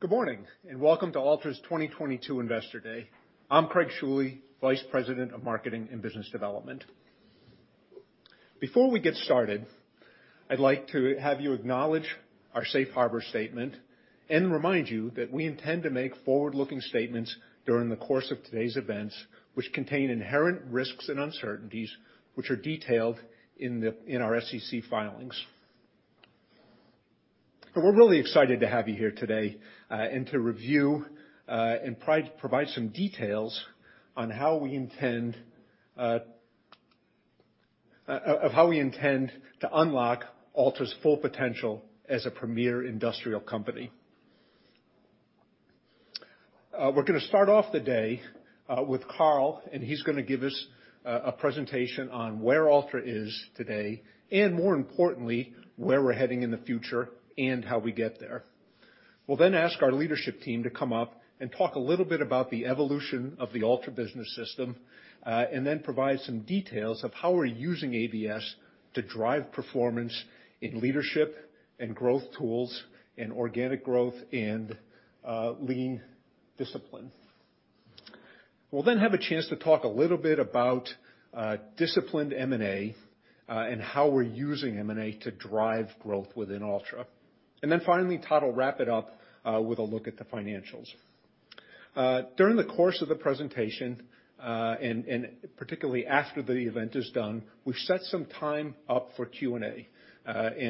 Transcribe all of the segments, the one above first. Good morning, and welcome to Altra's 2022 Investor Day. I'm Craig Schuele, Vice President of Marketing and Business Development. Before we get started, I'd like to have you acknowledge our safe harbor statement and remind you that we intend to make forward-looking statements during the course of today's events, which contain inherent risks and uncertainties, which are detailed in our SEC filings. We're really excited to have you here today, and to review and provide some details on how we intend to unlock Altra's full potential as a premier industrial company. We're gonna start off the day with Carl, and he's gonna give us a presentation on where Altra is today, and more importantly, where we're heading in the future and how we get there. We'll then ask our leadership team to come up and talk a little bit about the evolution of the Altra Business System, and then provide some details of how we're using ABS to drive performance in leadership and growth tools and organic growth and lean discipline. We'll then have a chance to talk a little bit about disciplined M&A, and how we're using M&A to drive growth within Altra. Then finally, Todd will wrap it up with a look at the financials. During the course of the presentation, and particularly after the event is done, we've set some time up for Q&A.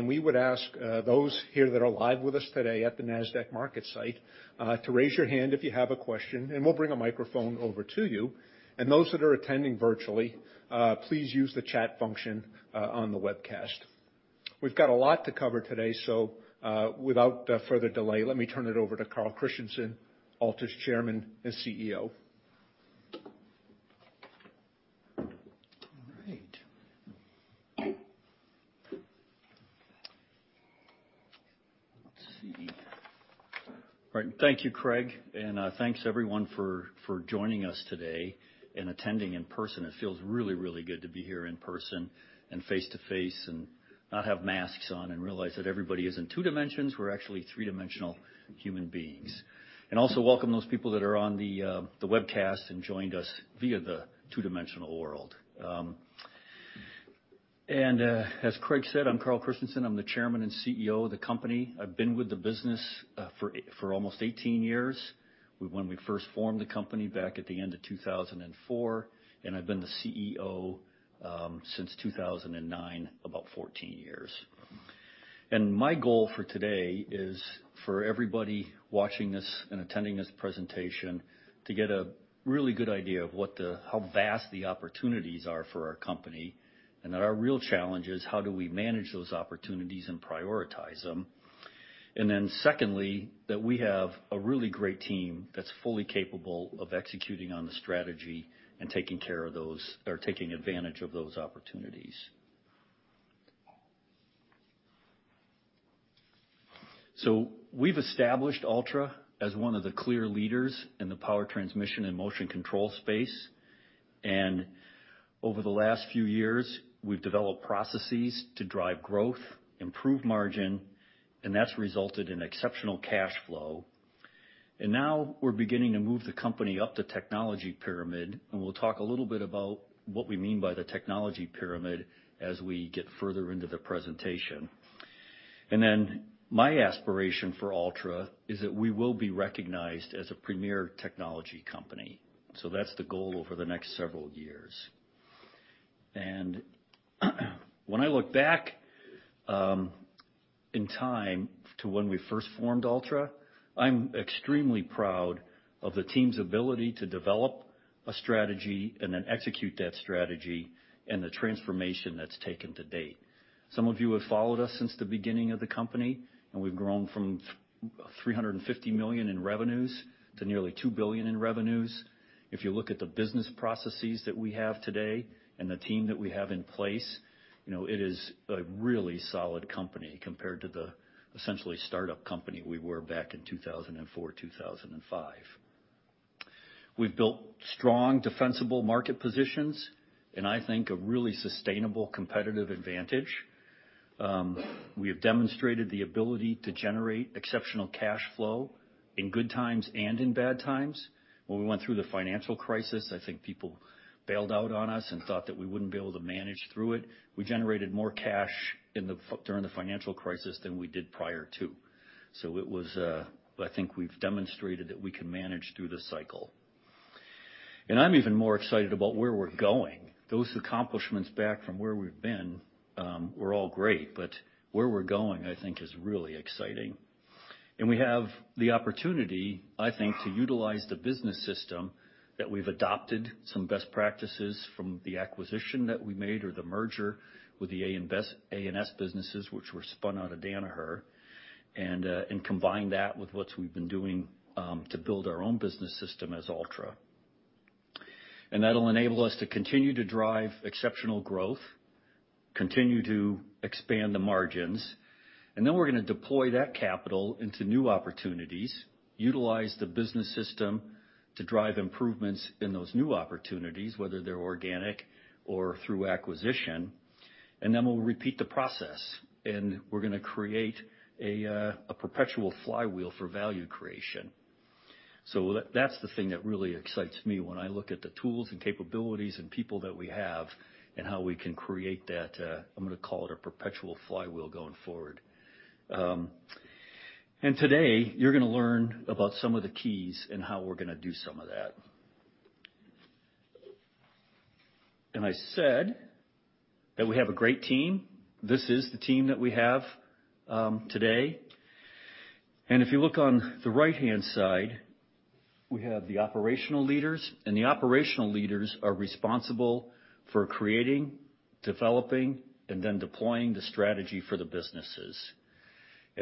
We would ask those here that are live with us today at the Nasdaq MarketSite to raise your hand if you have a question, and we'll bring a microphone over to you. Those that are attending virtually, please use the chat function on the webcast. We've got a lot to cover today, so, without further delay, let me turn it over to Carl Christenson, Altra's Chairman and CEO. All right. Thank you, Craig, and thanks everyone for joining us today and attending in person. It feels really good to be here in person and face-to-face and not have masks on and realize that everybody is in two dimensions, we're actually three-dimensional human beings. Also welcome those people that are on the webcast and joined us via the two-dimensional world. As Craig said, I'm Carl Christenson, I'm the Chairman and CEO of the company. I've been with the business for almost 18 years, when we first formed the company back at the end of 2004, and I've been the CEO since 2009, about 14 years. My goal for today is for everybody watching this and attending this presentation to get a really good idea of how vast the opportunities are for our company, and that our real challenge is how do we manage those opportunities and prioritize them. Secondly, that we have a really great team that's fully capable of executing on the strategy and taking care of those or taking advantage of those opportunities. We've established Altra as one of the clear leaders in the power transmission and motion control space. Over the last few years, we've developed processes to drive growth, improve margin, and that's resulted in exceptional cash flow. Now we're beginning to move the company up the technology pyramid, and we'll talk a little bit about what we mean by the technology pyramid as we get further into the presentation. My aspiration for Altra is that we will be recognized as a premier technology company. That's the goal over the next several years. When I look back in time to when we first formed Altra, I'm extremely proud of the team's ability to develop a strategy and then execute that strategy and the transformation that's taken to date. Some of you have followed us since the beginning of the company, and we've grown from $350 million in revenues to nearly $2 billion in revenues. If you look at the business processes that we have today and the team that we have in place, you know, it is a really solid company compared to the essentially startup company we were back in 2004, 2005. We've built strong, defensible market positions in, I think, a really sustainable competitive advantage. We have demonstrated the ability to generate exceptional cash flow in good times and in bad times. When we went through the financial crisis, I think people bailed out on us and thought that we wouldn't be able to manage through it. We generated more cash during the financial crisis than we did prior to. I think we've demonstrated that we can manage through the cycle. I'm even more excited about where we're going. Those accomplishments back from where we've been were all great, but where we're going, I think is really exciting. We have the opportunity, I think, to utilize the business system that we've adopted, some best practices from the acquisition that we made or the merger with the A&S businesses, which were spun out of Danaher, and combine that with what we've been doing, to build our own business system as Altra. That'll enable us to continue to drive exceptional growth, continue to expand the margins, and then we're gonna deploy that capital into new opportunities, utilize the business system to drive improvements in those new opportunities, whether they're organic or through acquisition. Then we'll repeat the process, and we're gonna create a perpetual flywheel for value creation. That's the thing that really excites me when I look at the tools and capabilities and people that we have, and how we can create that. I'm gonna call it a perpetual flywheel going forward. Today, you're gonna learn about some of the keys and how we're gonna do some of that. I said that we have a great team. This is the team that we have today. If you look on the right-hand side, we have the operational leaders, and the operational leaders are responsible for creating, developing, and then deploying the strategy for the businesses.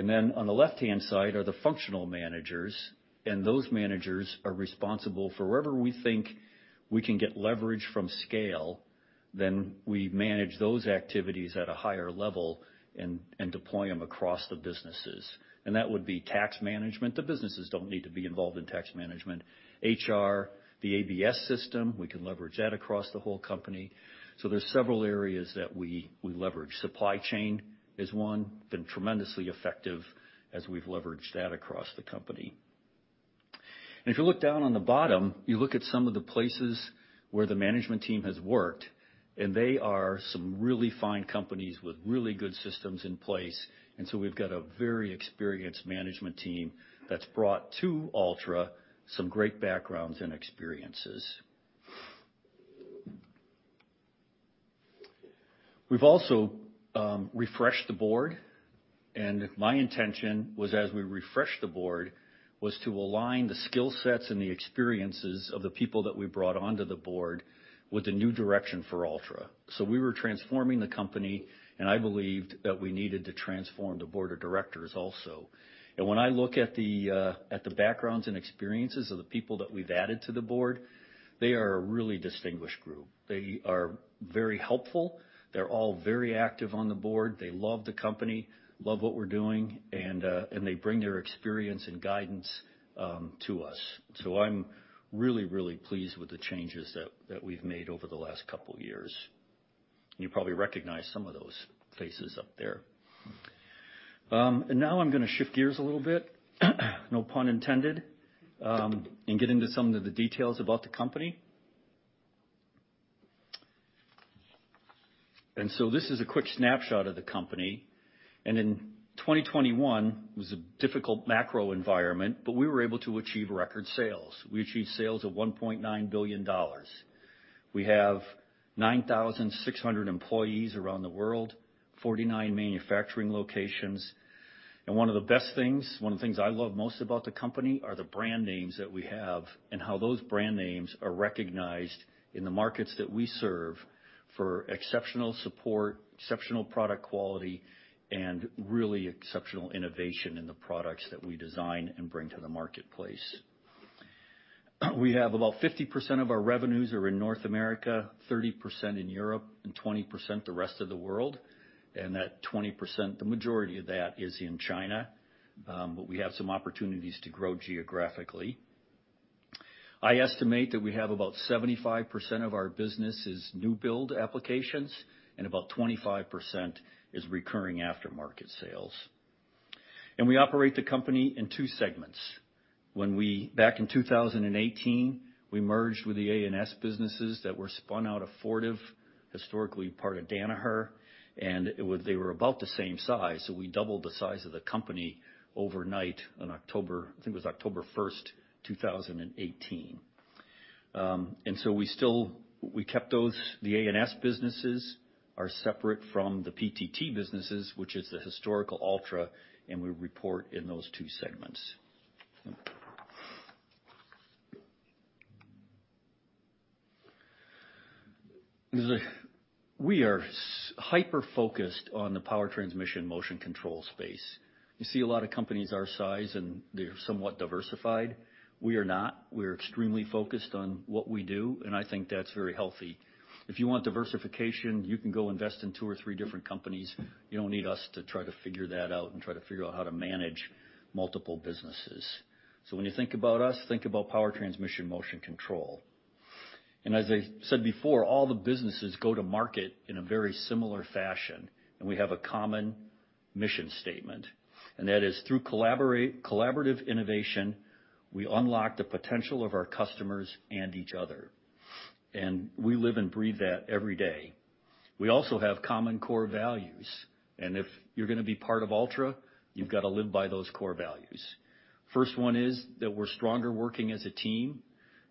Then on the left-hand side are the functional managers, and those managers are responsible for wherever we think we can get leverage from scale. Then we manage those activities at a higher level and deploy them across the businesses. That would be tax management. The businesses don't need to be involved in tax management. HR, the ABS system, we can leverage that across the whole company. There's several areas that we leverage. Supply chain is one. Been tremendously effective as we've leveraged that across the company. If you look down on the bottom, you look at some of the places where the management team has worked, and they are some really fine companies with really good systems in place. We've got a very experienced management team that's brought to Altra some great backgrounds and experiences. We've also refreshed the board, and my intention was to align the skill sets and the experiences of the people that we brought onto the board with a new direction for Altra. We were transforming the company, and I believed that we needed to transform the board of directors also. When I look at the backgrounds and experiences of the people that we've added to the board, they are a really distinguished group. They are very helpful. They're all very active on the board. They love the company, love what we're doing, and they bring their experience and guidance to us. I'm really, really pleased with the changes that we've made over the last couple of years. You probably recognize some of those faces up there. Now I'm gonna shift gears a little bit, no pun intended, and get into some of the details about the company. This is a quick snapshot of the company. In 2021 was a difficult macro environment, but we were able to achieve record sales. We achieved sales of $1.9 billion. We have 9,600 employees around the world, 49 manufacturing locations. One of the best things, one of the things I love most about the company are the brand names that we have and how those brand names are recognized in the markets that we serve for exceptional support, exceptional product quality, and really exceptional innovation in the products that we design and bring to the marketplace. We have about 50% of our revenues are in North America, 30% in Europe, and 20% the rest of the world. That 20%, the majority of that is in China, but we have some opportunities to grow geographically. I estimate that we have about 75% of our business is new build applications and about 25% is recurring aftermarket sales. We operate the company in two segments. Back in 2018, we merged with the A&S businesses that were spun out of Fortive, historically part of Danaher. They were about the same size, so we doubled the size of the company overnight on October 1, I think it was October 1, 2018. We kept those. The A&S businesses are separate from the PTT businesses, which is the historical Altra, and we report in those two segments. We are hyper-focused on the power transmission motion control space. You see a lot of companies our size, and they're somewhat diversified. We are not. We're extremely focused on what we do, and I think that's very healthy. If you want diversification, you can go invest in two or three different companies. You don't need us to try to figure that out and try to figure out how to manage multiple businesses. When you think about us, think about power transmission motion control. As I said before, all the businesses go to market in a very similar fashion, and we have a common mission statement, and that is through collaborative innovation, we unlock the potential of our customers and each other. We live and breathe that every day. We also have common core values. If you're gonna be part of Altra, you've got to live by those core values. First one is that we're stronger working as a team,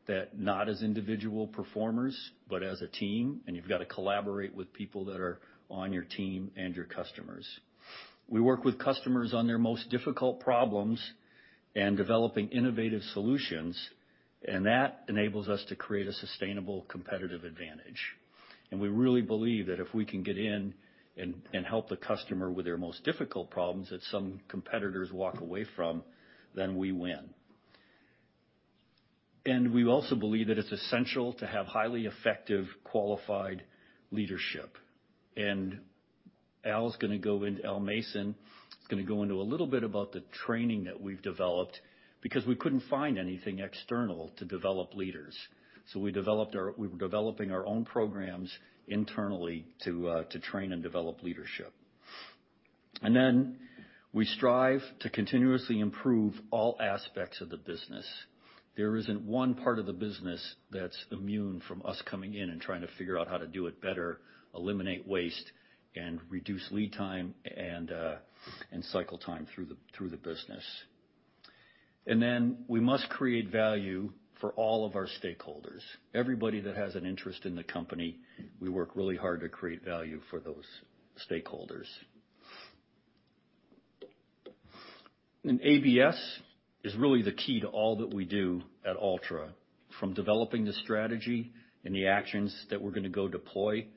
than not as individual performers, but as a team, and you've got to collaborate with people that are on your team and your customers. We work with customers on their most difficult problems and developing innovative solutions, and that enables us to create a sustainable competitive advantage. We really believe that if we can get in and help the customer with their most difficult problems that some competitors walk away from, then we win. We also believe that it's essential to have highly effective, qualified leadership. Al's gonna go into... Al Mason is gonna go into a little bit about the training that we've developed because we couldn't find anything external to develop leaders. We developed our own programs internally to train and develop leadership. We strive to continuously improve all aspects of the business. There isn't one part of the business that's immune from us coming in and trying to figure out how to do it better, eliminate waste, and reduce lead time and cycle time through the business. We must create value for all of our stakeholders. Everybody that has an interest in the company, we work really hard to create value for those stakeholders. ABS is really the key to all that we do at Altra, from developing the strategy and the actions that we're gonna go deploy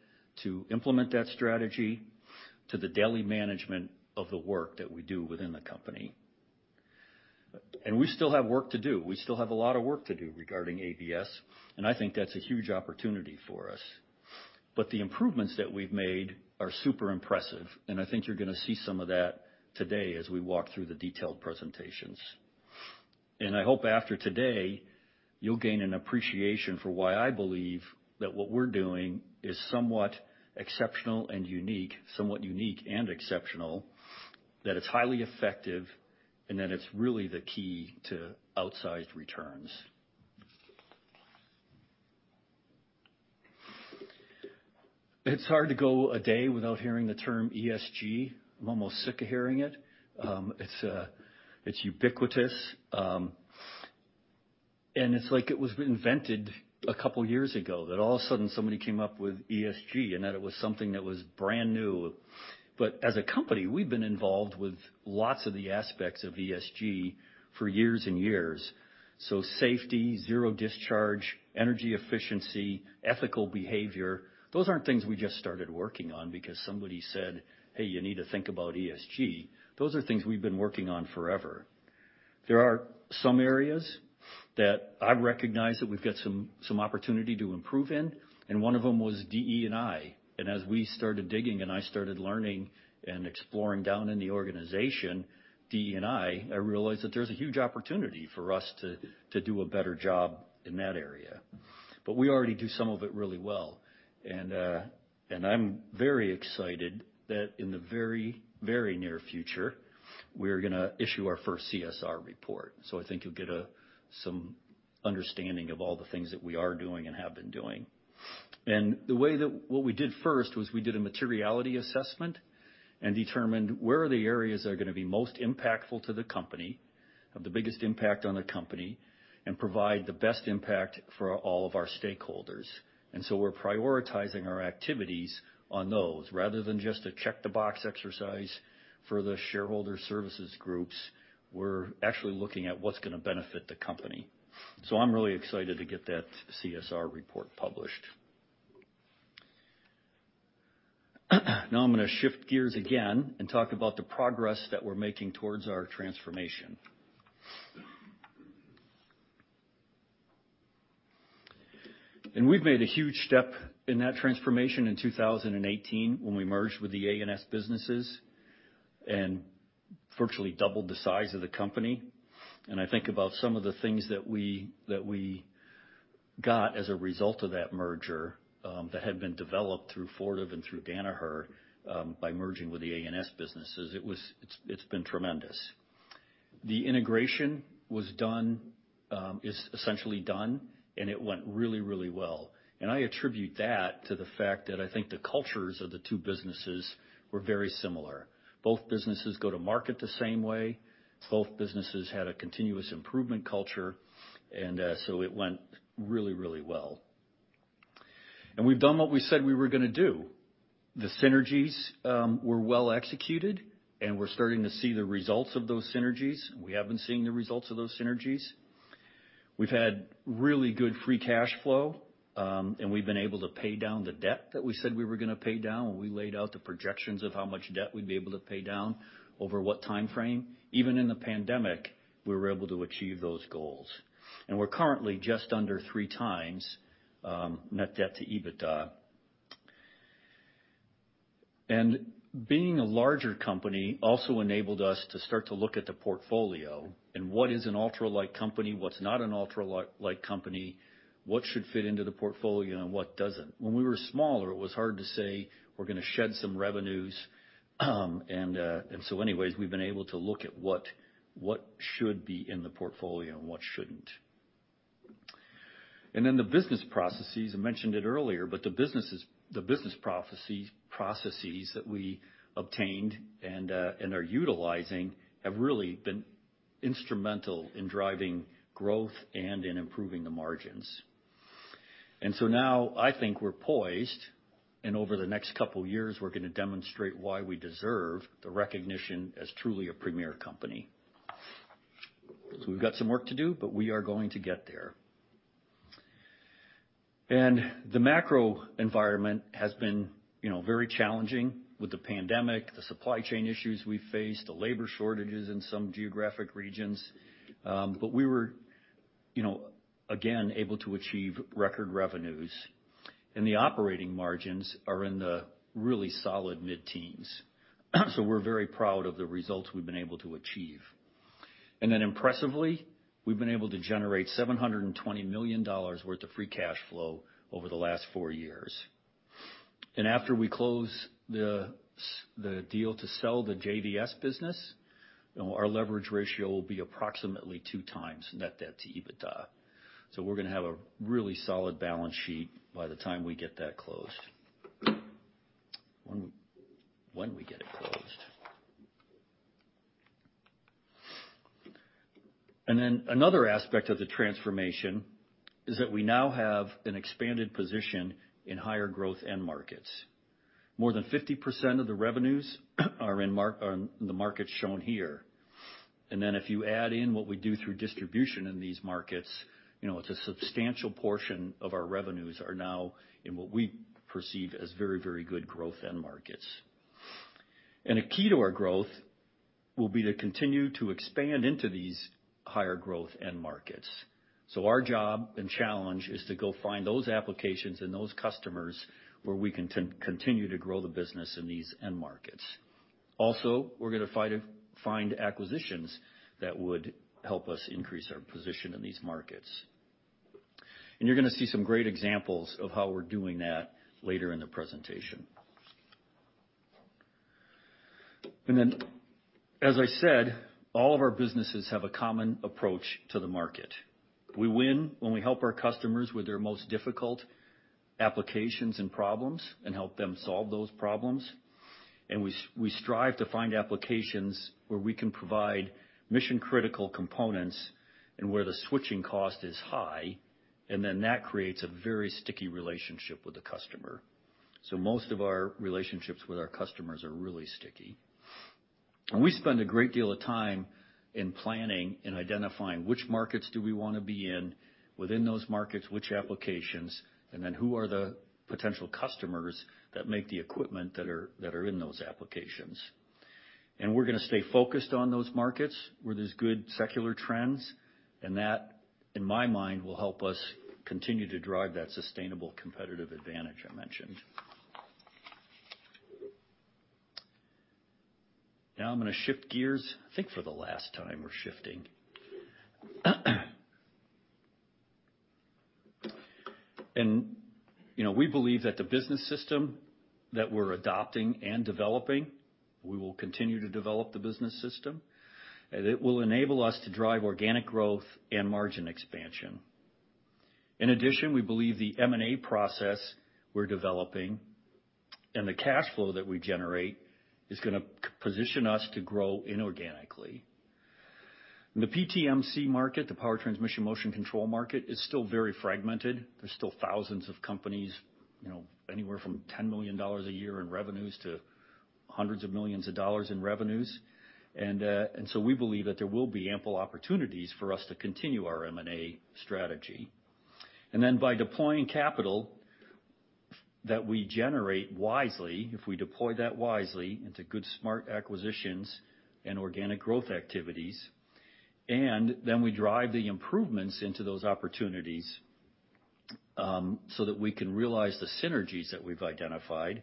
to implement that strategy to the daily management of the work that we do within the company. We still have work to do. We still have a lot of work to do regarding ABS, and I think that's a huge opportunity for us. The improvements that we've made are super impressive, and I think you're gonna see some of that today as we walk through the detailed presentations. I hope after today, you'll gain an appreciation for why I believe that what we're doing is somewhat exceptional and unique, somewhat unique and exceptional, that it's highly effective, and that it's really the key to outsized returns. It's hard to go a day without hearing the term ESG. I'm almost sick of hearing it. It's ubiquitous. It's like it was invented a couple years ago, that all of a sudden somebody came up with ESG and that it was something that was brand new. As a company, we've been involved with lots of the aspects of ESG for years and years. Safety, zero discharge, energy efficiency, ethical behavior, those aren't things we just started working on because somebody said, "Hey, you need to think about ESG." Those are things we've been working on forever. There are some areas that I recognize that we've got some opportunity to improve in, and one of them was DE&I. As we started digging, and I started learning and exploring down in the organization, DE&I realized that there's a huge opportunity for us to do a better job in that area. We already do some of it really well. I'm very excited that in the very, very near future, we're gonna issue our first CSR report. I think you'll get some understanding of all the things that we are doing and have been doing. What we did first was we did a materiality assessment and determined where are the areas that are gonna be most impactful to the company, have the biggest impact on the company, and provide the best impact for all of our stakeholders. We're prioritizing our activities on those. Rather than just a check-the-box exercise for the shareholder services groups, we're actually looking at what's gonna benefit the company. I'm really excited to get that CSR report published. Now I'm gonna shift gears again and talk about the progress that we're making towards our transformation. We've made a huge step in that transformation in 2018 when we merged with the A&S businesses and virtually doubled the size of the company. I think about some of the things that we got as a result of that merger, that had been developed through Fortive and through Danaher, by merging with the A&S businesses. It's been tremendous. The integration was done, is essentially done, and it went really, really well. I attribute that to the fact that I think the cultures of the two businesses were very similar. Both businesses go to market the same way. Both businesses had a continuous improvement culture. It went really, really well. We've done what we said we were gonna do. The synergies were well executed, and we're starting to see the results of those synergies. We have been seeing the results of those synergies. We've had really good free cash flow, and we've been able to pay down the debt that we said we were gonna pay down when we laid out the projections of how much debt we'd be able to pay down over what timeframe. Even in the pandemic, we were able to achieve those goals. We're currently just under 3 times net debt to EBITDA. Being a larger company also enabled us to start to look at the portfolio and what is an Altra-like company, what's not an Altra-like company, what should fit into the portfolio and what doesn't. When we were smaller, it was hard to say, we're gonna shed some revenues. We've been able to look at what should be in the portfolio and what shouldn't. The business processes I mentioned earlier, but the processes that we obtained and are utilizing have really been instrumental in driving growth and in improving the margins. Now I think we're poised, and over the next couple years, we're gonna demonstrate why we deserve the recognition as truly a premier company. We've got some work to do, but we are going to get there. The macro environment has been, you know, very challenging with the pandemic, the supply chain issues we faced, the labor shortages in some geographic regions. We were, you know, again, able to achieve record revenues. The operating margins are in the really solid mid-teens%. We're very proud of the results we've been able to achieve. Impressively, we've been able to generate $720 million worth of free cash flow over the last 4 years. After we close the deal to sell the JVS business, you know, our leverage ratio will be approximately 2x net debt to EBITDA. We're gonna have a really solid balance sheet by the time we get that closed. When we get it closed. Another aspect of the transformation is that we now have an expanded position in higher growth end markets. More than 50% of the revenues are in the markets shown here. If you add in what we do through distribution in these markets, you know, it's a substantial portion of our revenues are now in what we perceive as very, very good growth end markets. A key to our growth will be to continue to expand into these higher growth end markets. Our job and challenge is to go find those applications and those customers where we can continue to grow the business in these end markets. Also, we're gonna find acquisitions that would help us increase our position in these markets. You're gonna see some great examples of how we're doing that later in the presentation. As I said, all of our businesses have a common approach to the market. We win when we help our customers with their most difficult applications and problems, and help them solve those problems. We strive to find applications where we can provide mission-critical components and where the switching cost is high, and then that creates a very sticky relationship with the customer. Most of our relationships with our customers are really sticky. We spend a great deal of time in planning and identifying which markets do we wanna be in, within those markets, which applications, and then who are the potential customers that make the equipment that are in those applications. We're gonna stay focused on those markets where there's good secular trends, and that, in my mind, will help us continue to drive that sustainable competitive advantage I mentioned. Now I'm gonna shift gears, I think for the last time we're shifting. You know, we believe that the business system that we're adopting and developing, we will continue to develop the business system, and it will enable us to drive organic growth and margin expansion. In addition, we believe the M&A process we're developing and the cash flow that we generate is gonna position us to grow inorganically. The PTMC market, the power transmission motion control market, is still very fragmented. There's still thousands of companies, you know, anywhere from $10 million a year in revenues to hundreds of millions of dollars in revenues. We believe that there will be ample opportunities for us to continue our M&A strategy. By deploying capital that we generate wisely, if we deploy that wisely into good, smart acquisitions and organic growth activities, and then we drive the improvements into those opportunities, so that we can realize the synergies that we've identified,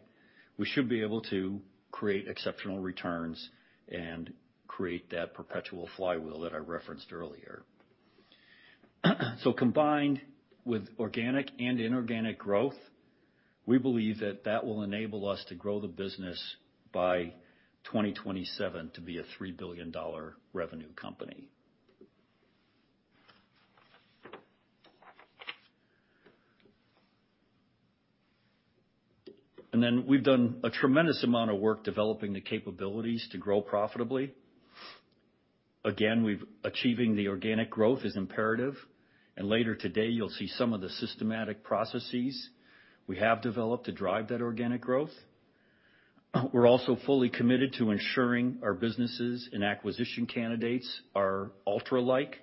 we should be able to create exceptional returns and create that perpetual flywheel that I referenced earlier. Combined with organic and inorganic growth, we believe that that will enable us to grow the business by 2027 to be a $3 billion revenue company. We've done a tremendous amount of work developing the capabilities to grow profitably. Again, achieving the organic growth is imperative. Later today, you'll see some of the systematic processes we have developed to drive that organic growth. We're also fully committed to ensuring our businesses and acquisition candidates are Altra-like.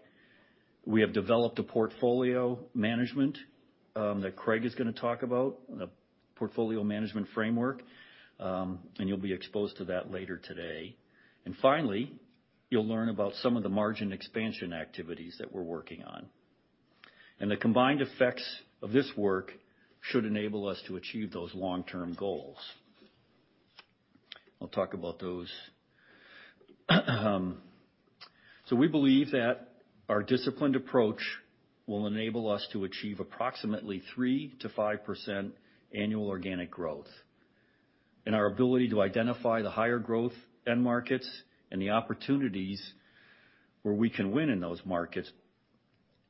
We have developed a portfolio management that Craig is gonna talk about, the portfolio management framework, and you'll be exposed to that later today. Finally, you'll learn about some of the margin expansion activities that we're working on. The combined effects of this work should enable us to achieve those long-term goals. I'll talk about those. We believe that our disciplined approach will enable us to achieve approximately 3%-5% annual organic growth. Our ability to identify the higher growth end markets and the opportunities where we can win in those markets,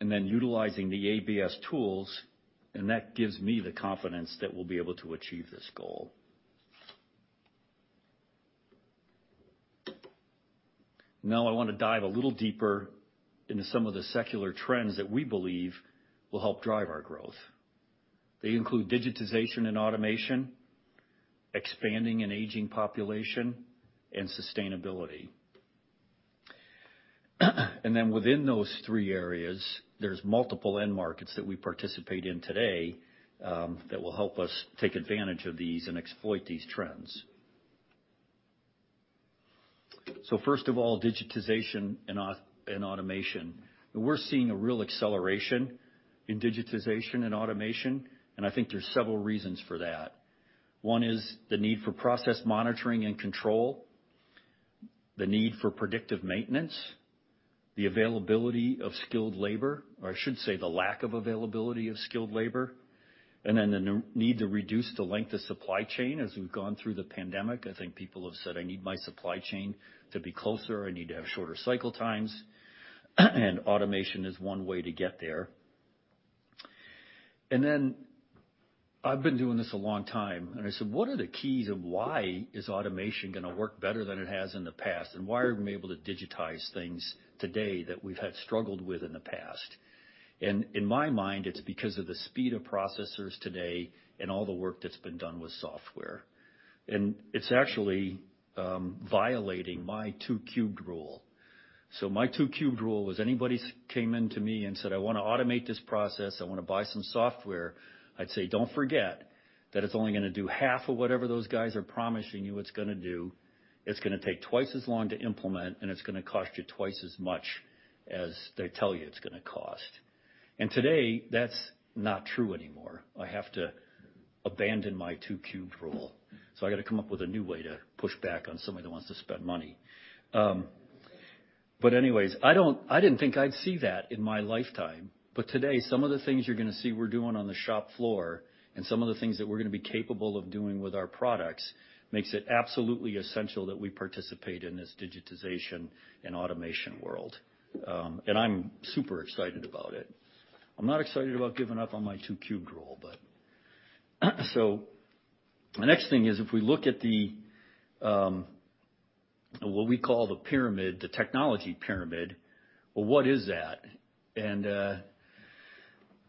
and then utilizing the ABS tools, and that gives me the confidence that we'll be able to achieve this goal. Now I wanna dive a little deeper into some of the secular trends that we believe will help drive our growth. They include digitization and automation, expanding an aging population, and sustainability. Then within those three areas, there's multiple end markets that we participate in today, that will help us take advantage of these and exploit these trends. First of all, digitization and automation. We're seeing a real acceleration in digitization and automation, and I think there's several reasons for that. One is the need for process monitoring and control, the need for predictive maintenance, the availability of skilled labor, or I should say the lack of availability of skilled labor, and then the need to reduce the length of supply chain as we've gone through the pandemic. I think people have said, "I need my supply chain to be closer. I need to have shorter cycle times." Automation is one way to get there. I've been doing this a long time, and I said, "What are the keys of why is automation gonna work better than it has in the past, and why are we able to digitize things today that we've had struggled with in the past?" In my mind, it's because of the speed of processors today and all the work that's been done with software. It's actually violating my two cubed rule. My two cubed rule was anybody came into me and said, "I wanna automate this process, I wanna buy some software," I'd say, "Don't forget that it's only gonna do half of whatever those guys are promising you it's gonna do. It's gonna take twice as long to implement, and it's gonna cost you twice as much as they tell you it's gonna cost." Today, that's not true anymore. I have to abandon my 2 cubed rule. I gotta come up with a new way to push back on somebody that wants to spend money. I didn't think I'd see that in my lifetime. Today, some of the things you're gonna see we're doing on the shop floor and some of the things that we're gonna be capable of doing with our products makes it absolutely essential that we participate in this digitization and automation world. I'm super excited about it. I'm not excited about giving up on my 2 cubed rule. The next thing is, if we look at the what we call the pyramid, the technology pyramid. Well, what is that?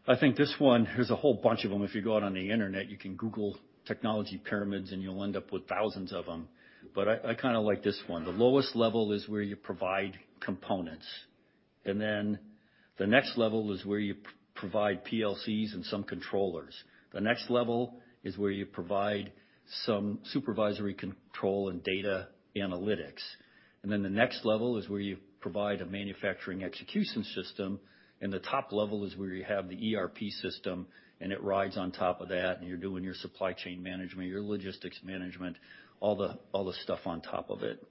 I think this one, there's a whole bunch of them. If you go out on the internet, you can Google technology pyramids, and you'll end up with thousands of them. I kinda like this one. The lowest level is where you provide components. The next level is where you provide PLCs and some controllers. The next level is where you provide some supervisory control and data analytics. The next level is where you provide a manufacturing execution system, and the top level is where you have the ERP system, and it rides on top of that, and you're doing your supply chain management, your logistics management, all the stuff on top of it.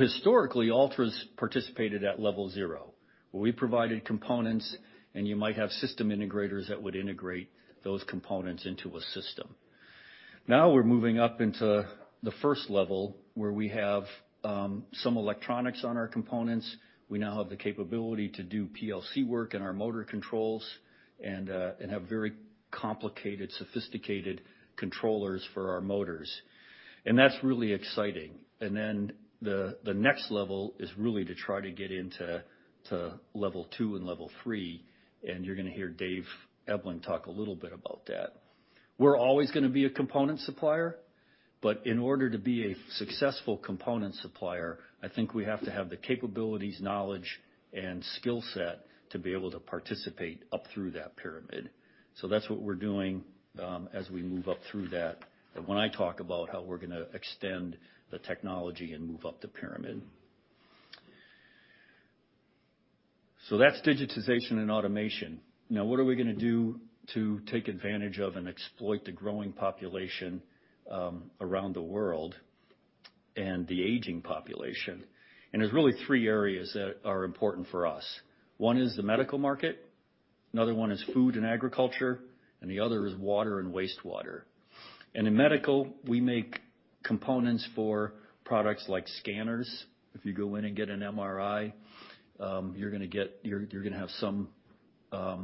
Historically, Altra's participated at level zero, where we provided components, and you might have system integrators that would integrate those components into a system. Now we're moving up into the first level, where we have some electronics on our components. We now have the capability to do PLC work in our motor controls and have very complicated, sophisticated controllers for our motors. That's really exciting. Then the next level is really to try to get into level two and level three, and you're gonna hear Dave Ebling talk a little bit about that. We're always gonna be a component supplier, but in order to be a successful component supplier, I think we have to have the capabilities, knowledge, and skill set to be able to participate up through that pyramid. That's what we're doing, as we move up through that, and when I talk about how we're gonna extend the technology and move up the pyramid. That's digitization and automation. Now what are we gonna do to take advantage of and exploit the growing population around the world and the aging population? There's really three areas that are important for us. One is the medical market, another one is food and agriculture, and the other is water and wastewater. In medical, we make components for products like scanners. If you go in and get an MRI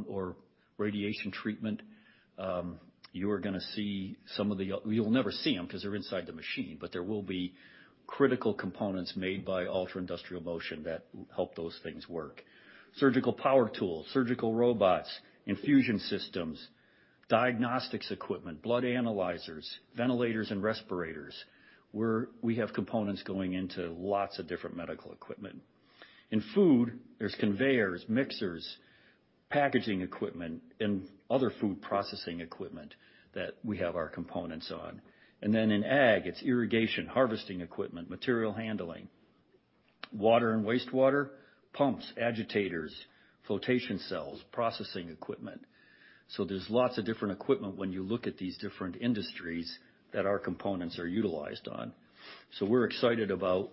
or radiation treatment, you'll never see them 'cause they're inside the machine, but there will be critical components made by Altra Industrial Motion that help those things work. Surgical power tools, surgical robots, infusion systems, diagnostics equipment, blood analyzers, ventilators and respirators. We have components going into lots of different medical equipment. In food, there's conveyors, mixers, packaging equipment, and other food processing equipment that we have our components on. Then in ag, it's irrigation, harvesting equipment, material handling. Water and wastewater, pumps, agitators, flotation cells, processing equipment. There's lots of different equipment when you look at these different industries that our components are utilized on. We're excited about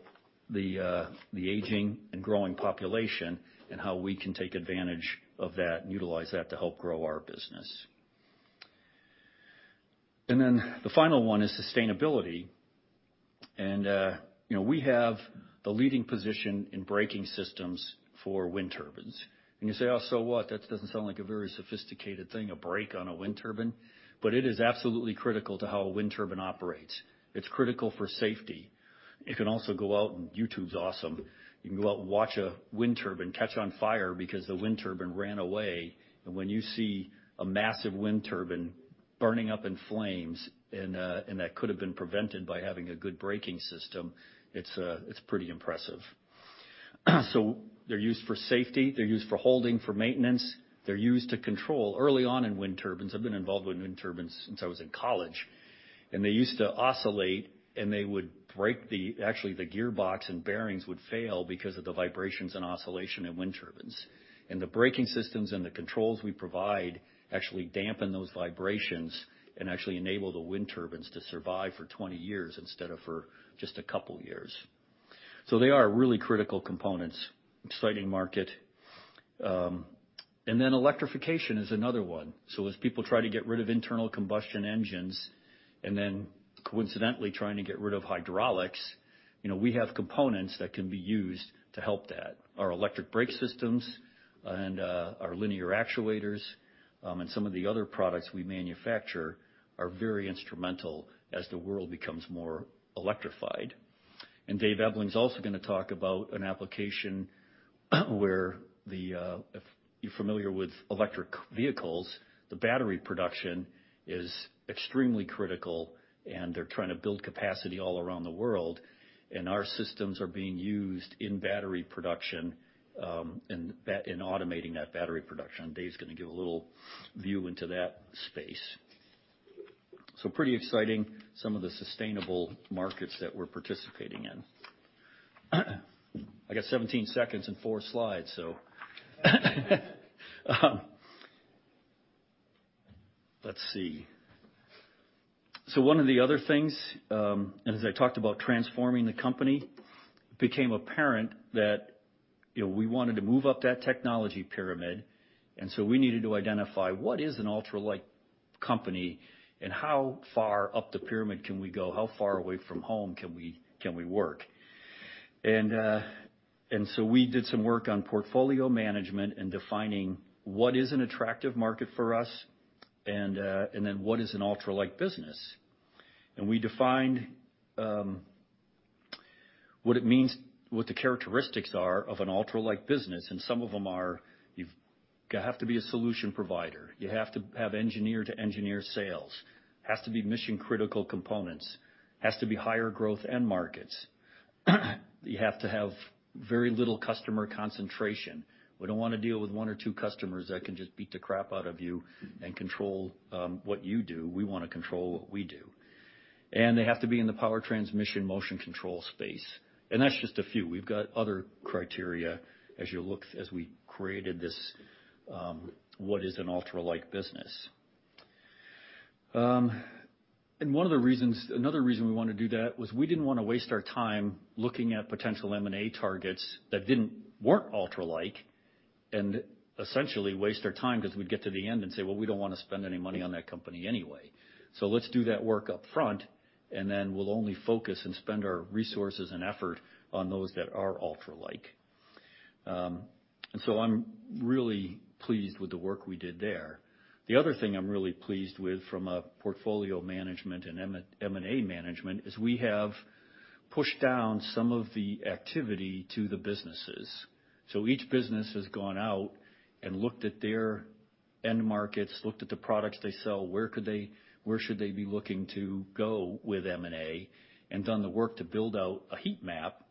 the aging and growing population and how we can take advantage of that and utilize that to help grow our business. Then the final one is sustainability. You know, we have the leading position in braking systems for wind turbines. You say, "Oh, so what? That doesn't sound like a very sophisticated thing, a brake on a wind turbine." But it is absolutely critical to how a wind turbine operates. It's critical for safety. You can also go out, and YouTube's awesome. You can go out and watch a wind turbine catch on fire because the wind turbine ran away. When you see a massive wind turbine burning up in flames, and that could've been prevented by having a good braking system, it's pretty impressive. They're used for safety. They're used for holding, for maintenance. They're used to control. Early on in wind turbines, I've been involved with wind turbines since I was in college. They used to oscillate, and actually the gearbox and bearings would fail because of the vibrations and oscillation in wind turbines. The braking systems and the controls we provide actually dampen those vibrations and actually enable the wind turbines to survive for 20 years instead of for just a couple years. They are really critical components, exciting market. Electrification is another one. As people try to get rid of internal combustion engines, and then coincidentally trying to get rid of hydraulics, you know, we have components that can be used to help that. Our electric brake systems and our linear actuators and some of the other products we manufacture are very instrumental as the world becomes more electrified. Dave Ebeling's also gonna talk about an application where, if you're familiar with electric vehicles, the battery production is extremely critical, and they're trying to build capacity all around the world. Our systems are being used in battery production in automating that battery production. Dave's gonna give a little view into that space. Pretty exciting, some of the sustainable markets that we're participating in. I got 17 seconds and 4 slides. Let's see. One of the other things, as I talked about transforming the company, became apparent that, you know, we wanted to move up that technology pyramid, and so we needed to identify what is an Altra-like company and how far up the pyramid can we go, how far away from home can we work. We did some work on portfolio management and defining what is an attractive market for us, and then what is an Altra-like business. We defined what it means, what the characteristics are of an Altra-like business, and some of them are you have to be a solution provider. You have to have engineer-to-engineer sales. Has to be mission-critical components. Has to be higher growth end markets. You have to have very little customer concentration. We don't wanna deal with one or two customers that can just beat the crap out of you and control what you do. We wanna control what we do. They have to be in the power transmission motion control space. That's just a few. We've got other criteria as we created this, what is an Altra-like business. One of the reasons, another reason we wanna do that was we didn't wanna waste our time looking at potential M&A targets that didn't weren't Altra-like, and essentially waste our time 'cause we'd get to the end and say, "Well, we don't wanna spend any money on that company anyway." Let's do that work up front, and then we'll only focus and spend our resources and effort on those that are Altra-like. I'm really pleased with the work we did there. The other thing I'm really pleased with from a portfolio management and M&A management is we have pushed down some of the activity to the businesses. Each business has gone out and looked at their end markets, looked at the products they sell, where should they be looking to go with M&A, and done the work to build out a heat map,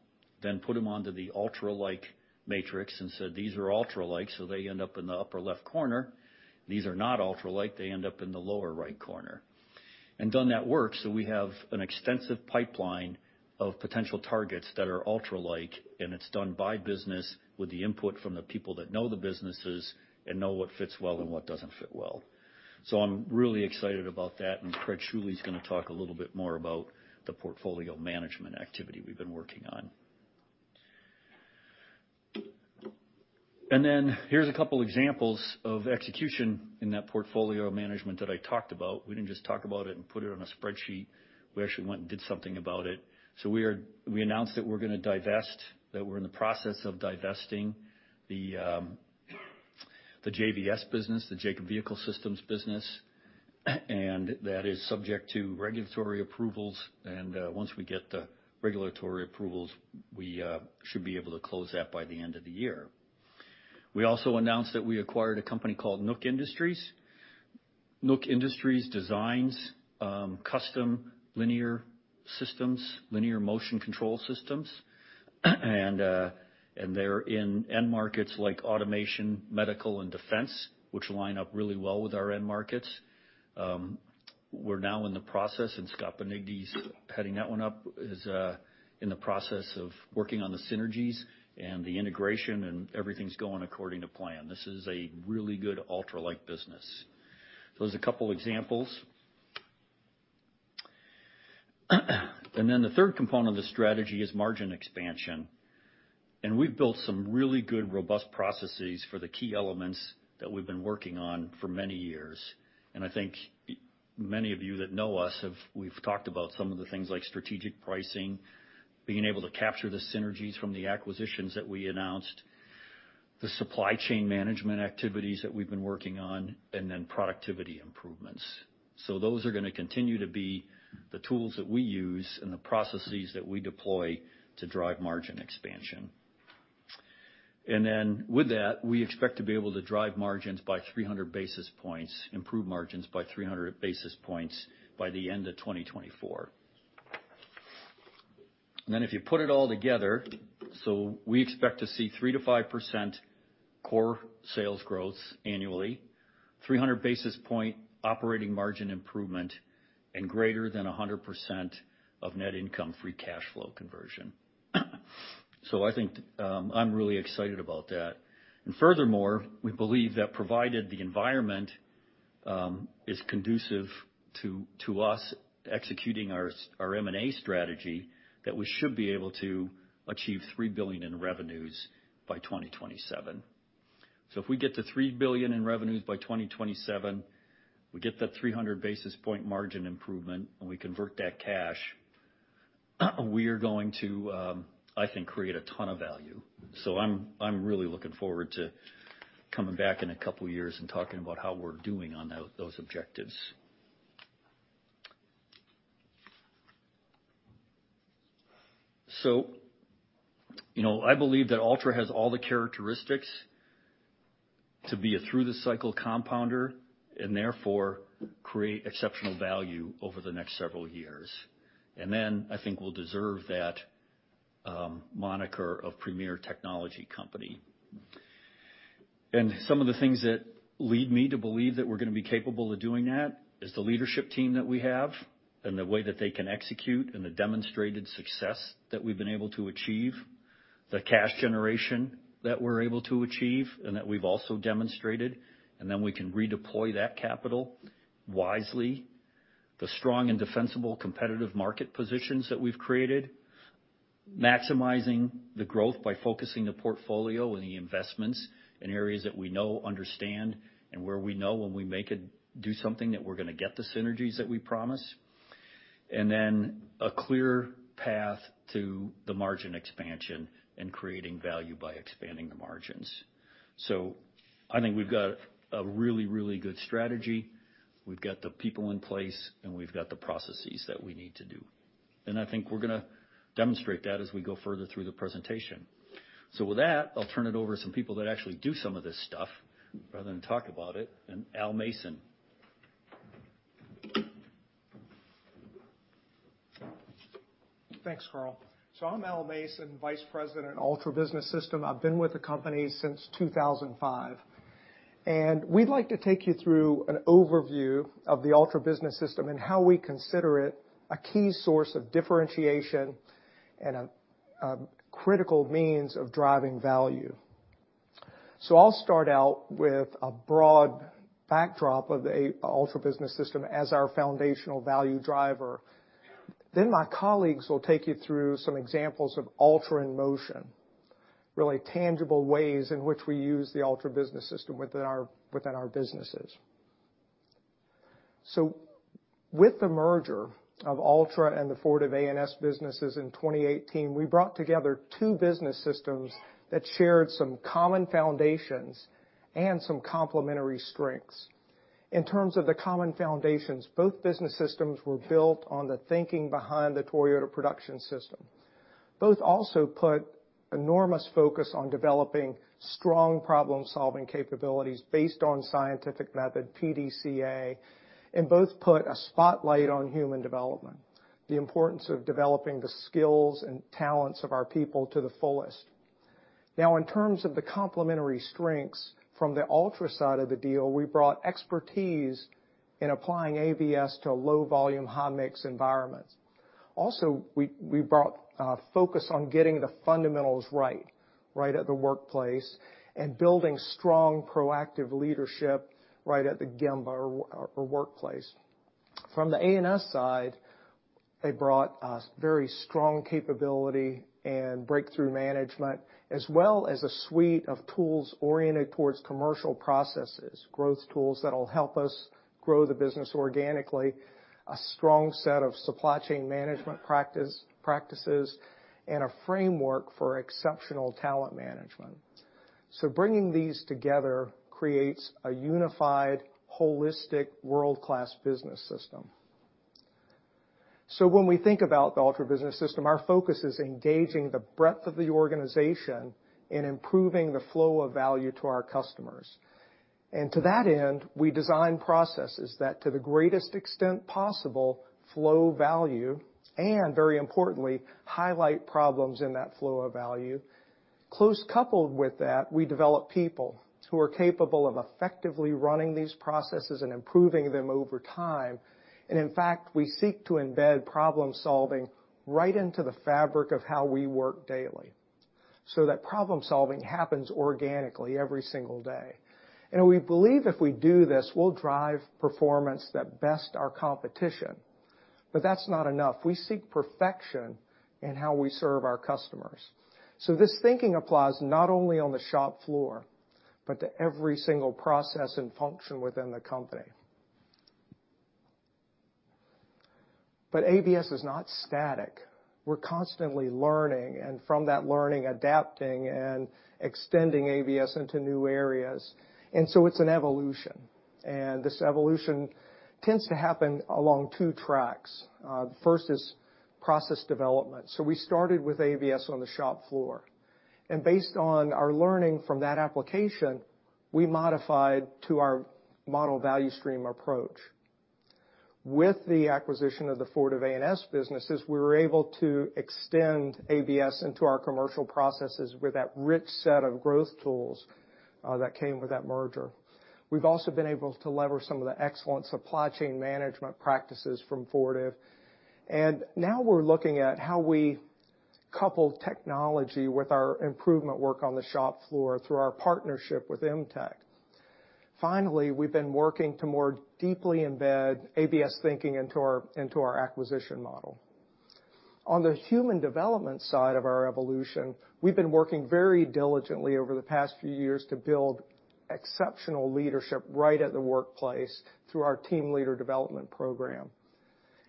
then put them onto the Altra-like matrix and said, "These are Altra-like," so they end up in the upper left corner. "These are not Altra-like," they end up in the lower right corner. We've done that work, so we have an extensive pipeline of potential targets that are Altra-like, and it's done by business with the input from the people that know the businesses and know what fits well and what doesn't fit well. I'm really excited about that, and Craig Schuele's gonna talk a little bit more about the portfolio management activity we've been working on. Then here's a couple examples of execution in that portfolio management that I talked about. We didn't just talk about it and put it on a spreadsheet. We actually went and did something about it. We announced that we're gonna divest, that we're in the process of divesting the JVS business, the Jacobs Vehicle Systems business. That is subject to regulatory approvals, and once we get the regulatory approvals, we should be able to close that by the end of the year. We also announced that we acquired a company called Nook Industries. Nook Industries designs custom linear systems, linear motion control systems, and they're in end markets like automation, medical, and defense, which line up really well with our end markets. We're now in the process, and Scott Panigni's heading that one up, of working on the synergies and the integration, and everything's going according to plan. This is a really good Altra-like business. There's a couple examples. Then the third component of the strategy is margin expansion. We've built some really good, robust processes for the key elements that we've been working on for many years. I think many of you that know us have. We've talked about some of the things like strategic pricing, being able to capture the synergies from the acquisitions that we announced, the supply chain management activities that we've been working on, and then productivity improvements. Those are gonna continue to be the tools that we use and the processes that we deploy to drive margin expansion. With that, we expect to be able to drive margins by 300 basis points, improve margins by 300 basis points by the end of 2024. If you put it all together, we expect to see 3%-5% core sales growth annually, 300 basis point operating margin improvement, and greater than 100% of net income free cash flow conversion. I think, I'm really excited about that. Furthermore, we believe that provided the environment is conducive to us executing our M&A strategy, that we should be able to achieve $3 billion in revenues by 2027. If we get to $3 billion in revenues by 2027, we get that 300 basis point margin improvement, and we convert that cash, we're going to, I think, create a ton of value. I'm really looking forward to coming back in a couple of years and talking about how we're doing on those objectives. You know, I believe that Altra has all the characteristics to be a through the cycle compounder and therefore create exceptional value over the next several years. Then I think we'll deserve that moniker of premier technology company. Some of the things that lead me to believe that we're gonna be capable of doing that is the leadership team that we have and the way that they can execute and the demonstrated success that we've been able to achieve, the cash generation that we're able to achieve and that we've also demonstrated, and then we can redeploy that capital wisely, the strong and defensible competitive market positions that we've created, maximizing the growth by focusing the portfolio and the investments in areas that we know, understand, and where we know when we make it do something that we're gonna get the synergies that we promise. A clear path to the margin expansion and creating value by expanding the margins. I think we've got a really, really good strategy. We've got the people in place, and we've got the processes that we need to do. I think we're gonna demonstrate that as we go further through the presentation. With that, I'll turn it over to some people that actually do some of this stuff rather than talk about it, and Al Mason. Thanks, Carl. I'm Al Mason, Vice President, Altra Business System. I've been with the company since 2005. We'd like to take you through an overview of the Altra Business System and how we consider it a key source of differentiation and a critical means of driving value. I'll start out with a broad backdrop of a Altra Business System as our foundational value driver. My colleagues will take you through some examples of Altra in motion, really tangible ways in which we use the Altra Business System within our businesses. With the merger of Altra and the Fortive A&S businesses in 2018, we brought together two business systems that shared some common foundations and some complementary strengths. In terms of the common foundations, both business systems were built on the thinking behind the Toyota Production System. Both also put enormous focus on developing strong problem-solving capabilities based on scientific method, PDCA, and both put a spotlight on human development, the importance of developing the skills and talents of our people to the fullest. Now, in terms of the complementary strengths, from the Altra side of the deal, we brought expertise in applying ABS to low volume, high mix environments. Also, we brought focus on getting the fundamentals right at the workplace and building strong, proactive leadership right at the gemba or workplace. From the A&S side, they brought us very strong capability and breakthrough management, as well as a suite of tools oriented towards commercial processes, growth tools that'll help us grow the business organically, a strong set of supply chain management practices, and a framework for exceptional talent management. Bringing these together creates a unified, holistic world-class business system. When we think about the Altra Business System, our focus is engaging the breadth of the organization in improving the flow of value to our customers. To that end, we design processes that to the greatest extent possible, flow value and very importantly, highlight problems in that flow of value. Closely coupled with that, we develop people who are capable of effectively running these processes and improving them over time. In fact, we seek to embed problem-solving right into the fabric of how we work daily. That problem-solving happens organically every single day. We believe if we do this, we'll drive performance that beats our competition. That's not enough. We seek perfection in how we serve our customers. This thinking applies not only on the shop floor, but to every single process and function within the company. ABS is not static. We're constantly learning, and from that learning, adapting and extending ABS into new areas. It's an evolution. This evolution tends to happen along two tracks. The first is process development. We started with ABS on the shop floor. Based on our learning from that application, we modified our model value stream approach. With the acquisition of the Fortive A&S businesses, we were able to extend ABS into our commercial processes with that rich set of growth tools that came with that merger. We've also been able to leverage some of the excellent supply chain management practices from Fortive. Now we're looking at how we couple technology with our improvement work on the shop floor through our partnership with MTEK. Finally, we've been working to more deeply embed ABS thinking into our acquisition model. On the human development side of our evolution, we've been working very diligently over the past few years to build exceptional leadership right at the workplace through our team leader development program.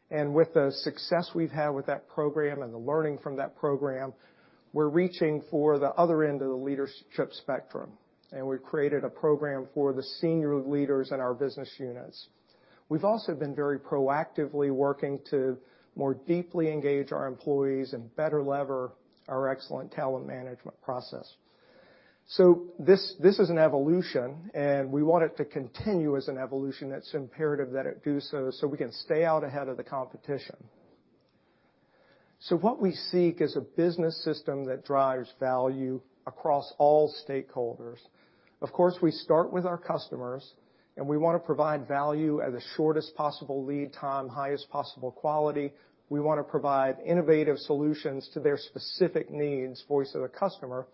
With the success we've had with that program and the learning from that program, we're reaching for the other end of the leadership spectrum, and we've created a program for the senior leaders in our business units. We've also been very proactively working to more deeply engage our employees and better lever our excellent talent management process. This is an evolution, and we want it to continue as an evolution. It's imperative that it do so we can stay out ahead of the competition. What we seek is a business system that drives value across all stakeholders. Of course, we start with our customers, and we wanna provide value at the shortest possible lead time, highest possible quality. We wanna provide innovative solutions to their specific needs, Voice of the Customer.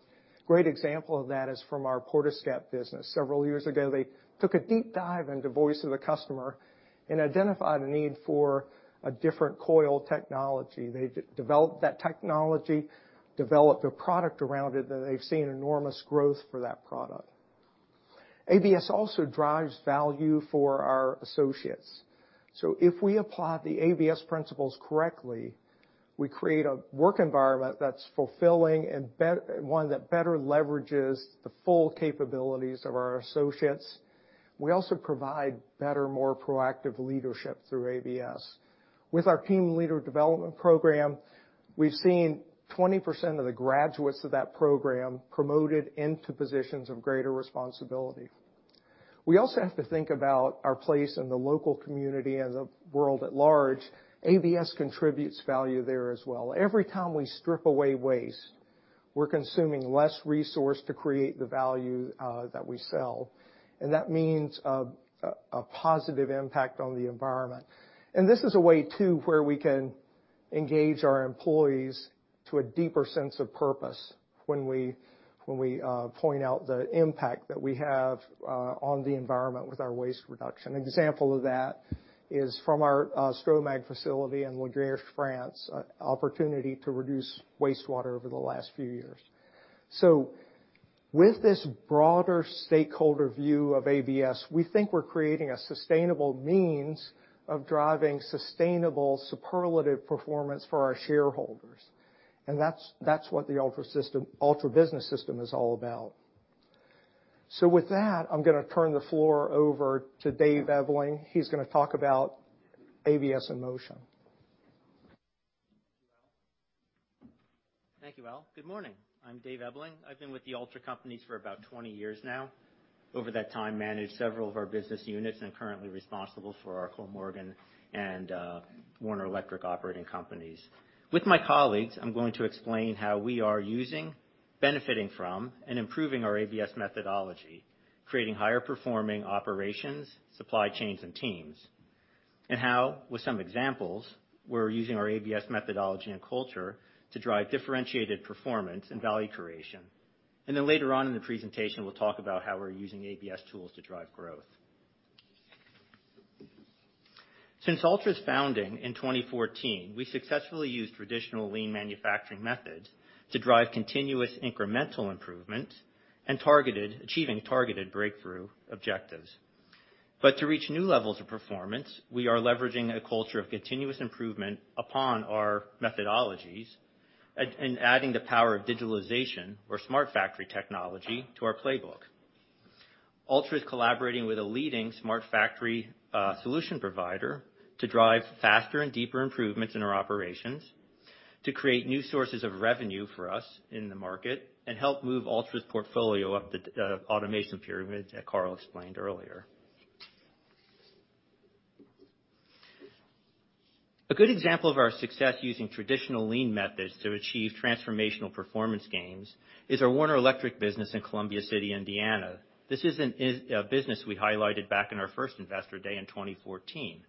Great example of that is from our Portescap business. Several years ago, they took a deep dive into Voice of the Customer and identified a need for a different coil technology. They developed that technology, developed a product around it, and they've seen enormous growth for that product. ABS also drives value for our associates. If we apply the ABS principles correctly, we create a work environment that's fulfilling and one that better leverages the full capabilities of our associates. We also provide better, more proactive leadership through ABS. With our team leader development program, we've seen 20% of the graduates of that program promoted into positions of greater responsibility. We also have to think about our place in the local community and the world at large. ABS contributes value there as well. Every time we strip away waste, we're consuming less resource to create the value that we sell, and that means a positive impact on the environment. This is a way, too, where we can engage our employees to a deeper sense of purpose when we point out the impact that we have on the environment with our waste reduction. Example of that is from our Stromag facility in La Guerche-sur-l'Aubois, France, an opportunity to reduce wastewater over the last few years. With this broader stakeholder view of ABS, we think we're creating a sustainable means of driving sustainable superlative performance for our shareholders, and that's what the Altra Business System is all about. With that, I'm gonna turn the floor over to Dave Ebling. He's gonna talk about ABS in motion. Thank you, Al. Good morning. I'm Dave Ebeling. I've been with the Altra companies for about 20 years now. Over that time, I managed several of our business units and am currently responsible for our Kollmorgen and Warner Electric operating companies. With my colleagues, I'm going to explain how we are using, benefiting from, and improving our ABS methodology, creating higher-performing operations, supply chains, and teams. How, with some examples, we're using our ABS methodology and culture to drive differentiated performance and value creation. Later on in the presentation, we'll talk about how we're using ABS tools to drive growth. Since Altra's founding in 2014, we successfully used traditional lean manufacturing methods to drive continuous incremental improvement and targeted breakthrough objectives. To reach new levels of performance, we are leveraging a culture of continuous improvement upon our methodologies and adding the power of digitalization or smart factory technology to our playbook. Altra is collaborating with a leading smart factory solution provider to drive faster and deeper improvements in our operations, to create new sources of revenue for us in the market, and help move Altra's portfolio up the automation pyramid that Carl explained earlier. A good example of our success using traditional lean methods to achieve transformational performance gains is our Warner Electric business in Columbia City, Indiana. This is a business we highlighted back in our first Investor Day in 2014.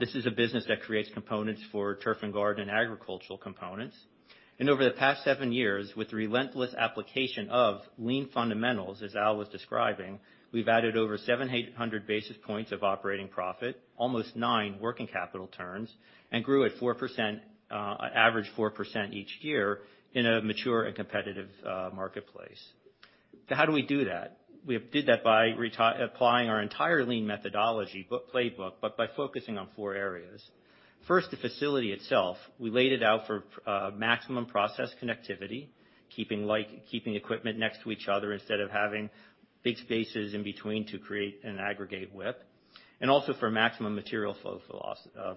This is a business that creates components for turf and garden agricultural components. Over the past 7 years, with the relentless application of lean fundamentals, as Al was describing, we've added over 700-800 basis points of operating profit, almost 9 working capital turns, and grew at 4%, an average 4% each year in a mature and competitive marketplace. How do we do that? We did that by applying our entire lean methodology playbook, but by focusing on four areas. First, the facility itself. We laid it out for maximum process connectivity, keeping equipment next to each other instead of having big spaces in between to create an aggregate WIP, and also for maximum material flow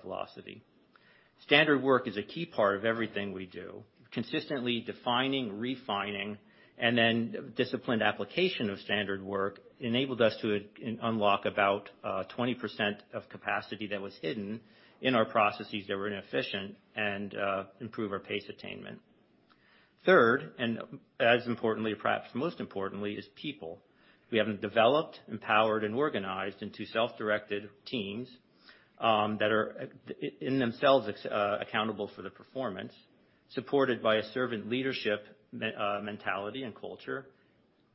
velocity. Standard work is a key part of everything we do. Consistently defining, refining, and then disciplined application of standard work enabled us to unlock about 20% of capacity that was hidden in our processes that were inefficient and improve our pace attainment. Third, and as importantly, perhaps most importantly, is people. We have them developed, empowered, and organized into self-directed teams that are in themselves accountable for the performance, supported by a servant leadership mentality and culture,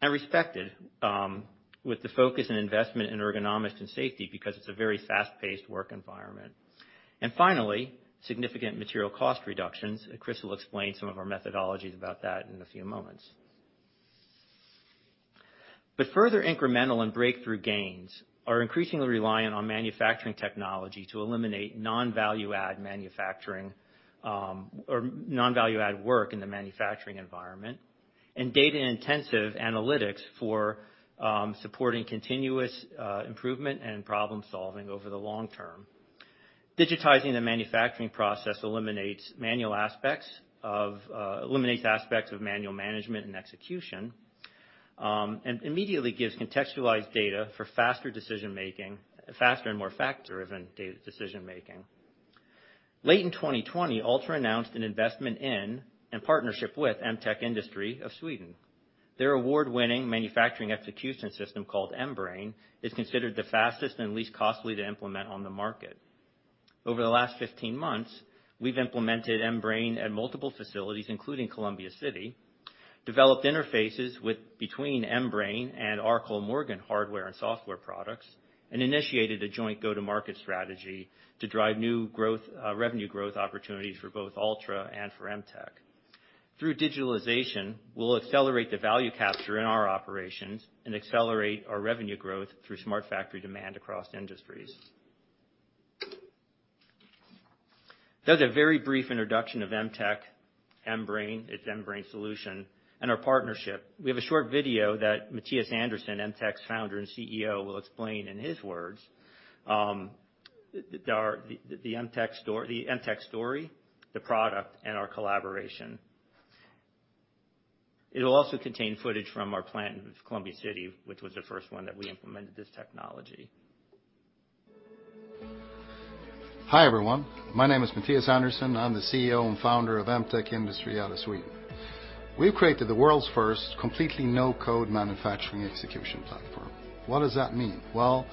and respected with the focus and investment in ergonomics and safety because it's a very fast-paced work environment. Finally, significant material cost reductions. Chris will explain some of our methodologies about that in a few moments. Further incremental and breakthrough gains are increasingly reliant on manufacturing technology to eliminate non-value add manufacturing, or non-value add work in the manufacturing environment, and data-intensive analytics for supporting continuous improvement and problem-solving over the long term. Digitizing the manufacturing process eliminates aspects of manual management and execution, and immediately gives contextualized data for faster decision-making, faster and more factor-driven data decision-making. Late in 2020, Altra announced an investment in and partnership with MTEK Industry of Sweden. Their award-winning manufacturing execution system called MBrain is considered the fastest and least costly to implement on the market. Over the last 15 months, we've implemented MBrain at multiple facilities, including Columbia City, developed interfaces between MBrain and our Kollmorgen hardware and software products, and initiated a joint go-to-market strategy to drive new growth, revenue growth opportunities for both Altra and for MTEK. Through digitalization, we'll accelerate the value capture in our operations and accelerate our revenue growth through smart factory demand across industries. That's a very brief introduction of MTEK, MBrain, its MBrain solution, and our partnership. We have a short video that Mattias Andersson, MTEK's founder and CEO, will explain in his words, the MTEK story, the product, and our collaboration. It'll also contain footage from our plant in Columbia City, which was the first one that we implemented this technology. Hi, everyone. My name is Mattias Andersson. I'm the CEO and founder of MTEK Industry out of Sweden. We've created the world's first completely no-code manufacturing execution platform. What does that mean? Well,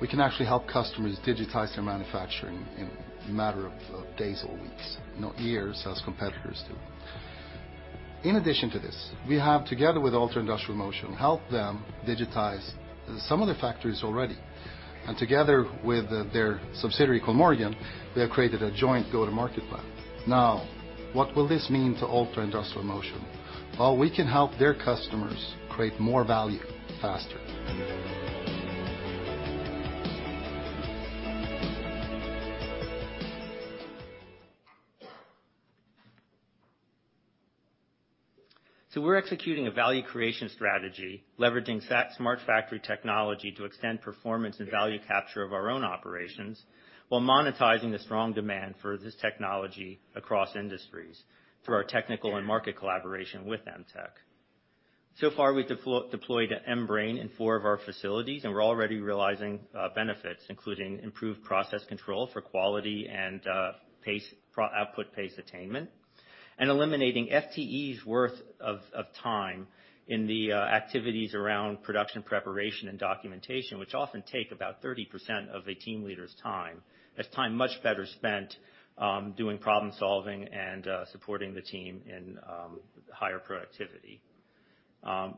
we can actually help customers digitize their manufacturing in a matter of days or weeks, not years, as competitors do. In addition to this, we have, together with Altra Industrial Motion, helped them digitize some of their factories already. Together with their subsidiary, Kollmorgen, we have created a joint go-to-market plan. Now, what will this mean to Altra Industrial Motion? Well, we can help their customers create more value faster. We're executing a value creation strategy, leveraging smart factory technology to extend performance and value capture of our own operations, while monetizing the strong demand for this technology across industries through our technical and market collaboration with MTEK. So far, we've deployed MBrain in four of our facilities, and we're already realizing benefits, including improved process control for quality and output pace attainment, and eliminating FTEs worth of time in the activities around production, preparation, and documentation, which often take about 30% of a team leader's time. That's time much better spent doing problem-solving and supporting the team in higher productivity.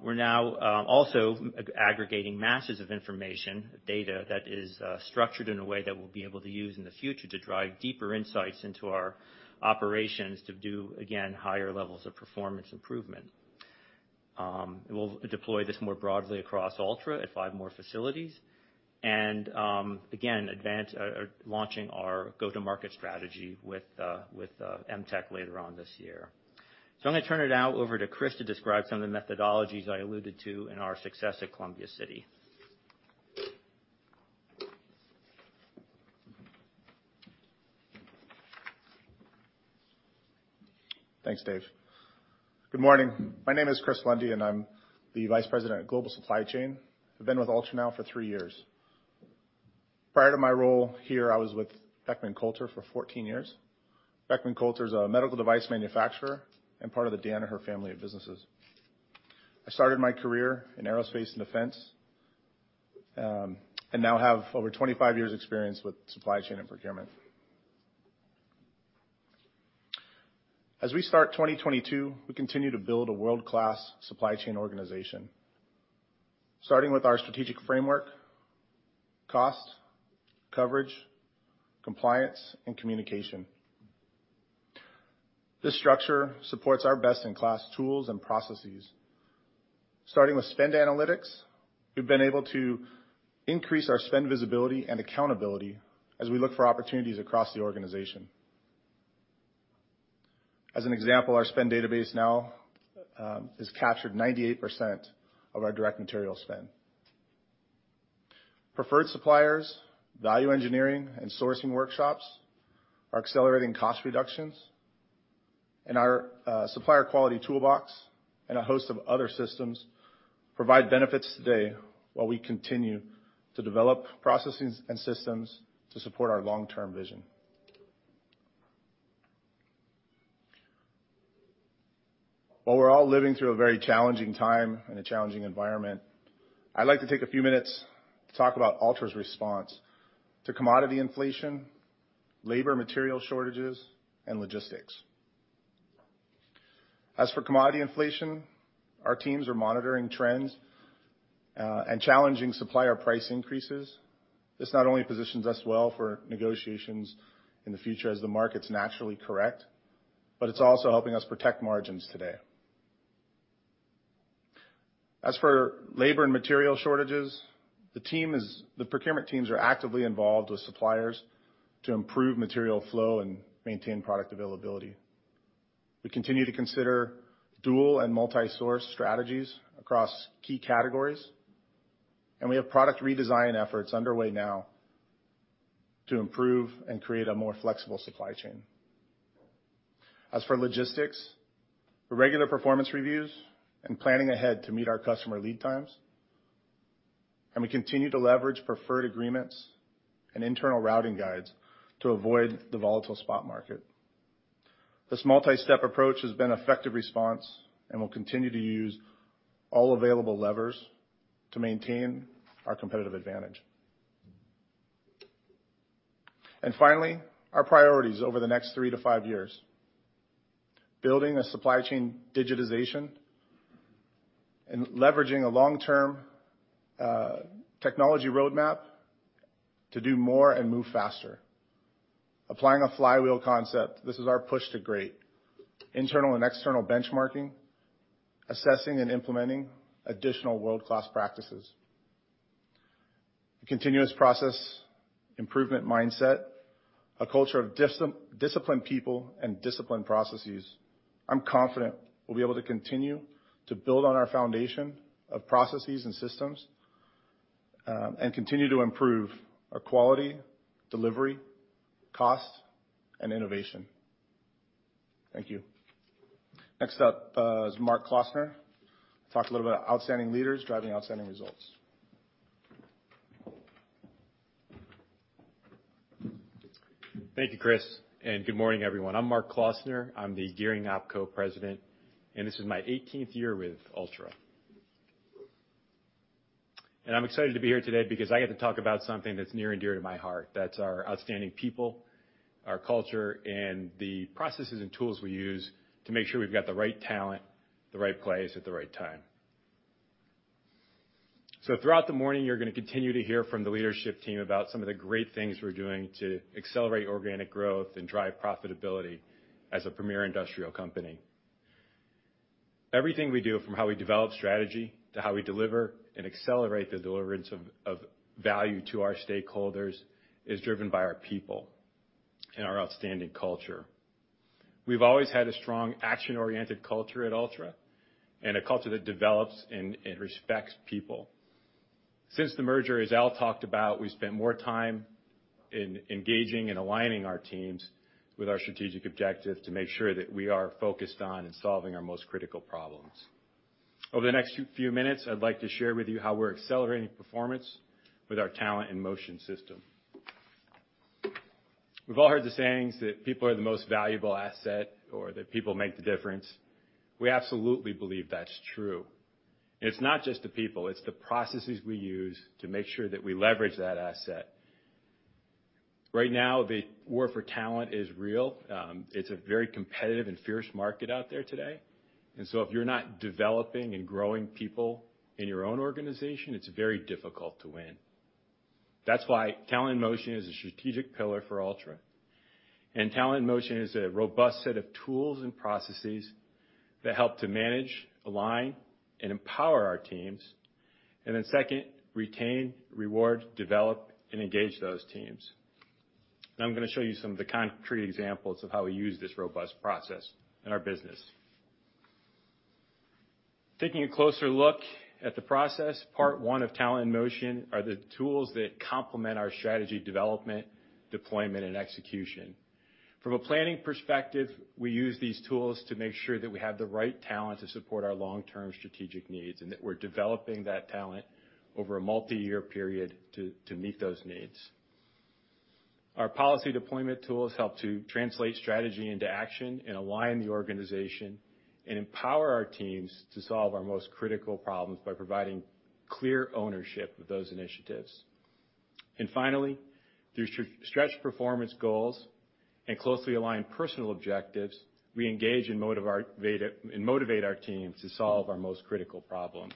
We're now also aggregating masses of information, data that is structured in a way that we'll be able to use in the future to drive deeper insights into our operations to do, again, higher levels of performance improvement. We'll deploy this more broadly across Altra at five more facilities, and again, advance or launching our go-to-market strategy with MTEK later on this year. I'm gonna turn it over to Chris to describe some of the methodologies I alluded to in our success at Columbia City. Thanks, Dave. Good morning. My name is Chris Lundy, and I'm the Vice President of Global Supply Chain. I've been with Altra now for three years. Prior to my role here, I was with Beckman Coulter for 14 years. Beckman Coulter is a medical device manufacturer and part of the Danaher family of businesses. I started my career in aerospace and defense, and now have over 25 years' experience with supply chain and procurement. As we start 2022, we continue to build a world-class supply chain organization, starting with our strategic framework, cost, coverage, compliance, and communication. This structure supports our best-in-class tools and processes. Starting with spend analytics, we've been able to increase our spend visibility and accountability as we look for opportunities across the organization. As an example, our spend database now has captured 98% of our direct material spend. Preferred suppliers, value engineering, and sourcing workshops are accelerating cost reductions. Our supplier quality toolbox and a host of other systems provide benefits today while we continue to develop processes and systems to support our long-term vision. While we're all living through a very challenging time and a challenging environment, I'd like to take a few minutes to talk about Altra's response to commodity inflation, labor material shortages, and logistics. As for commodity inflation, our teams are monitoring trends and challenging supplier price increases. This not only positions us well for negotiations in the future as the markets naturally correct, but it's also helping us protect margins today. As for labor and material shortages, the procurement teams are actively involved with suppliers to improve material flow and maintain product availability. We continue to consider dual and multisource strategies across key categories, and we have product redesign efforts underway now to improve and create a more flexible supply chain. As for logistics, regular performance reviews and planning ahead to meet our customer lead times, and we continue to leverage preferred agreements and internal routing guides to avoid the volatile spot market. This multistep approach has been effective response, and we'll continue to use all available levers to maintain our competitive advantage. Finally, our priorities over the next 3-5 years. Building a supply chain digitization and leveraging a long-term, technology roadmap to do more and move faster. Applying a flywheel concept, this is our push to great. Internal and external benchmarking, assessing and implementing additional world-class practices. A continuous process improvement mindset, a culture of discipline people and discipline processes. I'm confident we'll be able to continue to build on our foundation of processes and systems, and continue to improve our quality, delivery, cost, and innovation. Thank you. Next up, is Mark Klossner to talk a little about outstanding leaders driving outstanding results. Thank you, Chris, and good morning, everyone. I'm Mark Klossner, I'm the Gearing OpCo President, and this is my eighteenth year with Altra. I'm excited to be here today because I get to talk about something that's near and dear to my heart. That's our outstanding people, our culture, and the processes and tools we use to make sure we've got the right talent, the right place at the right time. Throughout the morning, you're gonna continue to hear from the leadership team about some of the great things we're doing to accelerate organic growth and drive profitability as a premier industrial company. Everything we do, from how we develop strategy to how we deliver and accelerate the deliverance of value to our stakeholders, is driven by our people and our outstanding culture. We've always had a strong action-oriented culture at Altra and a culture that develops and respects people. Since the merger, as Al talked about, we spent more time in engaging and aligning our teams with our strategic objectives to make sure that we are focused on and solving our most critical problems. Over the next few minutes, I'd like to share with you how we're accelerating performance with our Talent in Motion system. We've all heard the sayings that people are the most valuable asset or that people make the difference. We absolutely believe that's true. It's not just the people, it's the processes we use to make sure that we leverage that asset. Right now, the war for talent is real. It's a very competitive and fierce market out there today. If you're not developing and growing people in your own organization, it's very difficult to win. That's why Talent in Motion is a strategic pillar for Altra. Talent in Motion is a robust set of tools and processes that help to manage, align, and empower our teams, and then second, retain, reward, develop, and engage those teams. Now I'm gonna show you some of the concrete examples of how we use this robust process in our business. Taking a closer look at the process, part one of Talent in Motion are the tools that complement our strategy development, deployment, and execution. From a planning perspective, we use these tools to make sure that we have the right talent to support our long-term strategic needs and that we're developing that talent over a multiyear period to meet those needs. Our policy deployment tools help to translate strategy into action and align the organization and empower our teams to solve our most critical problems by providing clear ownership of those initiatives. Finally, through stretch performance goals and closely aligned personal objectives, we engage and motivate our teams to solve our most critical problems.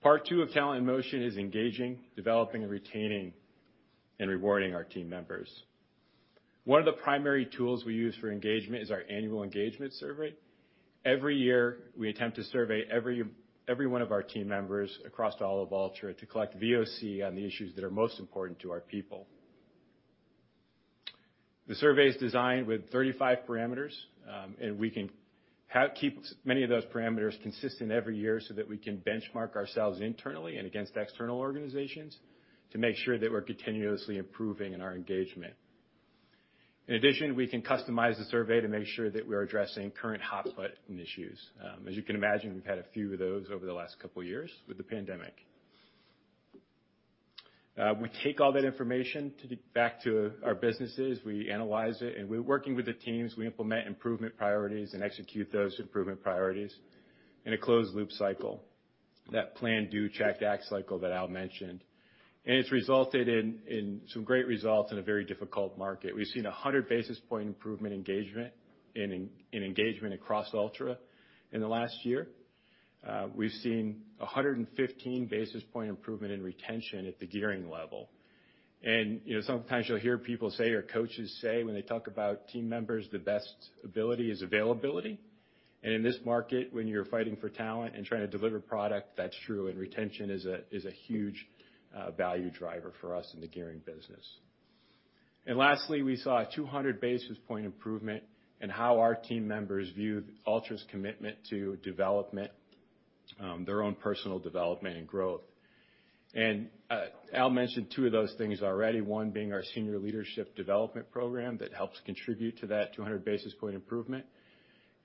Part two of Talent in Motion is engaging, developing, retaining, and rewarding our team members. One of the primary tools we use for engagement is our annual engagement survey. Every year, we attempt to survey every one of our team members across all of Altra to collect VOC on the issues that are most important to our people. The survey is designed with 35 parameters, and we can keep many of those parameters consistent every year so that we can benchmark ourselves internally and against external organizations to make sure that we're continuously improving in our engagement. In addition, we can customize the survey to make sure that we're addressing current hot button issues. As you can imagine, we've had a few of those over the last couple of years with the pandemic. We take all that information to get back to our businesses. We analyze it, and we're working with the teams. We implement improvement priorities and execute those improvement priorities in a closed-loop cycle. That plan-do-check-act cycle that Al mentioned. It's resulted in some great results in a very difficult market. We've seen 100 basis point improvement in engagement across Altra in the last year. We've seen 115 basis point improvement in retention at the Gearing level. You know, sometimes you'll hear people say, or coaches say when they talk about team members, the best ability is availability. In this market, when you're fighting for talent and trying to deliver product, that's true, and retention is a huge value driver for us in the Gearing business. Lastly, we saw a 200 basis point improvement in how our team members view Altra's commitment to development, their own personal development and growth. Al mentioned two of those things already. One being our senior leadership development program that helps contribute to that 200 basis point improvement.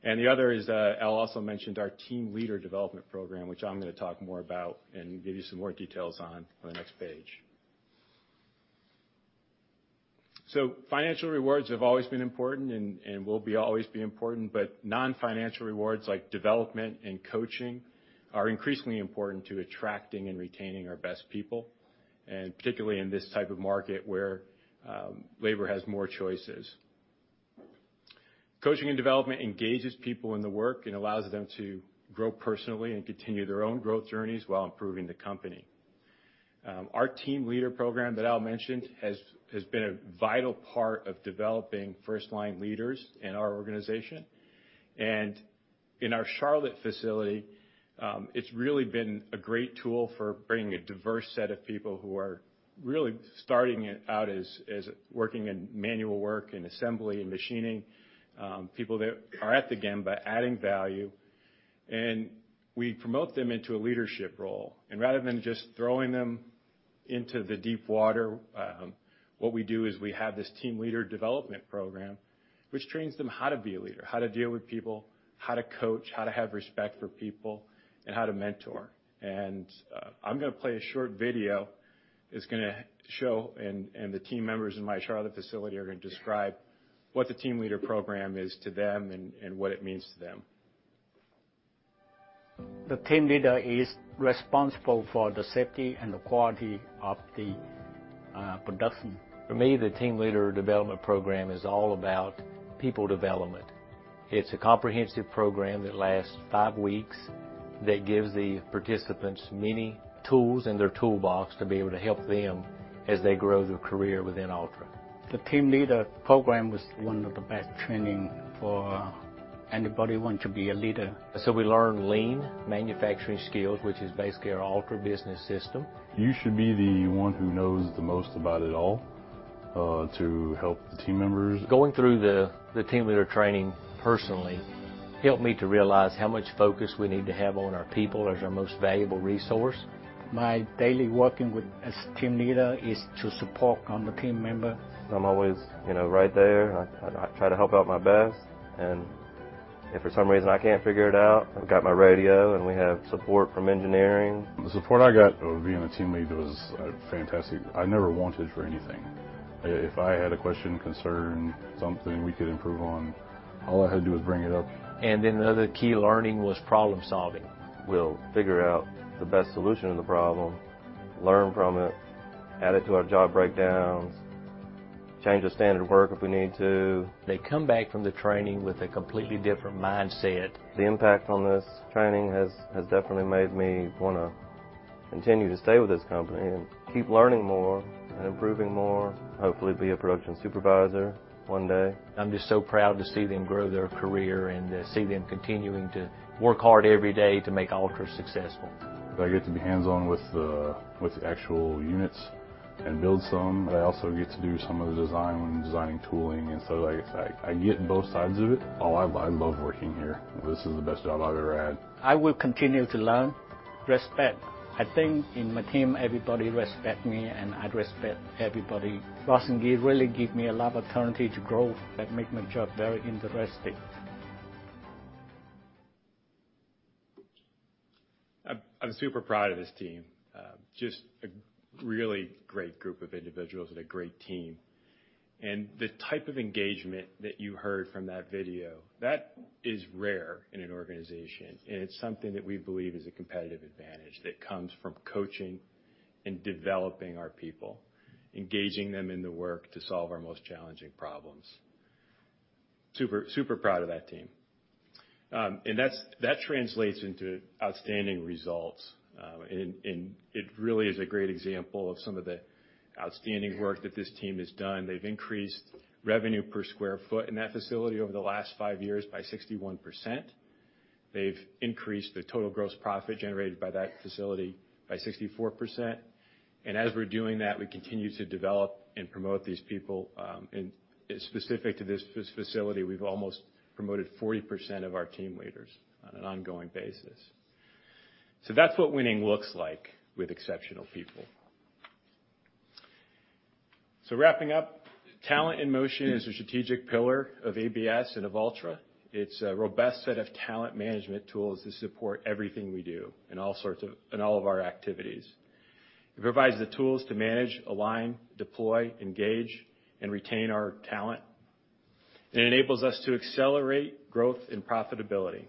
The other is, Al also mentioned our team leader development program, which I'm gonna talk more about and give you some more details on the next page. Financial rewards have always been important and will always be important, but non-financial rewards like development and coaching are increasingly important to attracting and retaining our best people, and particularly in this type of market where labor has more choices. Coaching and development engages people in the work and allows them to grow personally and continue their own growth journeys while improving the company. Our team leader program that Al mentioned has been a vital part of developing first-line leaders in our organization. In our Charlotte facility, it's really been a great tool for bringing a diverse set of people who are really starting out as working in manual work and assembly and machining, people that are at the gemba adding value, and we promote them into a leadership role. Rather than just throwing them into the deep water, what we do is we have this team leader development program which trains them how to be a leader, how to deal with people, how to coach, how to have respect for people, and how to mentor. I'm gonna play a short video. It's gonna show and the team members in my Charlotte facility are gonna describe what the team leader program is to them and what it means to them. The team leader is responsible for the safety and the quality of the production. For me, the team leader development program is all about people development. It's a comprehensive program that lasts five weeks, that gives the participants many tools in their toolbox to be able to help them as they grow their career within Altra. The team leader program was one of the best training for anybody who wants to be a leader. We learn lean manufacturing skills, which is basically our Altra Business System. You should be the one who knows the most about it all, to help the team members. Going through the team leader training personally helped me to realize how much focus we need to have on our people as our most valuable resource. My daily working with as team leader is to support on the team member. I'm always, you know, right there. I try to help out my best. If for some reason I can't figure it out, I've got my radio, and we have support from engineering. The support I got over being a team leader was fantastic. I never wanted for anything. If I had a question, concern, something we could improve on, all I had to do was bring it up. The other key learning was problem-solving. We'll figure out the best solution to the problem, learn from it, add it to our job breakdowns, change the standard work if we need to. They come back from the training with a completely different mindset. The impact on this training has definitely made me wanna continue to stay with this company and keep learning more and improving more. Hopefully, be a production supervisor one day. I'm just so proud to see them grow their career and see them continuing to work hard every day to make Altra successful. I get to be hands-on with the actual units and build some, but I also get to do some of the design when designing tooling, and so like I said, I get both sides of it. Oh, I love working here. This is the best job I've ever had. I will continue to learn. Respect. I think in my team, everybody respect me, and I respect everybody. Boston Gear really give me a lot of opportunity to grow and make my job very interesting. I'm super proud of this team. Just a really great group of individuals and a great team. The type of engagement that you heard from that video, that is rare in an organization. It's something that we believe is a competitive advantage that comes from coaching and developing our people, engaging them in the work to solve our most challenging problems. Super proud of that team. That translates into outstanding results. It really is a great example of some of the outstanding work that this team has done. They've increased revenue per sq ft in that facility over the last five years by 61%. They've increased the total gross profit generated by that facility by 64%. As we're doing that, we continue to develop and promote these people. Specific to this facility, we've almost promoted 40% of our team leaders on an ongoing basis. That's what winning looks like with exceptional people. Wrapping up, Talent in Motion is a strategic pillar of ABS and of Altra. It's a robust set of talent management tools to support everything we do in all of our activities. It provides the tools to manage, align, deploy, engage, and retain our talent. It enables us to accelerate growth and profitability.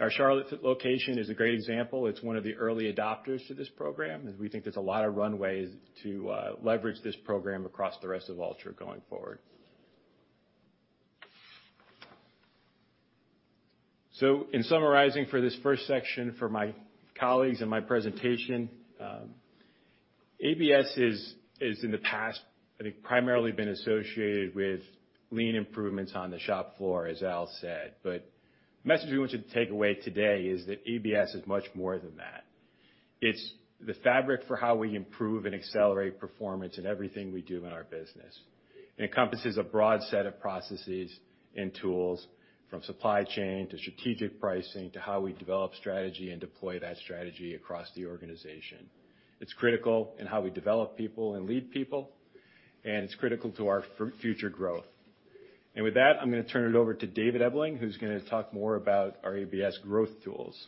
Our Charlotte's location is a great example. It's one of the early adopters to this program, as we think there's a lot of runways to leverage this program across the rest of Altra going forward. In summarizing for this first section for my colleagues and my presentation, ABS is in the past, I think, primarily been associated with lean improvements on the shop floor, as Al said. The message we want you to take away today is that ABS is much more than that. It's the fabric for how we improve and accelerate performance in everything we do in our business. It encompasses a broad set of processes and tools, from supply chain to strategic pricing to how we develop strategy and deploy that strategy across the organization. It's critical in how we develop people and lead people, and it's critical to our future growth. With that, I'm gonna turn it over to Dave Ebling, who's gonna talk more about our ABS growth tools.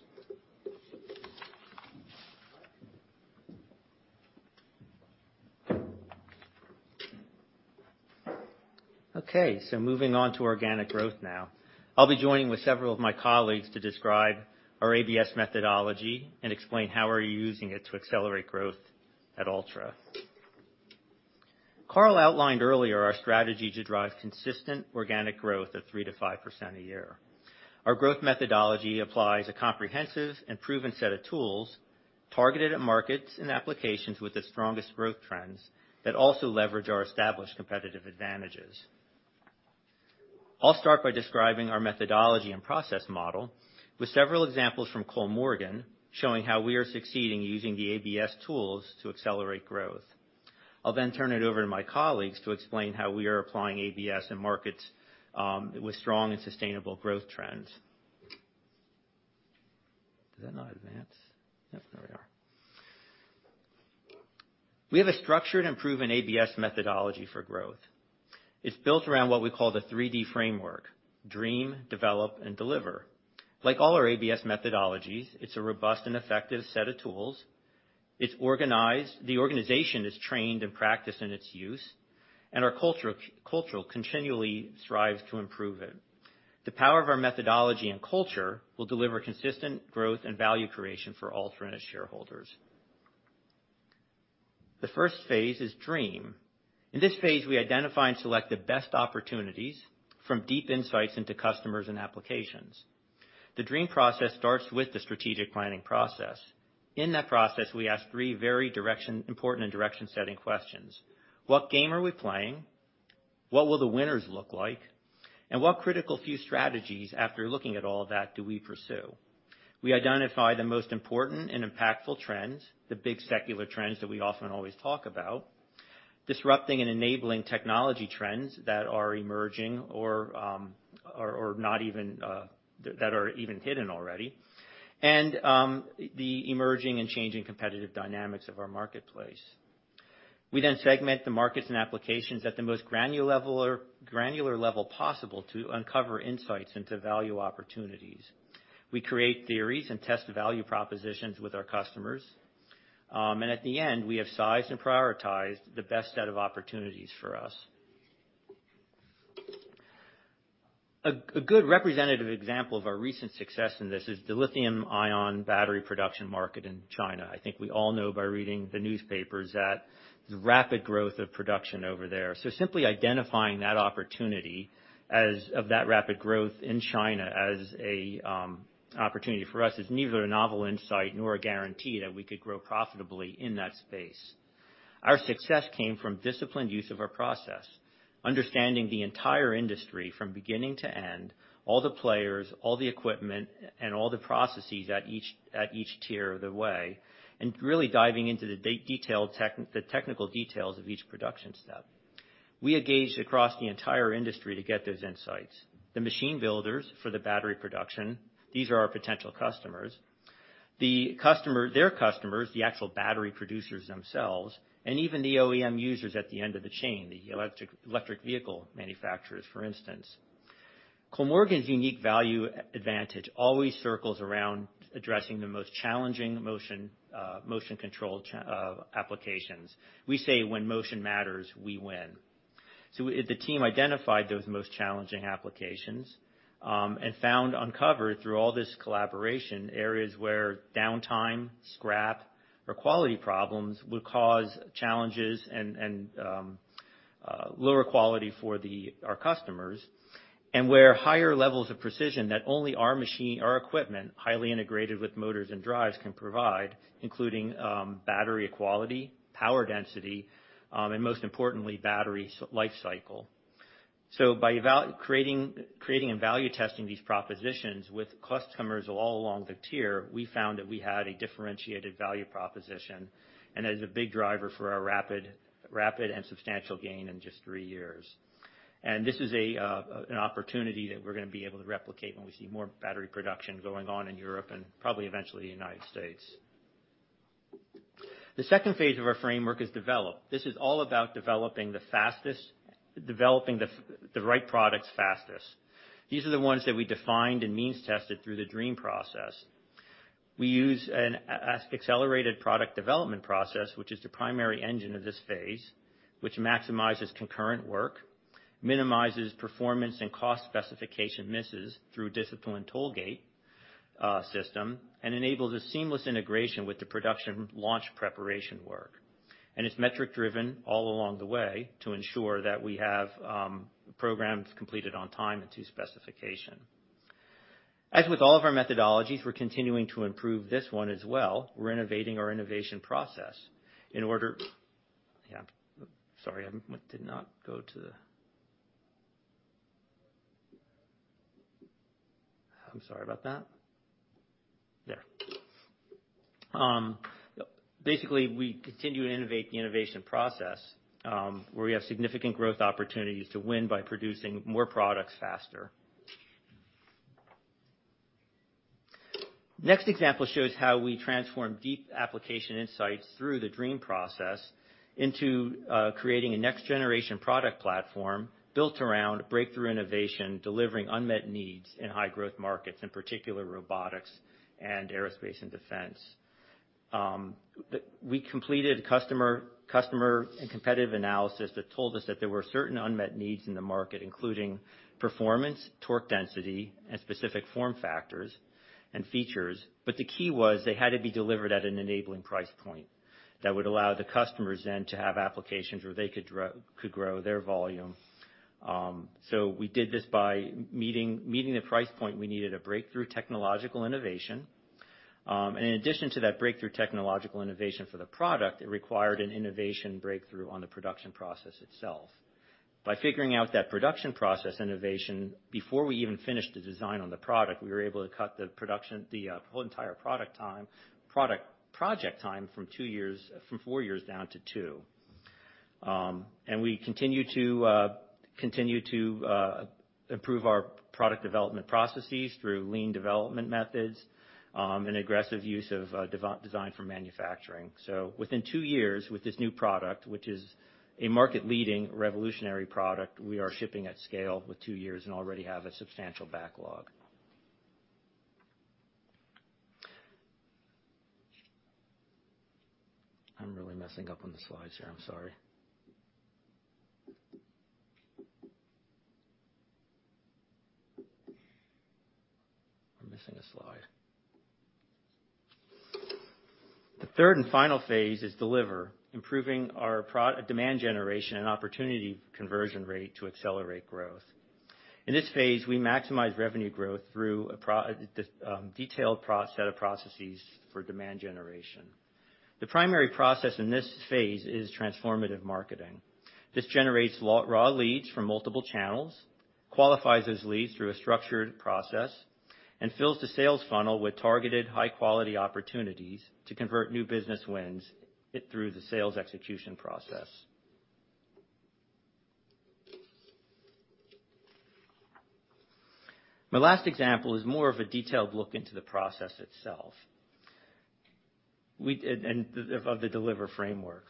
Okay, moving on to organic growth now. I'll be joining with several of my colleagues to describe our ABS methodology and explain how we're using it to accelerate growth at Altra. Carl outlined earlier our strategy to drive consistent organic growth of 3%-5% a year. Our growth methodology applies a comprehensive and proven set of tools targeted at markets and applications with the strongest growth trends that also leverage our established competitive advantages. I'll start by describing our methodology and process model with several examples from Kollmorgen showing how we are succeeding using the ABS tools to accelerate growth. I'll then turn it over to my colleagues to explain how we are applying ABS in markets with strong and sustainable growth trends. Did that not advance? Yep, there we are. We have a structured and proven ABS methodology for growth. It's built around what we call the 3D framework, Dream, Develop, and Deliver. Like all our ABS methodologies, it's a robust and effective set of tools. It's organized. The organization is trained and practiced in its use, and our culture cultural continually strives to improve it. The power of our methodology and culture will deliver consistent growth and value creation for Altra and its shareholders. The first phase is Dream. In this phase, we identify and select the best opportunities from deep insights into customers and applications. The Dream process starts with the strategic planning process. In that process, we ask three very important and direction-setting questions. What game are we playing? What will the winners look like? And what critical few strategies, after looking at all of that, do we pursue? We identify the most important and impactful trends, the big secular trends that we often always talk about, disrupting and enabling technology trends that are emerging or not even that are even hidden already, and the emerging and changing competitive dynamics of our marketplace. We then segment the markets and applications at the most granular level possible to uncover insights into value opportunities. We create theories and test value propositions with our customers. At the end, we have sized and prioritized the best set of opportunities for us. A good representative example of our recent success in this is the lithium-ion battery production market in China. I think we all know by reading the newspapers that the rapid growth of production over there. Simply identifying that opportunity as that rapid growth in China as a opportunity for us is neither a novel insight nor a guarantee that we could grow profitably in that space. Our success came from disciplined use of our process, understanding the entire industry from beginning to end, all the players, all the equipment, and all the processes at each tier of the way, and really diving into the technical details of each production step. We engaged across the entire industry to get those insights. The machine builders for the battery production, these are our potential customers, their customers, the actual battery producers themselves, and even the OEM users at the end of the chain, the electric vehicle manufacturers, for instance. Kollmorgen's unique value advantage always circles around addressing the most challenging motion control applications. We say when motion matters, we win. The team identified those most challenging applications and found uncovered through all this collaboration areas where downtime, scrap, or quality problems would cause challenges and lower quality for our customers, and where higher levels of precision that only our machine, our equipment, highly integrated with motors and drives can provide, including battery quality, power density, and most importantly, battery lifecycle. By creating and value testing these propositions with customers all along the tier, we found that we had a differentiated value proposition and that is a big driver for our rapid and substantial gain in just three years. This is an opportunity that we're gonna be able to replicate when we see more battery production going on in Europe and probably eventually the United States. The second phase of our framework is Develop. This is all about developing the right products fastest. These are the ones that we defined and means tested through the Dream process. We use an accelerated product development process, which is the primary engine of this phase, which maximizes concurrent work, minimizes performance and cost specification misses through disciplined tollgate system, and enables a seamless integration with the production launch preparation work. It's metric driven all along the way to ensure that we have programs completed on time and to specification. As with all of our methodologies, we're continuing to improve this one as well. We're innovating our innovation process. Basically, we continue to innovate the innovation process, where we have significant growth opportunities to win by producing more products faster. Next example shows how we transform deep application insights through the dream process into creating a next generation product platform built around breakthrough innovation, delivering unmet needs in high growth markets, in particular, robotics and aerospace and defense. We completed customer and competitive analysis that told us that there were certain unmet needs in the market, including performance, torque density, and specific form factors and features. The key was they had to be delivered at an enabling price point that would allow the customers then to have applications where they could grow their volume. We did this by meeting the price point, we needed a breakthrough technological innovation. In addition to that breakthrough technological innovation for the product, it required an innovation breakthrough on the production process itself. By figuring out that production process innovation, before we even finished the design on the product, we were able to cut the production, the whole entire project time from 4 years down to 2. We continue to improve our product development processes through lean development methods and aggressive use of design for manufacturing. Within 2 years, with this new product, which is a market leading revolutionary product, we are shipping at scale within 2 years and already have a substantial backlog. I'm really messing up on the slides here. I'm sorry. We're missing a slide. The third and final phase is Deliver, improving our demand generation and opportunity conversion rate to accelerate growth. In this phase, we maximize revenue growth through a detailed set of processes for demand generation. The primary process in this phase is Transformational Marketing. This generates raw leads from multiple channels, qualifies those leads through a structured process, and fills the sales funnel with targeted high-quality opportunities to convert new business wins through the sales execution process. My last example is more of a detailed look into the process itself and the Deliver framework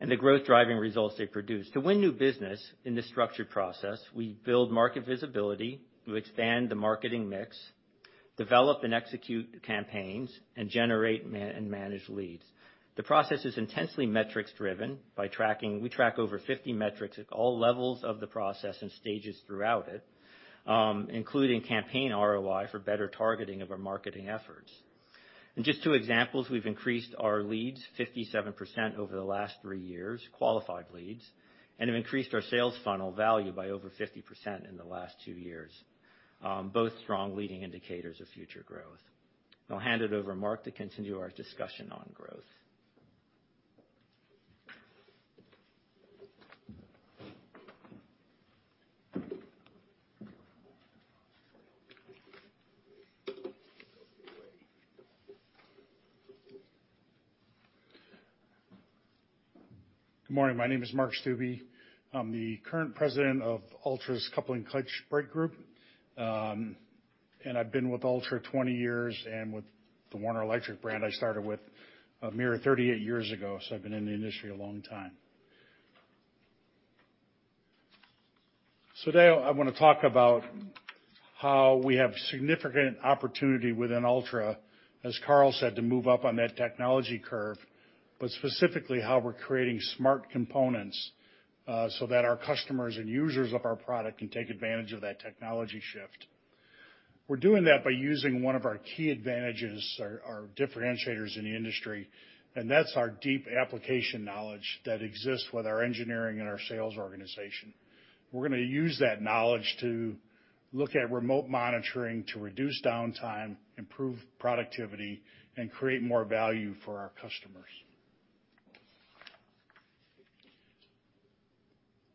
and the growth driving results they produce. To win new business in this structured process, we build market visibility to expand the marketing mix, develop and execute campaigns, and generate and manage leads. The process is intensely metrics-driven by tracking. We track over 50 metrics at all levels of the process and stages throughout it, including campaign ROI for better targeting of our marketing efforts. Just 2 examples, we've increased our leads 57% over the last 3 years, qualified leads, and have increased our sales funnel value by over 50% in the last 2 years. Both strong leading indicators of future growth. I'll hand it over to Mark to continue our discussion on growth. Good morning. My name is Mark Stuebe. I'm the current President of Altra's Couplings Clutches & Brakes group. I've been with Altra 20 years and with the Warner Electric brand. I started with a mere 38 years ago, so I've been in the industry a long time. Today I wanna talk about how we have significant opportunity within Altra, as Carl said, to move up on that technology curve, but specifically how we're creating smart components, so that our customers and users of our product can take advantage of that technology shift. We're doing that by using one of our key advantages or our differentiators in the industry, and that's our deep application knowledge that exists with our engineering and our sales organization. We're gonna use that knowledge to look at remote monitoring to reduce downtime, improve productivity, and create more value for our customers.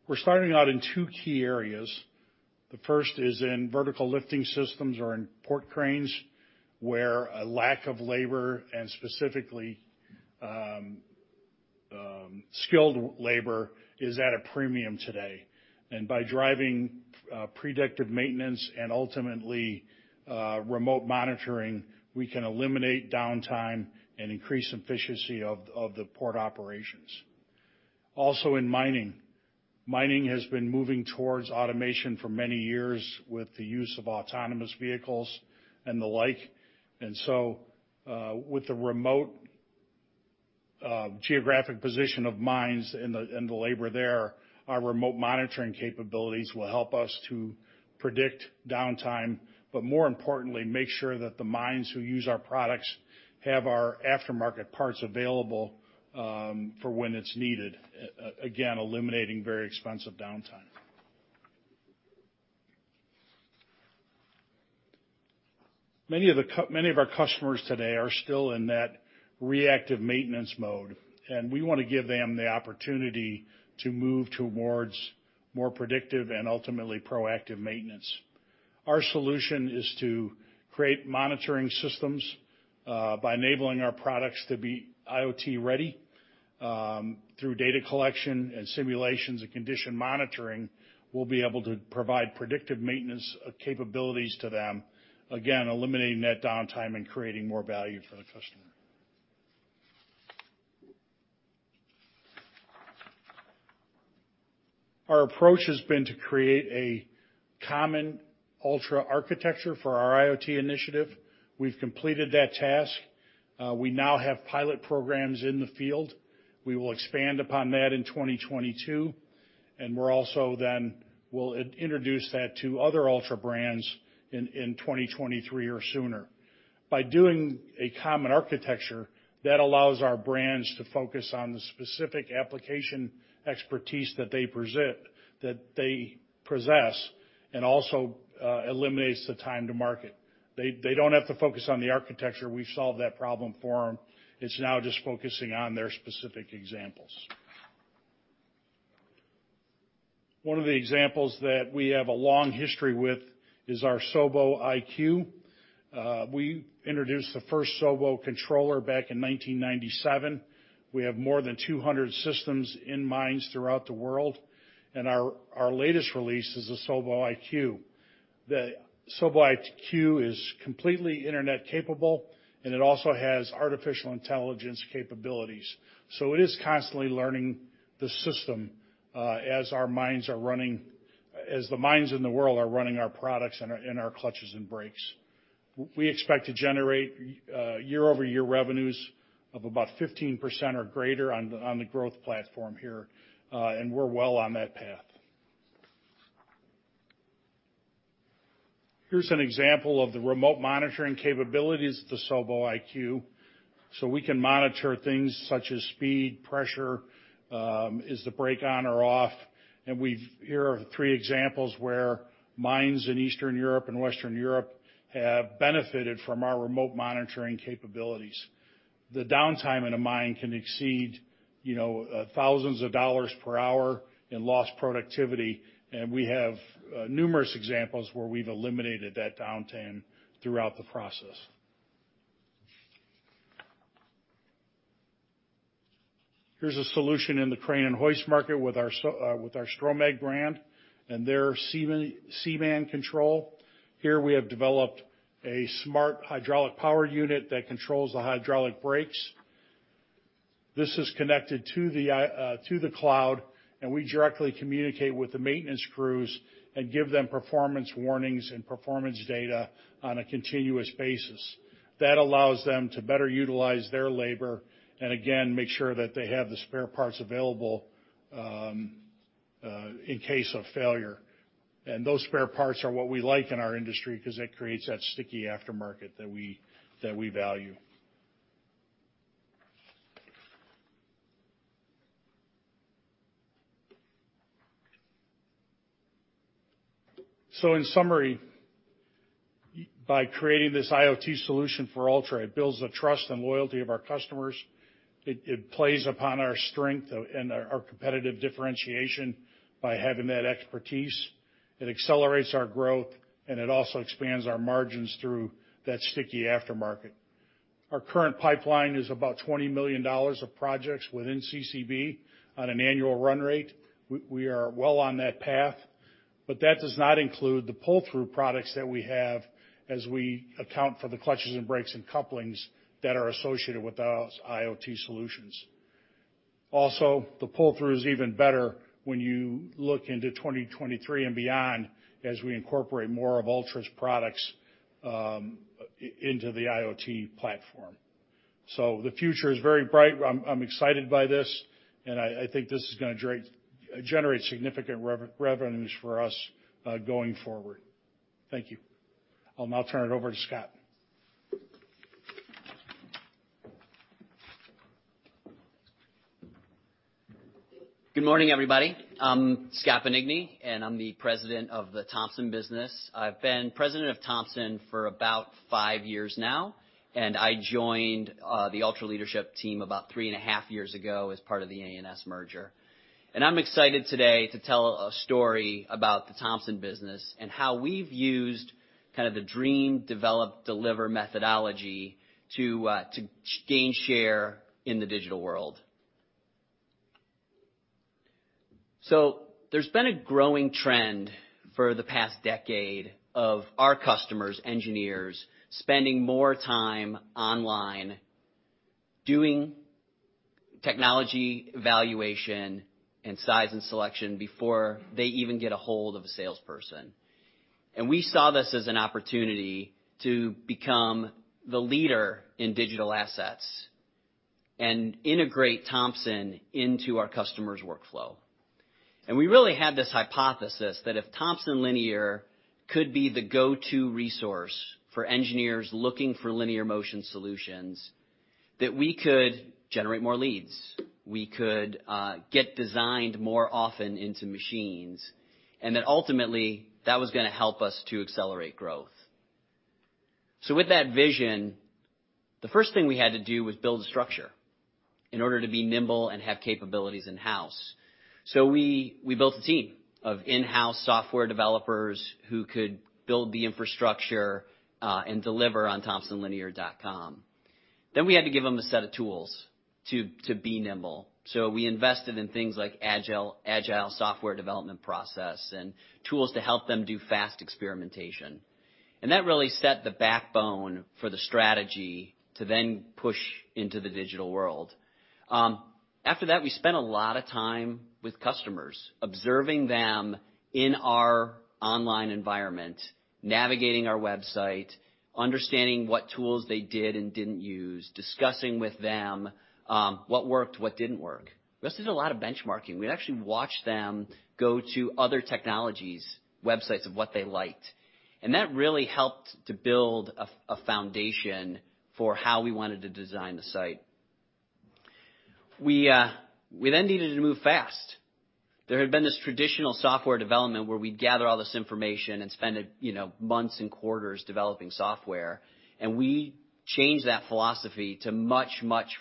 We're starting out in two key areas. The first is in vertical lifting systems or in port cranes, where a lack of labor and specifically, skilled labor is at a premium today. By driving, predictive maintenance and ultimately, remote monitoring, we can eliminate downtime and increase efficiency of the port operations. Also in mining has been moving towards automation for many years with the use of autonomous vehicles and the like. With the remote geographic position of mines and the labor there, our remote monitoring capabilities will help us to predict downtime, but more importantly, make sure that the mines who use our products have our aftermarket parts available for when it's needed, again, eliminating very expensive downtime. Many of our customers today are still in that reactive maintenance mode, and we wanna give them the opportunity to move towards more predictive and ultimately proactive maintenance. Our solution is to create monitoring systems by enabling our products to be IoT-ready. Through data collection and simulations and condition monitoring, we'll be able to provide predictive maintenance capabilities to them, again, eliminating that downtime and creating more value for the customer. Our approach has been to create a common Altra architecture for our IoT initiative. We've completed that task. We now have pilot programs in the field. We will expand upon that in 2022, and we'll introduce that to other Altra brands in 2023 or sooner. By doing a common architecture, that allows our brands to focus on the specific application expertise that they possess and also eliminates the time to market. They don't have to focus on the architecture. We've solved that problem for them. It's now just focusing on their specific examples. One of the examples that we have a long history with is our SOBO iQ. We introduced the first SOBO controller back in 1997. We have more than 200 systems in mines throughout the world, and our latest release is the SOBO iQ. The SOBO iQ is completely internet capable, and it also has artificial intelligence capabilities. It is constantly learning the system as our mines are running, as the mines in the world are running our products and our clutches and brakes. We expect to generate year-over-year revenues of about 15% or greater on the growth platform here, and we're well on that path. Here's an example of the remote monitoring capabilities of the SOBO iQ, so we can monitor things such as speed, pressure, is the brake on or off. Here are three examples where mines in Eastern Europe and Western Europe have benefited from our remote monitoring capabilities. The downtime in a mine can exceed, you know, $ thousands per hour in lost productivity, and we have numerous examples where we've eliminated that downtime throughout the process. Here's a solution in the crane and hoist market with our Stromag brand and their C-Mon Control. Here we have developed a smart hydraulic power unit that controls the hydraulic brakes. This is connected to the cloud, and we directly communicate with the maintenance crews and give them performance warnings and performance data on a continuous basis. That allows them to better utilize their labor, and again, make sure that they have the spare parts available in case of failure. Those spare parts are what we like in our industry 'cause it creates that sticky aftermarket that we value. In summary, by creating this IoT solution for Altra, it builds the trust and loyalty of our customers. It plays upon our strength and our competitive differentiation by having that expertise. It accelerates our growth, and it also expands our margins through that sticky aftermarket. Our current pipeline is about $20 million of projects within CCB on an annual run rate. We are well on that path, but that does not include the pull-through products that we have as we account for the clutches and brakes and couplings that are associated with our IoT solutions. The pull-through is even better when you look into 2023 and beyond, as we incorporate more of Altra's products into the IoT platform. The future is very bright. I'm excited by this, and I think this is gonna generate significant revenues for us, going forward. Thank you. I'll now turn it over to Scott. Good morning, everybody. I'm Scott Panigny, and I'm the President of the Thomson business. I've been president of Thomson for about five years now, and I joined the Altra Leadership team about three and a half years ago as part of the A&S merger. I'm excited today to tell a story about the Thomson business and how we've used kind of the Dream, Develop, Deliver methodology to gain share in the digital world. There's been a growing trend for the past decade of our customers, engineers, spending more time online doing technology evaluation and size and selection before they even get ahold of a salesperson. We saw this as an opportunity to become the leader in digital assets and integrate Thomson into our customer's workflow. We really had this hypothesis that if Thomson Linear could be the go-to resource for engineers looking for linear motion solutions, that we could generate more leads, get designed more often into machines, and then ultimately, that was gonna help us to accelerate growth. With that vision, the first thing we had to do was build a structure in order to be nimble and have capabilities in-house. We built a team of in-house software developers who could build the infrastructure and deliver on thomsonlinear.com. We had to give them a set of tools to be nimble. We invested in things like Agile software development process and tools to help them do fast experimentation. That really set the backbone for the strategy to then push into the digital world. After that, we spent a lot of time with customers, observing them in our online environment, navigating our website, understanding what tools they did and didn't use, discussing with them what worked, what didn't work. We also did a lot of benchmarking. We actually watched them go to other technologies, websites of what they liked. That really helped to build a foundation for how we wanted to design the site. We then needed to move fast. There had been this traditional software development where we'd gather all this information and spend it, you know, months and quarters developing software, and we changed that philosophy to much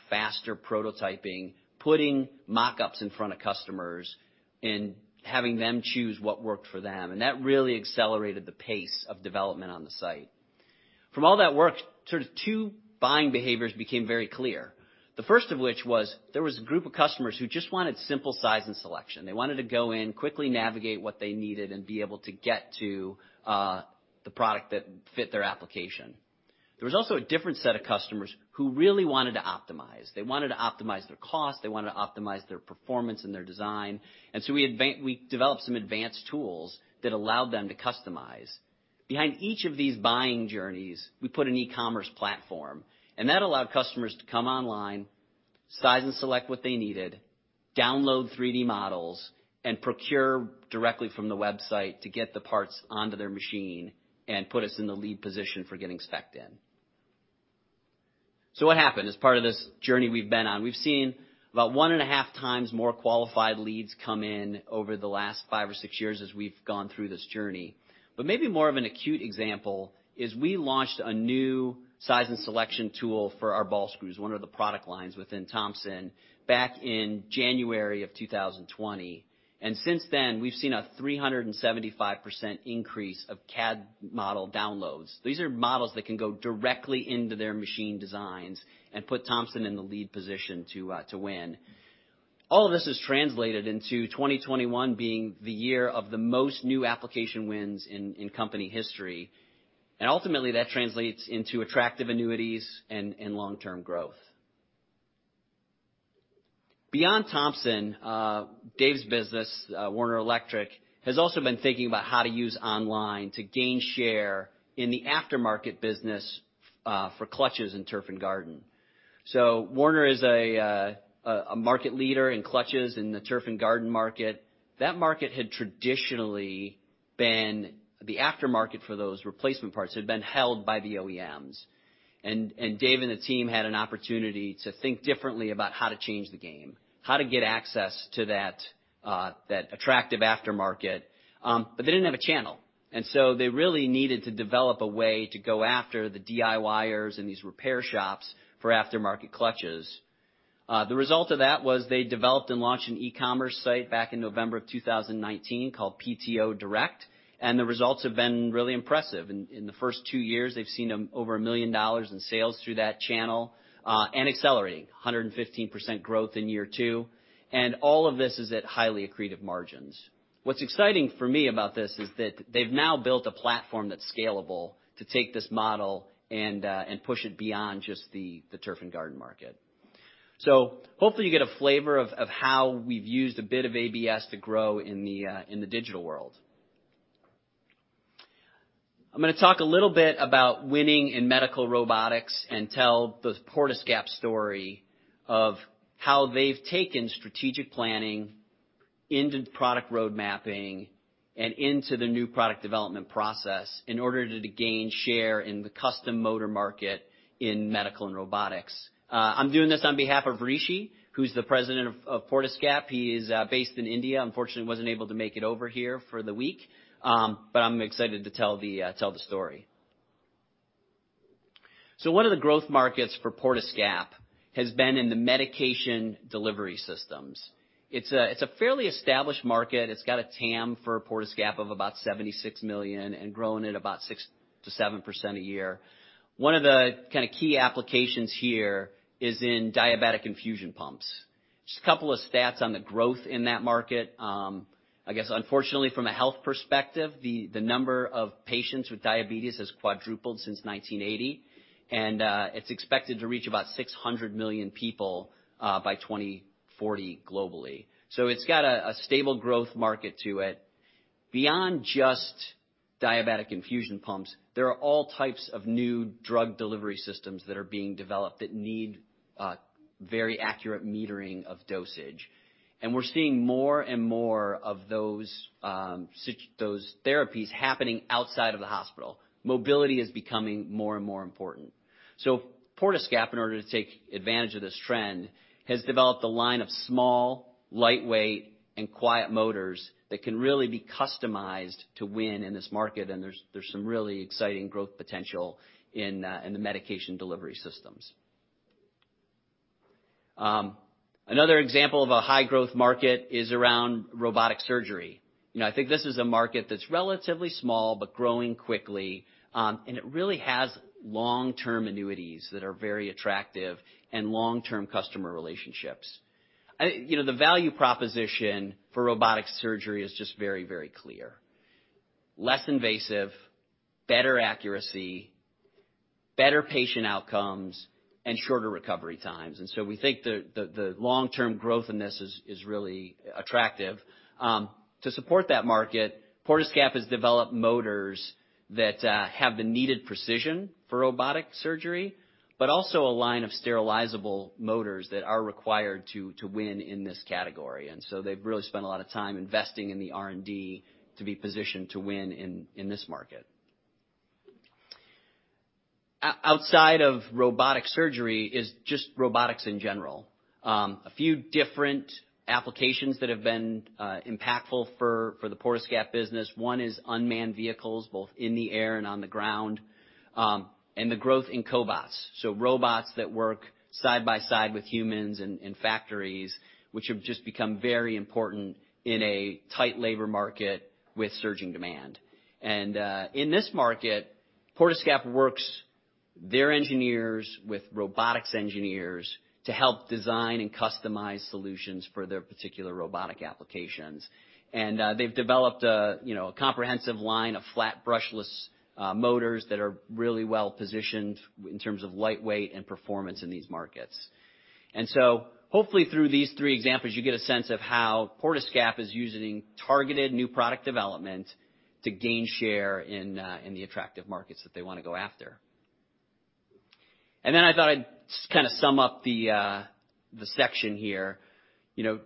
faster prototyping, putting mock-ups in front of customers and having them choose what worked for them. That really accelerated the pace of development on the site. From all that work, sort of 2 buying behaviors became very clear. The first of which was there was a group of customers who just wanted simple size and selection. They wanted to go in, quickly navigate what they needed and be able to get to the product that fit their application. There was also a different set of customers who really wanted to optimize. They wanted to optimize their cost, they wanted to optimize their performance and their design, and so we developed some advanced tools that allowed them to customize. Behind each of these buying journeys, we put an e-commerce platform, and that allowed customers to come online, size and select what they needed, download 3D models, and procure directly from the website to get the parts onto their machine and put us in the lead position for getting spec'd in. What happened as part of this journey we've been on? We've seen about 1.5 times more qualified leads come in over the last 5 or 6 years as we've gone through this journey. Maybe more of an acute example is we launched a new size and selection tool for our ball screws, one of the product lines within Thomson, back in January of 2020. Since then, we've seen a 375% increase of CAD model downloads. These are models that can go directly into their machine designs and put Thomson in the lead position to win. All of this has translated into 2021 being the year of the most new application wins in company history. Ultimately, that translates into attractive annuities and long-term growth. Beyond Thomson, Dave's business, Warner Electric, has also been thinking about how to use online to gain share in the aftermarket business for clutches in turf and garden. Warner is a market leader in clutches in the turf and garden market. The aftermarket for those replacement parts had been held by the OEMs. Dave and the team had an opportunity to think differently about how to change the game, how to get access to that attractive aftermarket, but they didn't have a channel. They really needed to develop a way to go after the DIYers and these repair shops for aftermarket clutches. The result of that was they developed and launched an e-commerce site back in November 2019 called PTO Direct, and the results have been really impressive. In the first 2 years, they've seen over $1 million in sales through that channel and accelerating. 115% growth in year 2, and all of this is at highly accretive margins. What's exciting for me about this is that they've now built a platform that's scalable to take this model and push it beyond just the turf and garden market. Hopefully you get a flavor of how we've used a bit of ABS to grow in the digital world. I'm gonna talk a little bit about winning in medical robotics and tell the Portescap story of how they've taken strategic planning into product roadmapping and into the new product development process in order to gain share in the custom motor market in medical and robotics. I'm doing this on behalf of Rishi, who's the president of Portescap. He is based in India. Unfortunately, he wasn't able to make it over here for the week. But I'm excited to tell the story. One of the growth markets for Portescap has been in the medication delivery systems. It's a fairly established market. It's got a TAM for Portescap of about $76 million and growing at about 6%-7% a year. One of the kinda key applications here is in diabetic infusion pumps. Just a couple of stats on the growth in that market. I guess unfortunately from a health perspective, the number of patients with diabetes has quadrupled since 1980, and it's expected to reach about 600 million people by 2040 globally. It's got a stable growth market to it. Beyond just diabetic infusion pumps, there are all types of new drug delivery systems that are being developed that need very accurate metering of dosage. We're seeing more and more of those therapies happening outside of the hospital. Mobility is becoming more and more important. Portescap, in order to take advantage of this trend, has developed a line of small, lightweight, and quiet motors that can really be customized to win in this market, and there's some really exciting growth potential in the medication delivery systems. Another example of a high-growth market is around robotic surgery. You know, I think this is a market that's relatively small but growing quickly, and it really has long-term annuities that are very attractive and long-term customer relationships. You know, the value proposition for robotic surgery is just very, very clear. Less invasive, better accuracy, better patient outcomes, and shorter recovery times. We think the long-term growth in this is really attractive. To support that market, Portescap has developed motors that have the needed precision for robotic surgery, but also a line of sterilizable motors that are required to win in this category. They've really spent a lot of time investing in the R&D to be positioned to win in this market. Outside of robotic surgery is just robotics in general. A few different applications that have been impactful for the Portescap business, one is unmanned vehicles, both in the air and on the ground, and the growth in cobots, so robots that work side by side with humans in factories, which have just become very important in a tight labor market with surging demand. In this market, Portescap works with their engineers with robotics engineers to help design and customize solutions for their particular robotic applications. They've developed, you know, a comprehensive line of flat brushless motors that are really well positioned in terms of lightweight and performance in these markets. Hopefully through these three examples, you get a sense of how Portescap is using targeted new product development to gain share in the attractive markets that they wanna go after. I thought I'd just kinda sum up the section here. You know,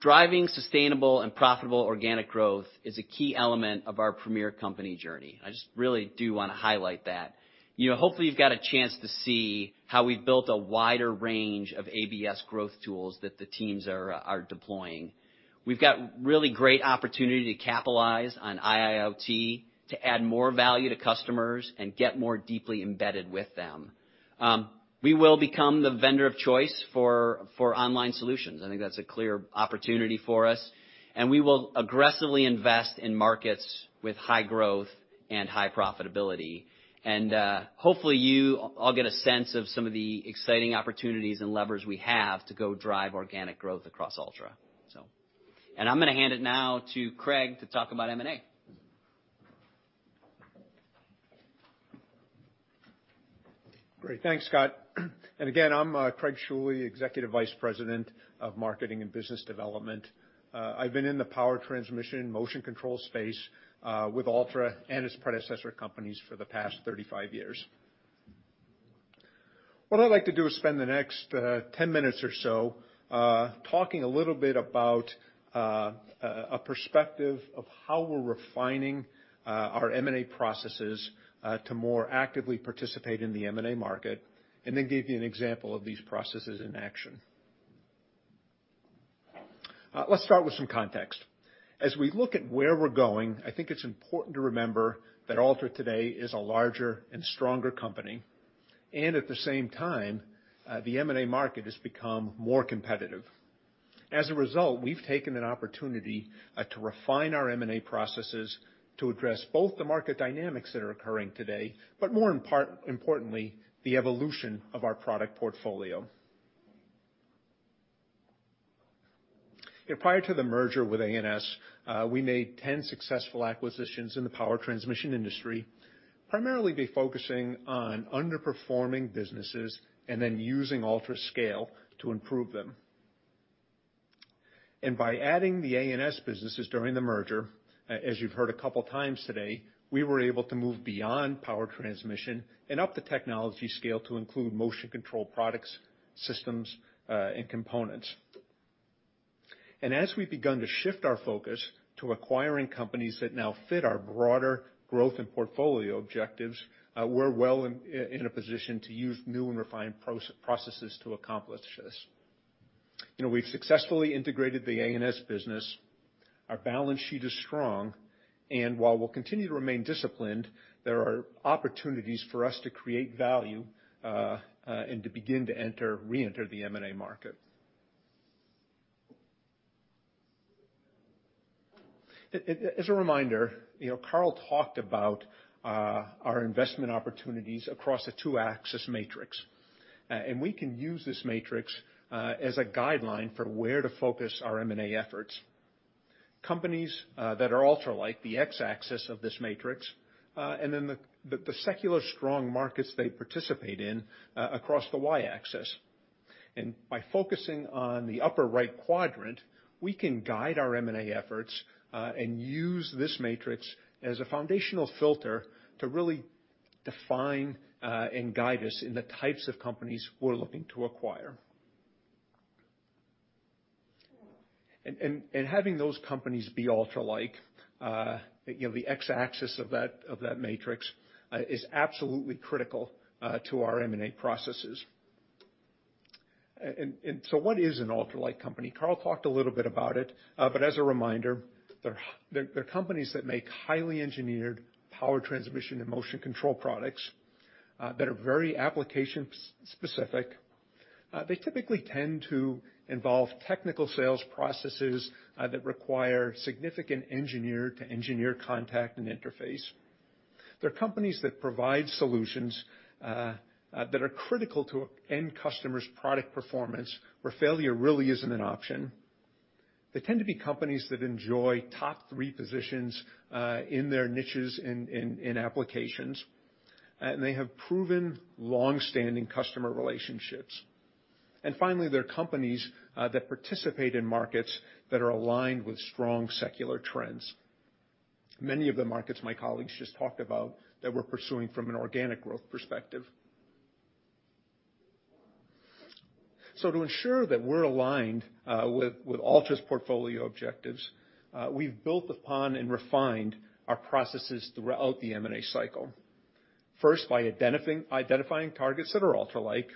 driving sustainable and profitable organic growth is a key element of our premier company journey. I just really do wanna highlight that. You know, hopefully you've got a chance to see how we've built a wider range of ABS growth tools that the teams are deploying. We've got really great opportunity to capitalize on IIoT to add more value to customers and get more deeply embedded with them. We will become the vendor of choice for online solutions. I think that's a clear opportunity for us. We will aggressively invest in markets with high growth and high profitability. Hopefully you all get a sense of some of the exciting opportunities and levers we have to go drive organic growth across Altra. I'm gonna hand it now to Craig to talk about M&A. Great. Thanks, Scott. Again, I'm Craig Schuele, Executive Vice President of Marketing and Business Development. I've been in the power transmission motion control space with Altra and its predecessor companies for the past 35 years. What I'd like to do is spend the next 10 minutes or so talking a little bit about a perspective of how we're refining our M&A processes to more actively participate in the M&A market, and then give you an example of these processes in action. Let's start with some context. As we look at where we're going, I think it's important to remember that Altra today is a larger and stronger company, and at the same time, the M&A market has become more competitive. As a result, we've taken an opportunity to refine our M&A processes to address both the market dynamics that are occurring today, but more importantly, the evolution of our product portfolio. Prior to the merger with A&S, we made 10 successful acquisitions in the power transmission industry, primarily by focusing on underperforming businesses and then using Altra scale to improve them. By adding the A&S businesses during the merger, as you've heard a couple times today, we were able to move beyond power transmission and up the technology scale to include motion control products, systems, and components. As we've begun to shift our focus to acquiring companies that now fit our broader growth and portfolio objectives, we're well in a position to use new and refined processes to accomplish this. You know, we've successfully integrated the A&S business. Our balance sheet is strong, and while we'll continue to remain disciplined, there are opportunities for us to create value, and to begin to reenter the M&A market. As a reminder, you know, Carl talked about our investment opportunities across the two-axis matrix. We can use this matrix as a guideline for where to focus our M&A efforts. Companies that are Altra-like, the X-axis of this matrix, and then the secular strong markets they participate in across the Y-axis. By focusing on the upper right quadrant, we can guide our M&A efforts and use this matrix as a foundational filter to really define and guide us in the types of companies we're looking to acquire. Having those companies be Altra-like, you know, the X-axis of that matrix is absolutely critical to our M&A processes. What is an Altra-like company? Carl talked a little bit about it, but as a reminder, they're companies that make highly engineered power transmission and motion control products that are very application-specific. They typically tend to involve technical sales processes that require significant engineer-to-engineer contact and interface. They're companies that provide solutions that are critical to end customers' product performance, where failure really isn't an option. They tend to be companies that enjoy top three positions in their niches in applications. They have proven long-standing customer relationships. Finally, they're companies that participate in markets that are aligned with strong secular trends. Many of the markets my colleagues just talked about that we're pursuing from an organic growth perspective. To ensure that we're aligned with Altra's portfolio objectives, we've built upon and refined our processes throughout the M&A cycle. First, by identifying targets that are Altra-like.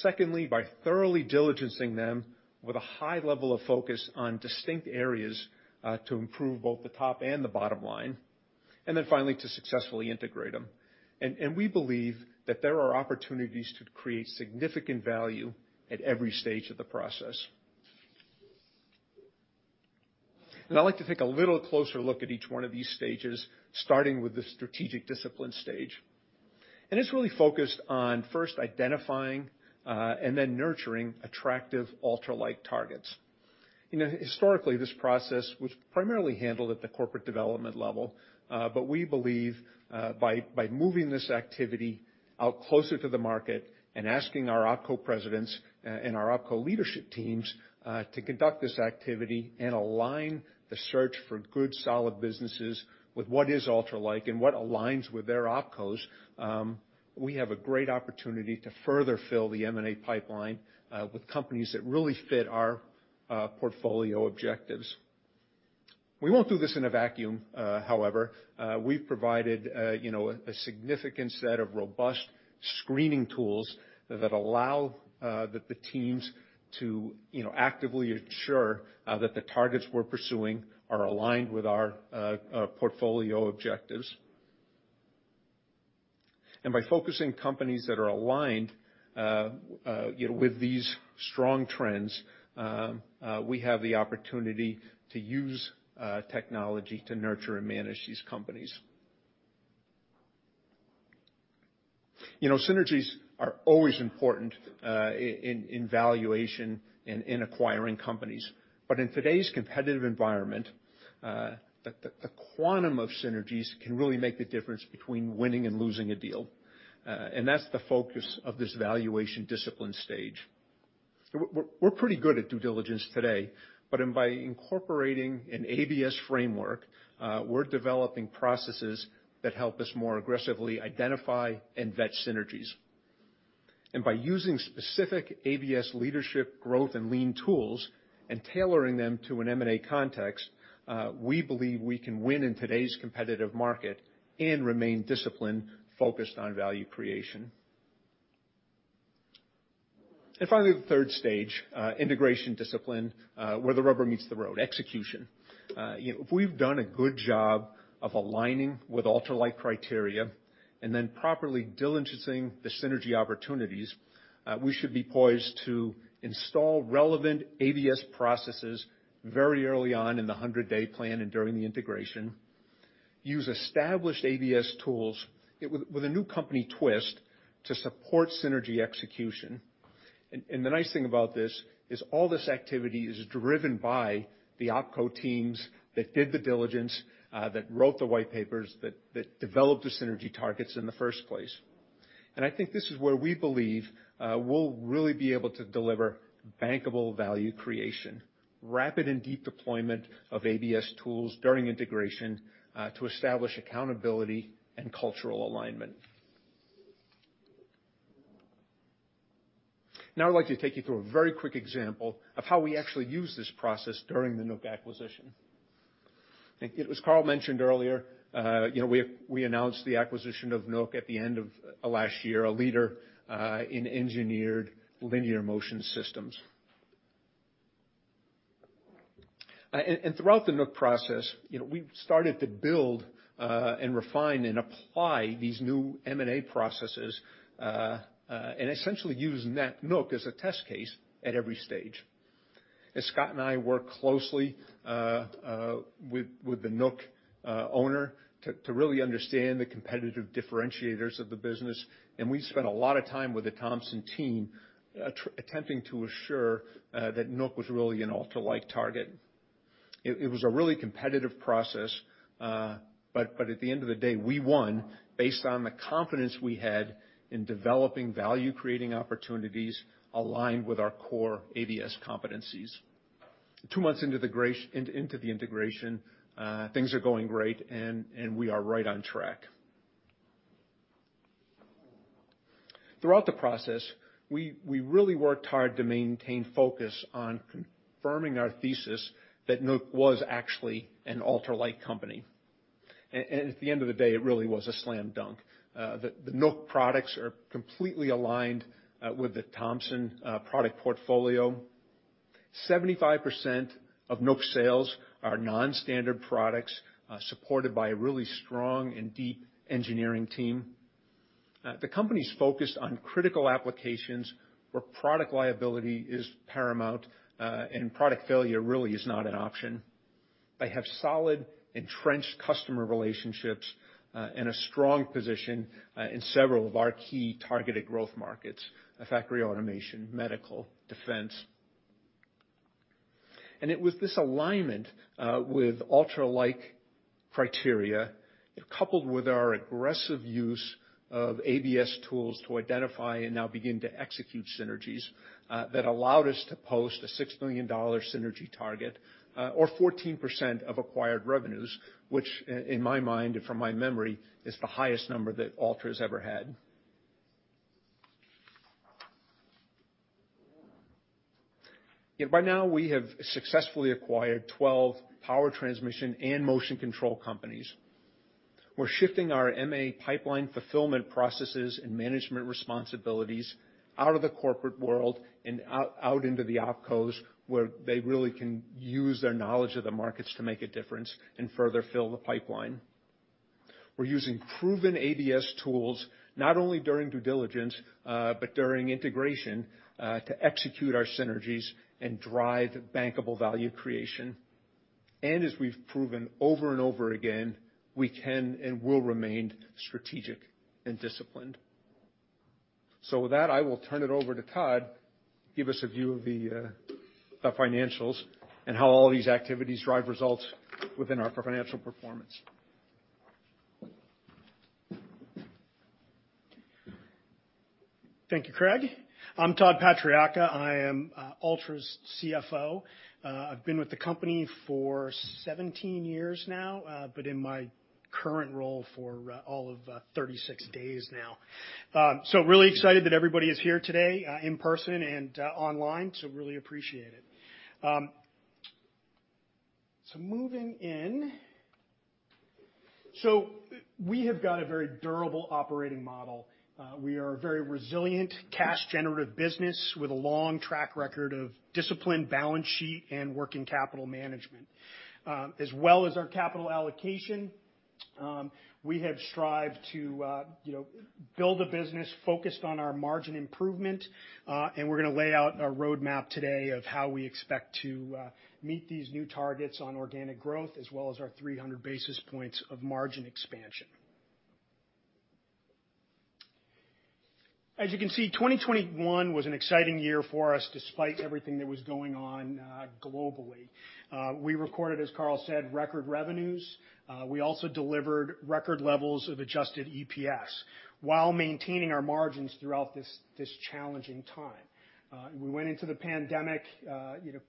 Secondly, by thoroughly diligencing them with a high level of focus on distinct areas to improve both the top and the bottom line. Then finally, to successfully integrate them. We believe that there are opportunities to create significant value at every stage of the process. I'd like to take a little closer look at each one of these stages, starting with the strategic discipline stage. It's really focused on first identifying and then nurturing attractive Altra-like targets. You know, historically, this process was primarily handled at the corporate development level, but we believe by moving this activity out closer to the market and asking our OpCo presidents and our OpCo leadership teams to conduct this activity and align the search for good, solid businesses with what is Altra-like and what aligns with their OpCos, we have a great opportunity to further fill the M&A pipeline with companies that really fit our portfolio objectives. We won't do this in a vacuum, however. We've provided you know, a significant set of robust screening tools that allow the teams to actively ensure that the targets we're pursuing are aligned with our portfolio objectives. By focusing companies that are aligned, you know, with these strong trends, we have the opportunity to use technology to nurture and manage these companies. You know, synergies are always important in valuation in acquiring companies. In today's competitive environment, the quantum of synergies can really make the difference between winning and losing a deal. That's the focus of this valuation discipline stage. We're pretty good at due diligence today, but by incorporating an ABS framework, we're developing processes that help us more aggressively identify and vet synergies. By using specific ABS leadership growth and lean tools and tailoring them to an M&A context, we believe we can win in today's competitive market and remain disciplined, focused on value creation. Finally, the third stage, integration discipline, where the rubber meets the road, execution. You know, if we've done a good job of aligning with Altra-like criteria and then properly diligencing the synergy opportunities, we should be poised to install relevant ABS processes very early on in the 100-day plan and during the integration, use established ABS tools with a new company twist to support synergy execution. The nice thing about this is all this activity is driven by the OpCo teams that did the diligence, that wrote the white papers, that developed the synergy targets in the first place. I think this is where we believe we'll really be able to deliver bankable value creation, rapid and deep deployment of ABS tools during integration to establish accountability and cultural alignment. Now I'd like to take you through a very quick example of how we actually use this process during the Nook acquisition. I think it was Carl mentioned earlier, you know, we announced the acquisition of Nook at the end of last year, a leader in engineered linear motion systems. And throughout the Nook process, you know, we started to build and refine and apply these new M&A processes and essentially use Nook as a test case at every stage. As Scott and I worked closely with the Nook owner to really understand the competitive differentiators of the business, and we spent a lot of time with the Thomson team attempting to assure that Nook was really an Altra-like target. It was a really competitive process, but at the end of the day, we won based on the confidence we had in developing value-creating opportunities aligned with our core ABS competencies. Two months into the integration, things are going great, and we are right on track. Throughout the process, we really worked hard to maintain focus on confirming our thesis that Nook was actually an Altra-like company. At the end of the day, it really was a slam dunk. The Nook products are completely aligned with the Thomson product portfolio. 75% of Nook sales are non-standard products, supported by a really strong and deep engineering team. The company's focused on critical applications where product liability is paramount, and product failure really is not an option. They have solid, entrenched customer relationships, and a strong position in several of our key targeted growth markets, factory automation, medical, defense. It was this alignment with Altra-like criteria, coupled with our aggressive use of ABS tools to identify and now begin to execute synergies, that allowed us to post a $6 million synergy target, or 14% of acquired revenues, which in my mind and from my memory, is the highest number that Altra has ever had. By now, we have successfully acquired 12 power transmission and motion control companies. We're shifting our M&A pipeline fulfillment processes and management responsibilities out of the corporate world and out into the OpCos, where they really can use their knowledge of the markets to make a difference and further fill the pipeline. We're using proven ABS tools not only during due diligence, but during integration, to execute our synergies and drive bankable value creation. As we've proven over and over again, we can and will remain strategic and disciplined. With that, I will turn it over to Todd to give us a view of the financials and how all these activities drive results within our financial performance. Thank you, Craig. I'm Todd Patriacca. I am Altra's CFO. I've been with the company for 17 years now, but in my current role for all of 36 days now. Really excited that everybody is here today, in person and online, so really appreciate it. Moving in. We have got a very durable operating model. We are a very resilient, cash-generative business with a long track record of disciplined balance sheet and working capital management. As well as our capital allocation, we have strived to, you know, build a business focused on our margin improvement, and we're gonna lay out a roadmap today of how we expect to meet these new targets on organic growth as well as our 300 basis points of margin expansion. As you can see, 2021 was an exciting year for us despite everything that was going on globally. We recorded, as Carl said, record revenues. We also delivered record levels of adjusted EPS while maintaining our margins throughout this challenging time. We went into the pandemic, you know,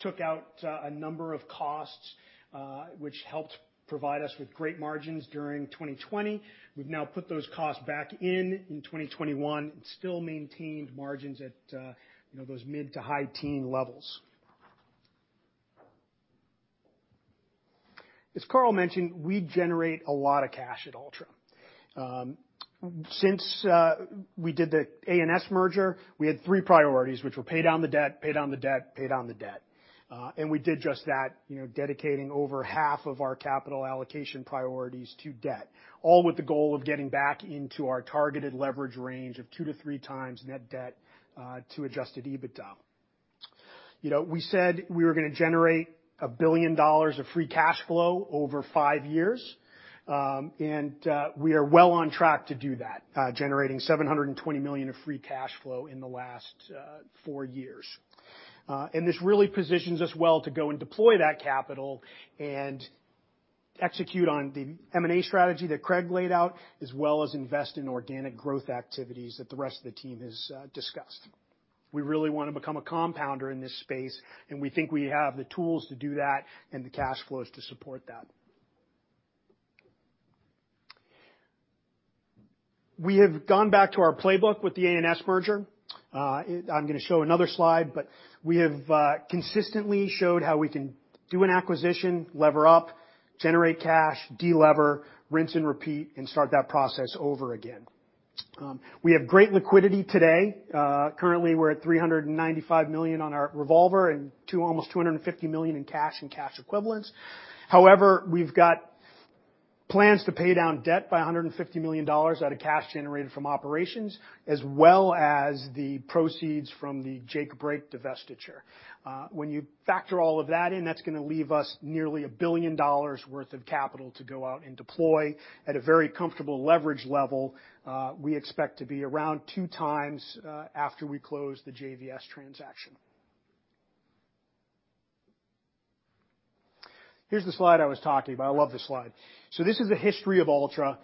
took out a number of costs, which helped provide us with great margins during 2020. We've now put those costs back in in 2021 and still maintained margins at, you know, those mid- to high-teens levels. As Carl mentioned, we generate a lot of cash at Altra. Since we did the A&S merger, we had three priorities, which were pay down the debt, pay down the debt, pay down the debt. We did just that, you know, dedicating over half of our capital allocation priorities to debt, all with the goal of getting back into our targeted leverage range of two to three times net debt to adjusted EBITDA. You know, we said we were gonna generate $1 billion of free cash flow over 5 years, and we are well on track to do that, generating $720 million of free cash flow in the last 4 years. This really positions us well to go and deploy that capital and execute on the M&A strategy that Craig laid out, as well as invest in organic growth activities that the rest of the team has discussed. We really wanna become a compounder in this space, and we think we have the tools to do that and the cash flows to support that. We have gone back to our playbook with the A&S merger. I'm gonna show another slide, but we have consistently showed how we can do an acquisition, lever up, generate cash, delever, rinse and repeat, and start that process over again. We have great liquidity today. Currently, we're at $395 million on our revolver and almost $250 million in cash and cash equivalents. However, we've got plans to pay down debt by $150 million out of cash generated from operations, as well as the proceeds from the JVS divestiture. When you factor all of that in, that's gonna leave us nearly $1 billion worth of capital to go out and deploy at a very comfortable leverage level. We expect to be around 2 times after we close the JVS transaction. Here's the slide I was talking about. I love this slide. This is a history of Altra,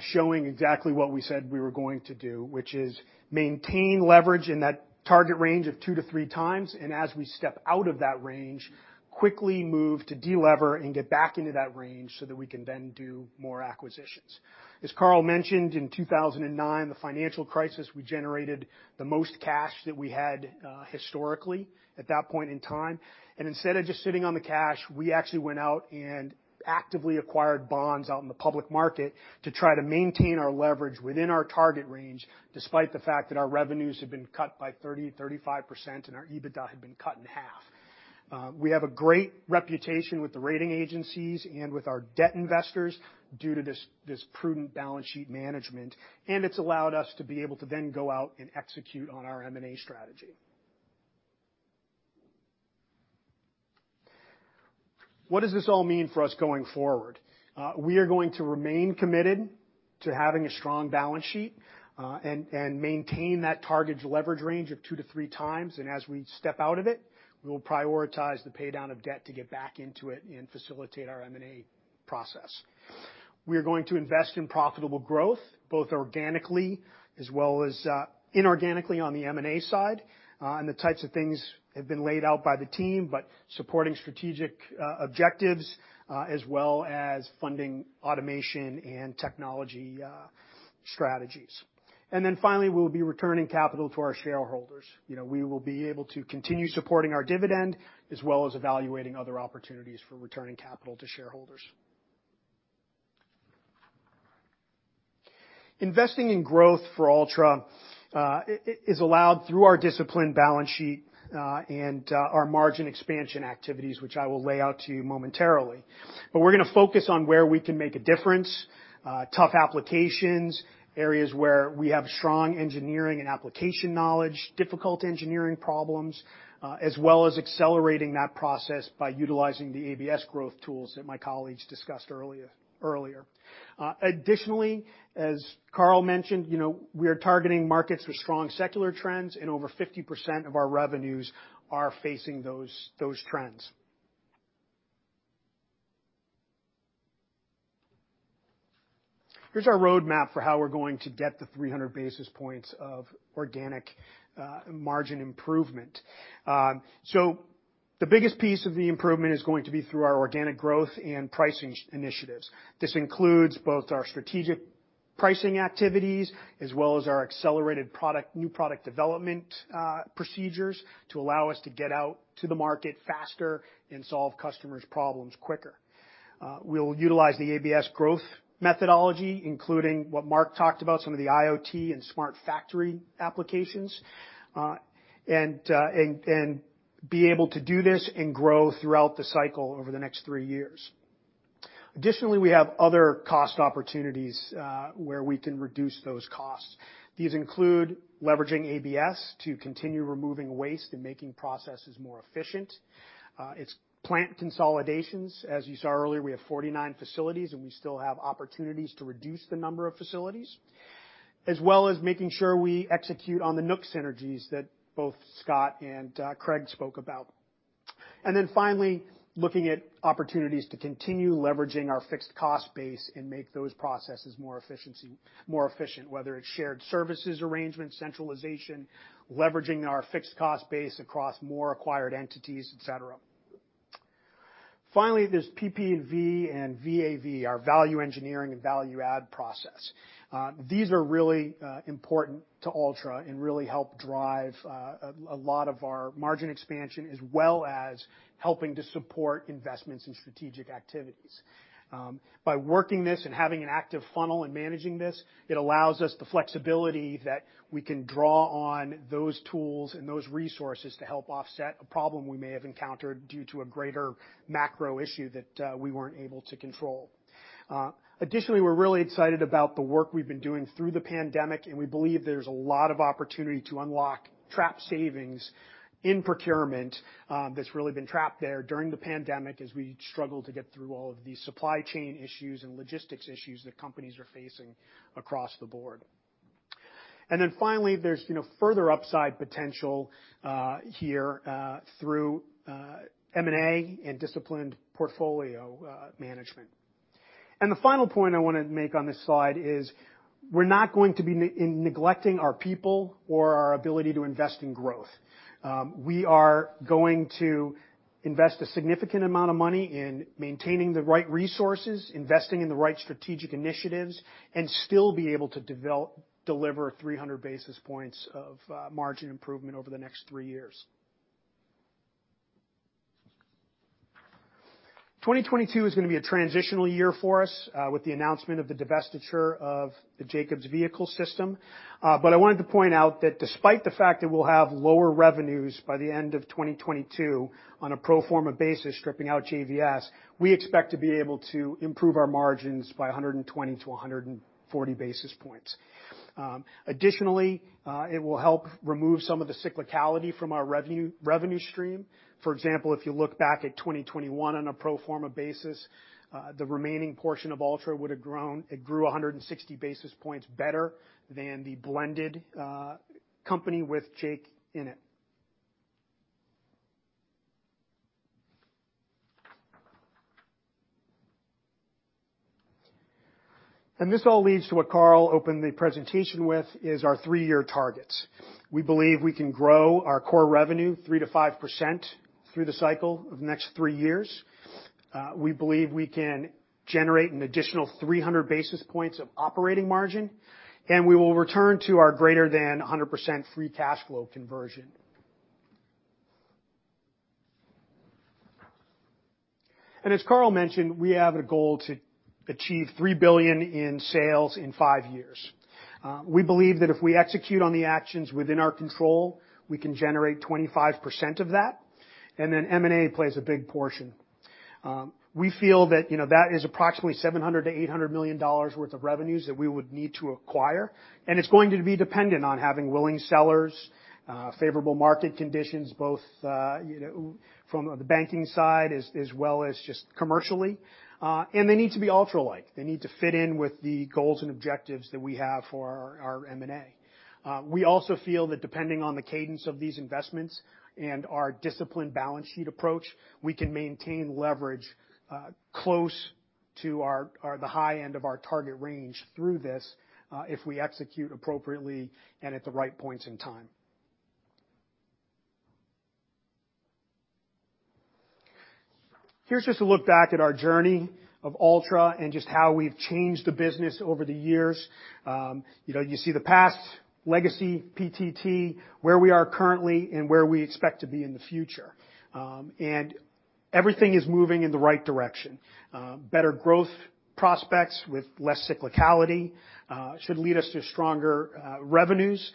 showing exactly what we said we were going to do, which is maintain leverage in that target range of 2-3 times, and as we step out of that range, quickly move to delever and get back into that range so that we can then do more acquisitions. As Carl mentioned, in 2009, the financial crisis, we generated the most cash that we had historically at that point in time. Instead of just sitting on the cash, we actually went out and actively acquired bonds out in the public market to try to maintain our leverage within our target range, despite the fact that our revenues had been cut by 30%-35% and our EBITDA had been cut in half. We have a great reputation with the rating agencies and with our debt investors due to this prudent balance sheet management, and it's allowed us to be able to then go out and execute on our M&A strategy. What does this all mean for us going forward? We are going to remain committed to having a strong balance sheet, and maintain that target leverage range of 2-3 times. As we step out of it, we will prioritize the paydown of debt to get back into it and facilitate our M&A process. We are going to invest in profitable growth, both organically as well as inorganically on the M&A side, and the types of things have been laid out by the team, but supporting strategic objectives, as well as funding automation and technology strategies. Finally, we'll be returning capital to our shareholders. You know, we will be able to continue supporting our dividend as well as evaluating other opportunities for returning capital to shareholders. Investing in growth for Altra is allowed through our disciplined balance sheet, and our margin expansion activities, which I will lay out to you momentarily. We're gonna focus on where we can make a difference, tough applications, areas where we have strong engineering and application knowledge, difficult engineering problems, as well as accelerating that process by utilizing the ABS growth tools that my colleagues discussed earlier. Additionally, as Carl mentioned, you know, we are targeting markets with strong secular trends, and over 50% of our revenues are facing those trends. Here's our roadmap for how we're going to get the 300 basis points of organic margin improvement. The biggest piece of the improvement is going to be through our organic growth and pricing initiatives. This includes both our strategic pricing activities as well as our accelerated product, new product development procedures to allow us to get out to the market faster and solve customers' problems quicker. We'll utilize the ABS growth methodology, including what Mark talked about, some of the IoT and smart factory applications, and be able to do this and grow throughout the cycle over the next 3 years. Additionally, we have other cost opportunities where we can reduce those costs. These include leveraging ABS to continue removing waste and making processes more efficient. It's plant consolidations. As you saw earlier, we have 49 facilities, and we still have opportunities to reduce the number of facilities, as well as making sure we execute on the Nook synergies that both Scott and Craig spoke about. Finally, looking at opportunities to continue leveraging our fixed cost base and make those processes more efficient, whether it's shared services arrangement, centralization, leveraging our fixed cost base across more acquired entities, et cetera. Finally, there's PPV and VAVE, our value engineering and value add process. These are really important to Altra and really help drive a lot of our margin expansion, as well as helping to support investments in strategic activities. By working this and having an active funnel and managing this, it allows us the flexibility that we can draw on those tools and those resources to help offset a problem we may have encountered due to a greater macro issue that we weren't able to control. Additionally, we're really excited about the work we've been doing through the pandemic, and we believe there's a lot of opportunity to unlock trapped savings in procurement that's really been trapped there during the pandemic as we struggle to get through all of the supply chain issues and logistics issues that companies are facing across the board. Finally, there's, you know, further upside potential here through M&A and disciplined portfolio management. The final point I wanna make on this slide is. We're not going to be neglecting our people or our ability to invest in growth. We are going to invest a significant amount of money in maintaining the right resources, investing in the right strategic initiatives, and still be able to deliver 300 basis points of margin improvement over the next three years. 2022 is gonna be a transitional year for us with the announcement of the divestiture of the Jacobs Vehicle Systems. I wanted to point out that despite the fact that we'll have lower revenues by the end of 2022 on a pro forma basis, stripping out JVS, we expect to be able to improve our margins by 120-140 basis points. Additionally, it will help remove some of the cyclicality from our revenue stream. For example, if you look back at 2021 on a pro forma basis, the remaining portion of Altra would have grown. It grew 160 basis points better than the blended company with JVS in it. This all leads to what Carl opened the presentation with, is our three-year targets. We believe we can grow our core revenue 3%-5% through the cycle of the next three years. We believe we can generate an additional 300 basis points of operating margin, and we will return to our greater than 100% free cash flow conversion. As Carl mentioned, we have a goal to achieve $3 billion in sales in five years. We believe that if we execute on the actions within our control, we can generate 25% of that, and then M&A plays a big portion. We feel that, you know, that is approximately $700 million-$800 million worth of revenues that we would need to acquire, and it's going to be dependent on having willing sellers, favorable market conditions, both from the banking side as well as just commercially. They need to be Altra-like. They need to fit in with the goals and objectives that we have for our M&A. We also feel that depending on the cadence of these investments and our disciplined balance sheet approach, we can maintain leverage close to the high end of our target range through this if we execute appropriately and at the right points in time. Here's just a look back at our journey of Altra and just how we've changed the business over the years. You know, you see the past, legacy PTT, where we are currently and where we expect to be in the future. Everything is moving in the right direction. Better growth prospects with less cyclicality should lead us to stronger revenues.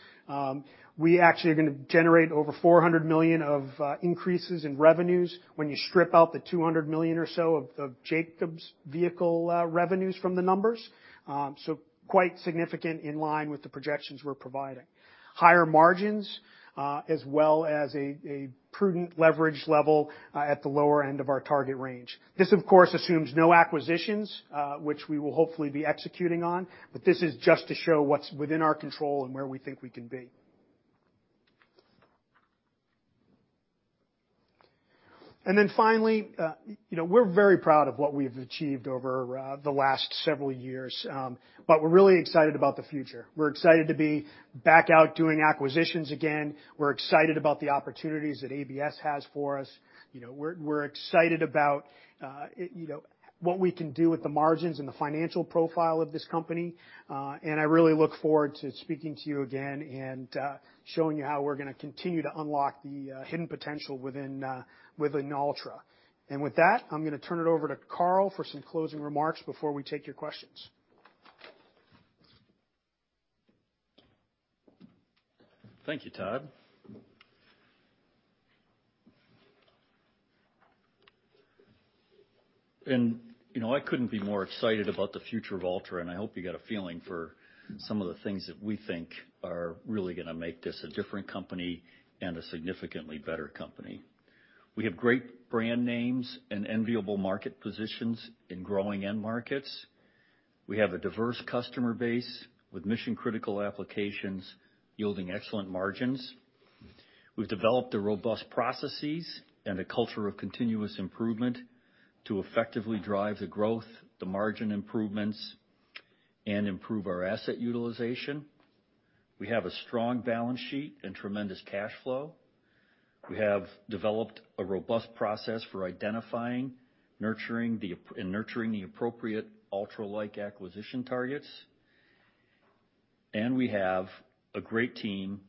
We actually are gonna generate over $400 million of increases in revenues when you strip out the $200 million or so of Jacobs Vehicle revenues from the numbers. So quite significant in line with the projections we're providing. Higher margins, as well as a prudent leverage level, at the lower end of our target range. This, of course, assumes no acquisitions, which we will hopefully be executing on, but this is just to show what's within our control and where we think we can be. Finally, you know, we're very proud of what we've achieved over the last several years, but we're really excited about the future. We're excited to be back out doing acquisitions again. We're excited about the opportunities that ABS has for us. You know, we're excited about what we can do with the margins and the financial profile of this company. I really look forward to speaking to you again and showing you how we're gonna continue to unlock the hidden potential within Altra. With that, I'm gonna turn it over to Carl for some closing remarks before we take your questions. Thank you, Todd. You know, I couldn't be more excited about the future of Altra, and I hope you got a feeling for some of the things that we think are really gonna make this a different company and a significantly better company. We have great brand names and enviable market positions in growing end markets. We have a diverse customer base with mission-critical applications yielding excellent margins. We've developed the robust processes and a culture of continuous improvement to effectively drive the growth, the margin improvements, and improve our asset utilization. We have a strong balance sheet and tremendous cash flow. We have developed a robust process for identifying, nurturing the appropriate Altra-like acquisition targets. We have a great team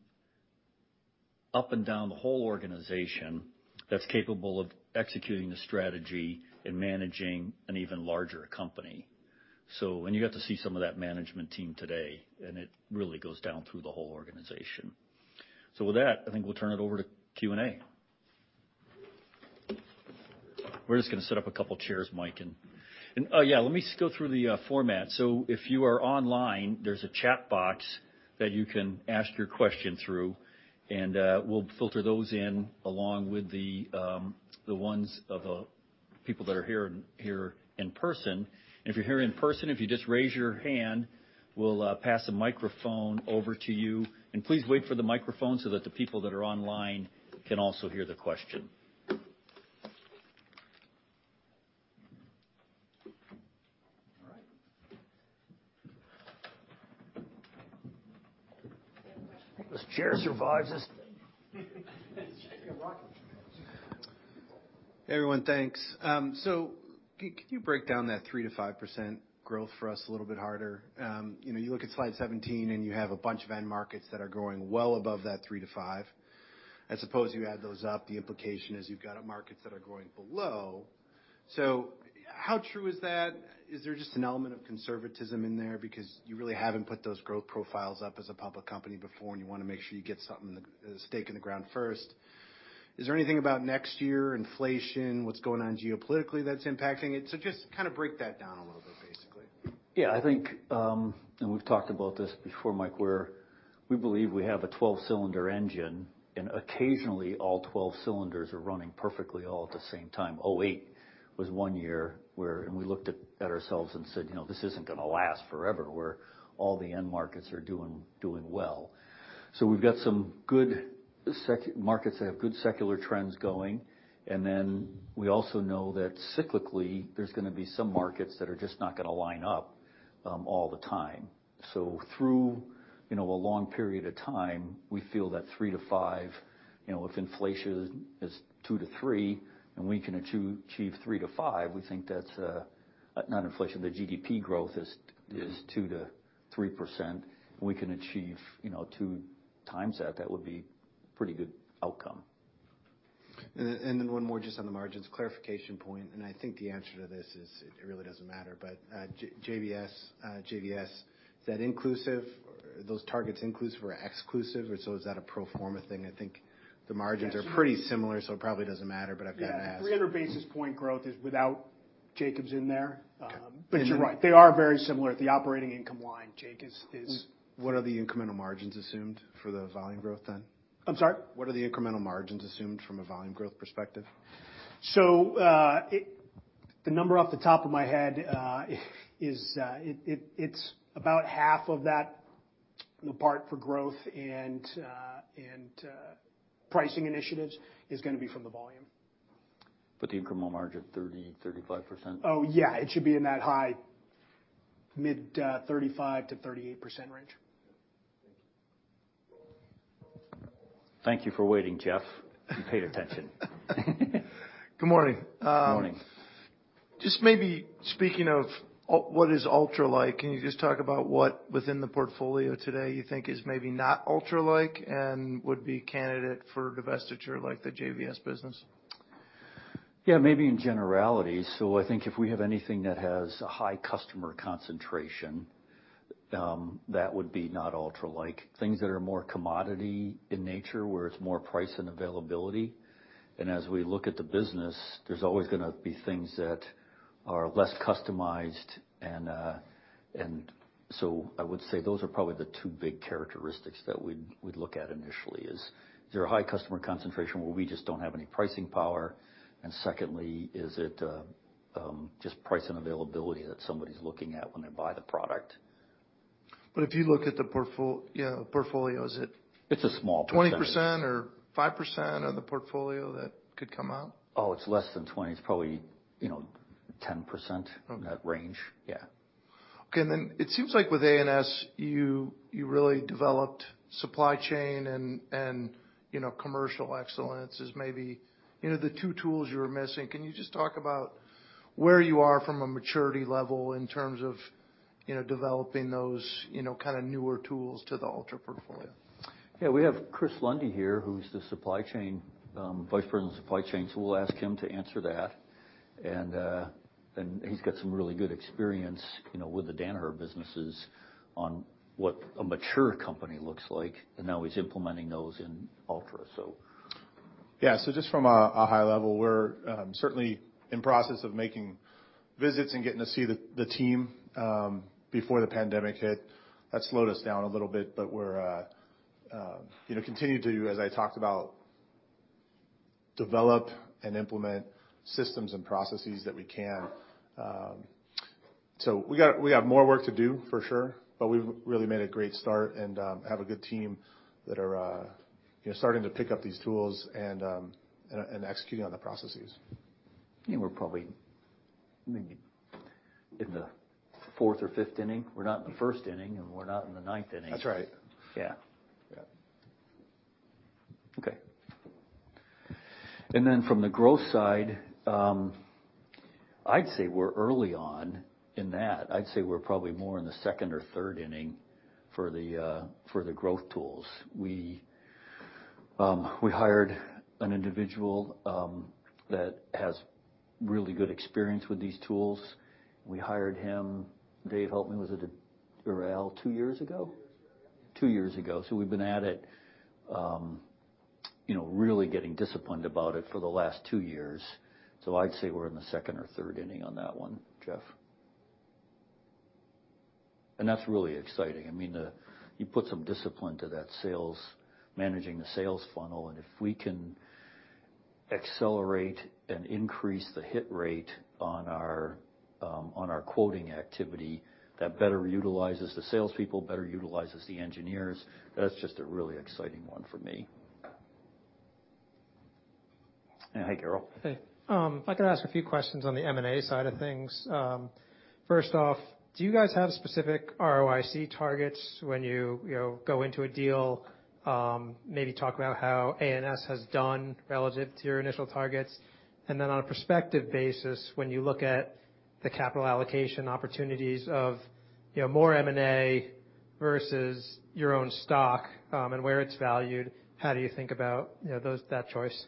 up and down the whole organization that's capable of executing the strategy and managing an even larger company. You got to see some of that management team today, and it really goes down through the whole organization. With that, I think we'll turn it over to Q&A. We're just gonna set up a couple chairs, Mike, and yeah, let me just go through the format. If you are online, there's a chat box that you can ask your question through, and we'll filter those in along with the ones of people that are here in person. If you're here in person, if you just raise your hand, we'll pass the microphone over to you. Please wait for the microphone so that the people that are online can also hear the question. All right. You have a question? This chair survives this thing. It's shaking and rocking. Everyone, thanks. Can you break down that 3%-5% growth for us a little bit harder? You know, you look at slide 17 and you have a bunch of end markets that are growing well above that 3%-5%. I suppose you add those up, the implication is you've got markets that are growing below. How true is that? Is there just an element of conservatism in there because you really haven't put those growth profiles up as a public company before, and you wanna make sure you get something, a stake in the ground first? Is there anything about next year, inflation, what's going on geopolitically that's impacting it? Just kinda break that down a little bit, basically. Yeah, I think we've talked about this before, Mike, where we believe we have a 12-cylinder engine, and occasionally all 12 cylinders are running perfectly all at the same time. 2008 was one year where we looked at ourselves and said, "You know, this isn't gonna last forever, where all the end markets are doing well." We've got some good secular markets that have good secular trends going. Then we also know that cyclically, there's gonna be some markets that are just not gonna line up all the time. Through a long period of time, we feel that 3%-5%, you know, if inflation is 2%-3%, and we can achieve 3%-5%, we think that's. Not inflation, the GDP growth is- Mm-hmm is 2%-3%, and we can achieve, you know, 2 times that would be pretty good outcome. One more just on the margins. Clarification point, and I think the answer to this is, it really doesn't matter. JVS, is that inclusive? Are those targets inclusive or exclusive, or so is that a pro forma thing? I think the margins- Yeah. are pretty similar, so it probably doesn't matter, but I've gotta ask. Yeah, the 30 basis points growth is without Jacobs in there. Okay. You're right, they are very similar at the operating income line. JVS is What are the incremental margins assumed for the volume growth then? I'm sorry? What are the incremental margins assumed from a volume growth perspective? The number off the top of my head, it's about half of that. The part for growth and pricing initiatives is gonna be from the volume. The incremental margin, 30%-35%? Oh, yeah. It should be in that high, mid, 35%-38% range. Okay. Thank you. Thank you for waiting, Jeff. You paid attention. Good morning. Good morning. Just maybe speaking of what is Altra-like, can you just talk about what within the portfolio today you think is maybe not Altra-like and would be candidate for divestiture like the JVS business? Yeah, maybe in generality. I think if we have anything that has a high customer concentration, that would be not Altra-like. Things that are more commodity in nature, where it's more price and availability. As we look at the business, there's always gonna be things that are less customized and I would say those are probably the two big characteristics that we'd look at initially is there a high customer concentration where we just don't have any pricing power? Secondly, is it just price and availability that somebody's looking at when they buy the product? If you look at the portfolio, is it It's a small percentage. 20% or 5% of the portfolio that could come out? Oh, it's less than 20. It's probably, you know, 10%. Okay. In that range. Yeah. Okay. It seems like with A&S, you really developed supply chain and, you know, commercial excellence as maybe, you know, the two tools you were missing. Can you just talk about where you are from a maturity level in terms of, you know, developing those, you know, kinda newer tools to the Altra portfolio? Yeah. We have Chris Lundy here, who's the supply chain Vice President of Supply Chain. We'll ask him to answer that. He's got some really good experience, you know, with the Danaher businesses on what a mature company looks like, and now he's implementing those in Altra, so. Yeah. Just from a high level, we're certainly in process of making visits and getting to see the team before the pandemic hit. That slowed us down a little bit, but we're you know continue to, as I talked about, develop and implement systems and processes that we can. We got more work to do, for sure, but we've really made a great start and have a good team that are you know starting to pick up these tools and executing on the processes. Yeah, we're probably maybe in the fourth or fifth inning. We're not in the first inning, and we're not in the ninth inning. That's right. Yeah. Yeah. Okay. From the growth side, I'd say we're early on in that. I'd say we're probably more in the second or third inning for the growth tools. We hired an individual that has really good experience with these tools. We hired him, Dave, help me, was it two years ago? Two years ago, yeah. Two years ago. We've been at it, you know, really getting disciplined about it for the last two years. I'd say we're in the second or third inning on that one, Jeff. That's really exciting. I mean, you put some discipline to that sales, managing the sales funnel. If we can accelerate and increase the hit rate on our on our quoting activity, that better utilizes the salespeople, better utilizes the engineers. That's just a exciting one for me. Hi, Gail. Hey. If I could ask a few questions on the M&A side of things. First off, do you guys have specific ROIC targets when you know, go into a deal? Maybe talk about how A&S has done relative to your initial targets. Then on a prospective basis, when you look at the capital allocation opportunities of, you know, more M&A versus your own stock, and where it's valued, how do you think about, you know, that choice?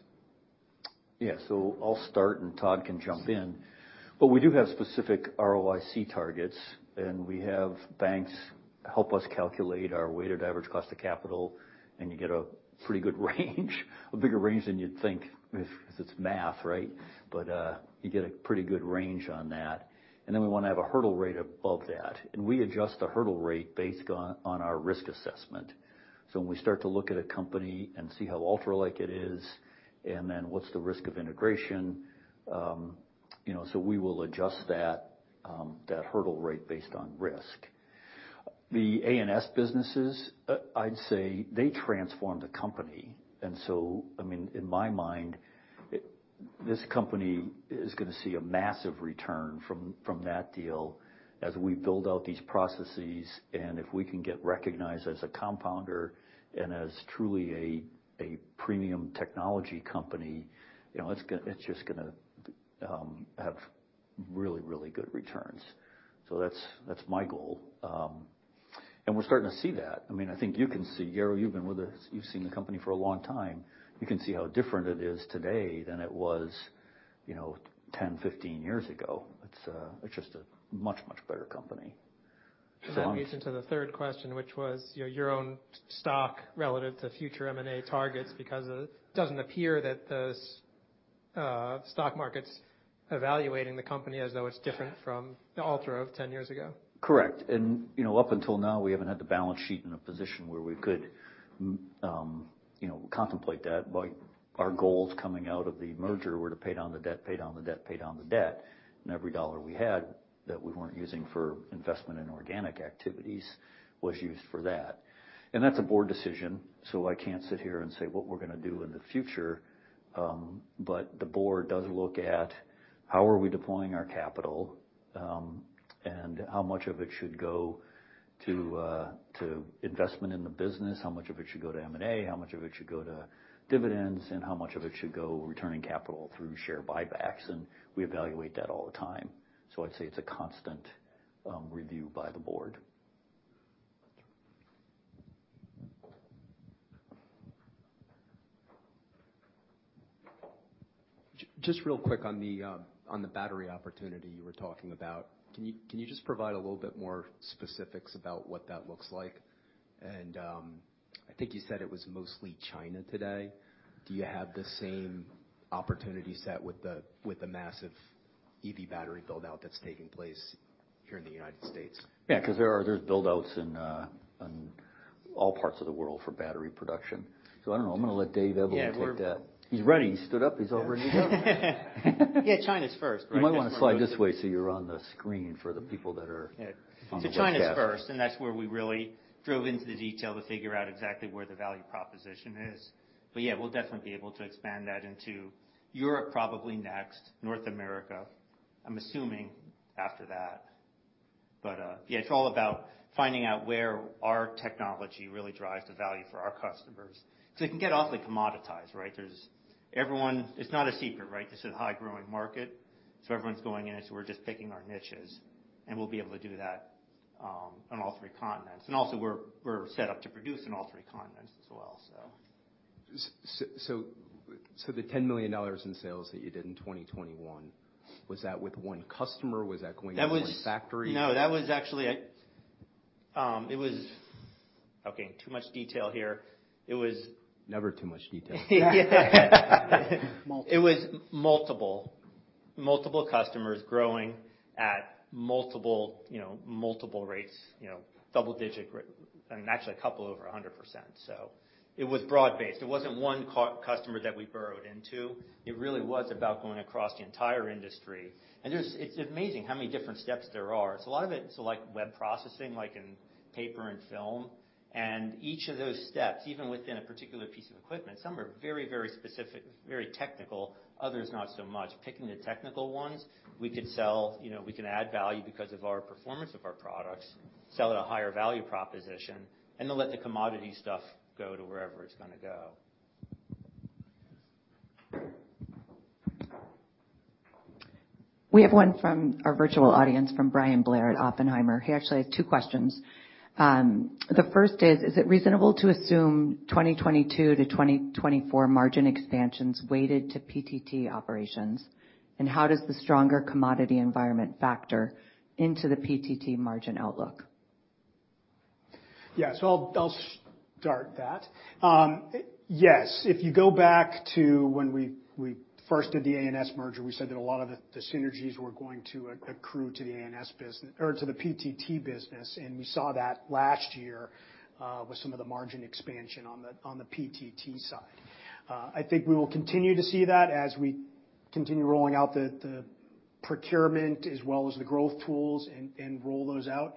I'll start, and Todd can jump in. We do have specific ROIC targets, and we have banks help us calculate our weighted average cost of capital, and you get a pretty good range, a bigger range than you'd think if it's math, right? You get a pretty good range on that. We wanna have a hurdle rate above that. We adjust the hurdle rate based on our risk assessment. When we start to look at a company and see how Altra-like it is, and then what's the risk of integration, we will adjust that hurdle rate based on risk. The A&S businesses, I'd say they transformed the company. I mean, in my mind, this company is gonna see a massive return from that deal as we build out these processes. If we can get recognized as a compounder and as truly a premium technology company, you know, it's just gonna have really, really good returns. That's my goal. We're starting to see that. I mean, I think you can see. Gary, you've been with us, you've seen the company for a long time. You can see how different it is today than it was, you know, 10, 15 years ago. It's just a much, much better company. That leads into the third question, which was, you know, your own stock relative to future M&A targets, because it doesn't appear that the stock market's evaluating the company as though it's different from Altra of ten years ago. Correct. You know, up until now, we haven't had the balance sheet in a position where we could, you know, contemplate that. Our goals coming out of the merger were to pay down the debt. Every dollar we had that we weren't using for investment in organic activities was used for that. That's a board decision, so I can't sit here and say what we're gonna do in the future. The board does look at how we are deploying our capital, and how much of it should go to investment in the business, how much of it should go to M&A, how much of it should go to dividends, and how much of it should go returning capital through share buybacks. We evaluate that all the time. I'd say it's a constant review by the board. Just real quick on the battery opportunity you were talking about. Can you just provide a little bit more specifics about what that looks like? I think you said it was mostly China today. Do you have the same opportunity set with the massive EV battery build-out that's taking place here in the United States? Yeah. 'Cause there are build-outs in all parts of the world for battery production. I don't know. I'm gonna let Dave Ebling take that. Yeah. He's ready. He stood up. He's all ready to go. Yeah, China's first, right? You might wanna slide this way so you're on the screen for the people that are. Yeah on the webcast. China's first, and that's where we really dove into the details to figure out exactly where the value proposition is. Yeah, we'll definitely be able to expand that into Europe probably next, North America, I'm assuming after that. Yeah, it's all about finding out where our technology really drives the value for our customers. It can get awfully commoditized, right? It's not a secret, right? This is a high-growth market, so everyone's going in it, so we're just picking our niches, and we'll be able to do that on all three continents. We're set up to produce in all three continents as well. the $10 million in sales that you did in 2021, was that with one customer? Was that going into one factory? Okay, too much detail here. Never too much detail. It was multiple customers growing at multiple, you know, multiple rates, you know, double-digit and actually a couple over 100%. It was broad-based. It wasn't one customer that we burrowed into. It really was about going across the entire industry. It's amazing how many different steps there are. A lot of it, so like web processing, like in paper and film, and each of those steps, even within a particular piece of equipment, some are very, very specific, very technical, others not so much. Picking the technical ones, we could sell, you know, we can add value because of our performance of our products, sell at a higher value proposition, and then let the commodity stuff go to wherever it's gonna go. We have one from our virtual audience from Bryan Blair at Oppenheimer. He actually has two questions. The first is: Is it reasonable to assume 2022-2024 margin expansions weighted to PTT operations? And how does the stronger commodity environment factor into the PTT margin outlook? Yeah. I'll start that. Yes, if you go back to when we first did the A&S merger, we said that a lot of the synergies were going to accrue to the PTT business, and we saw that last year with some of the margin expansion on the PTT side. I think we will continue to see that as we continue rolling out the Procurement as well as the growth tools and roll those out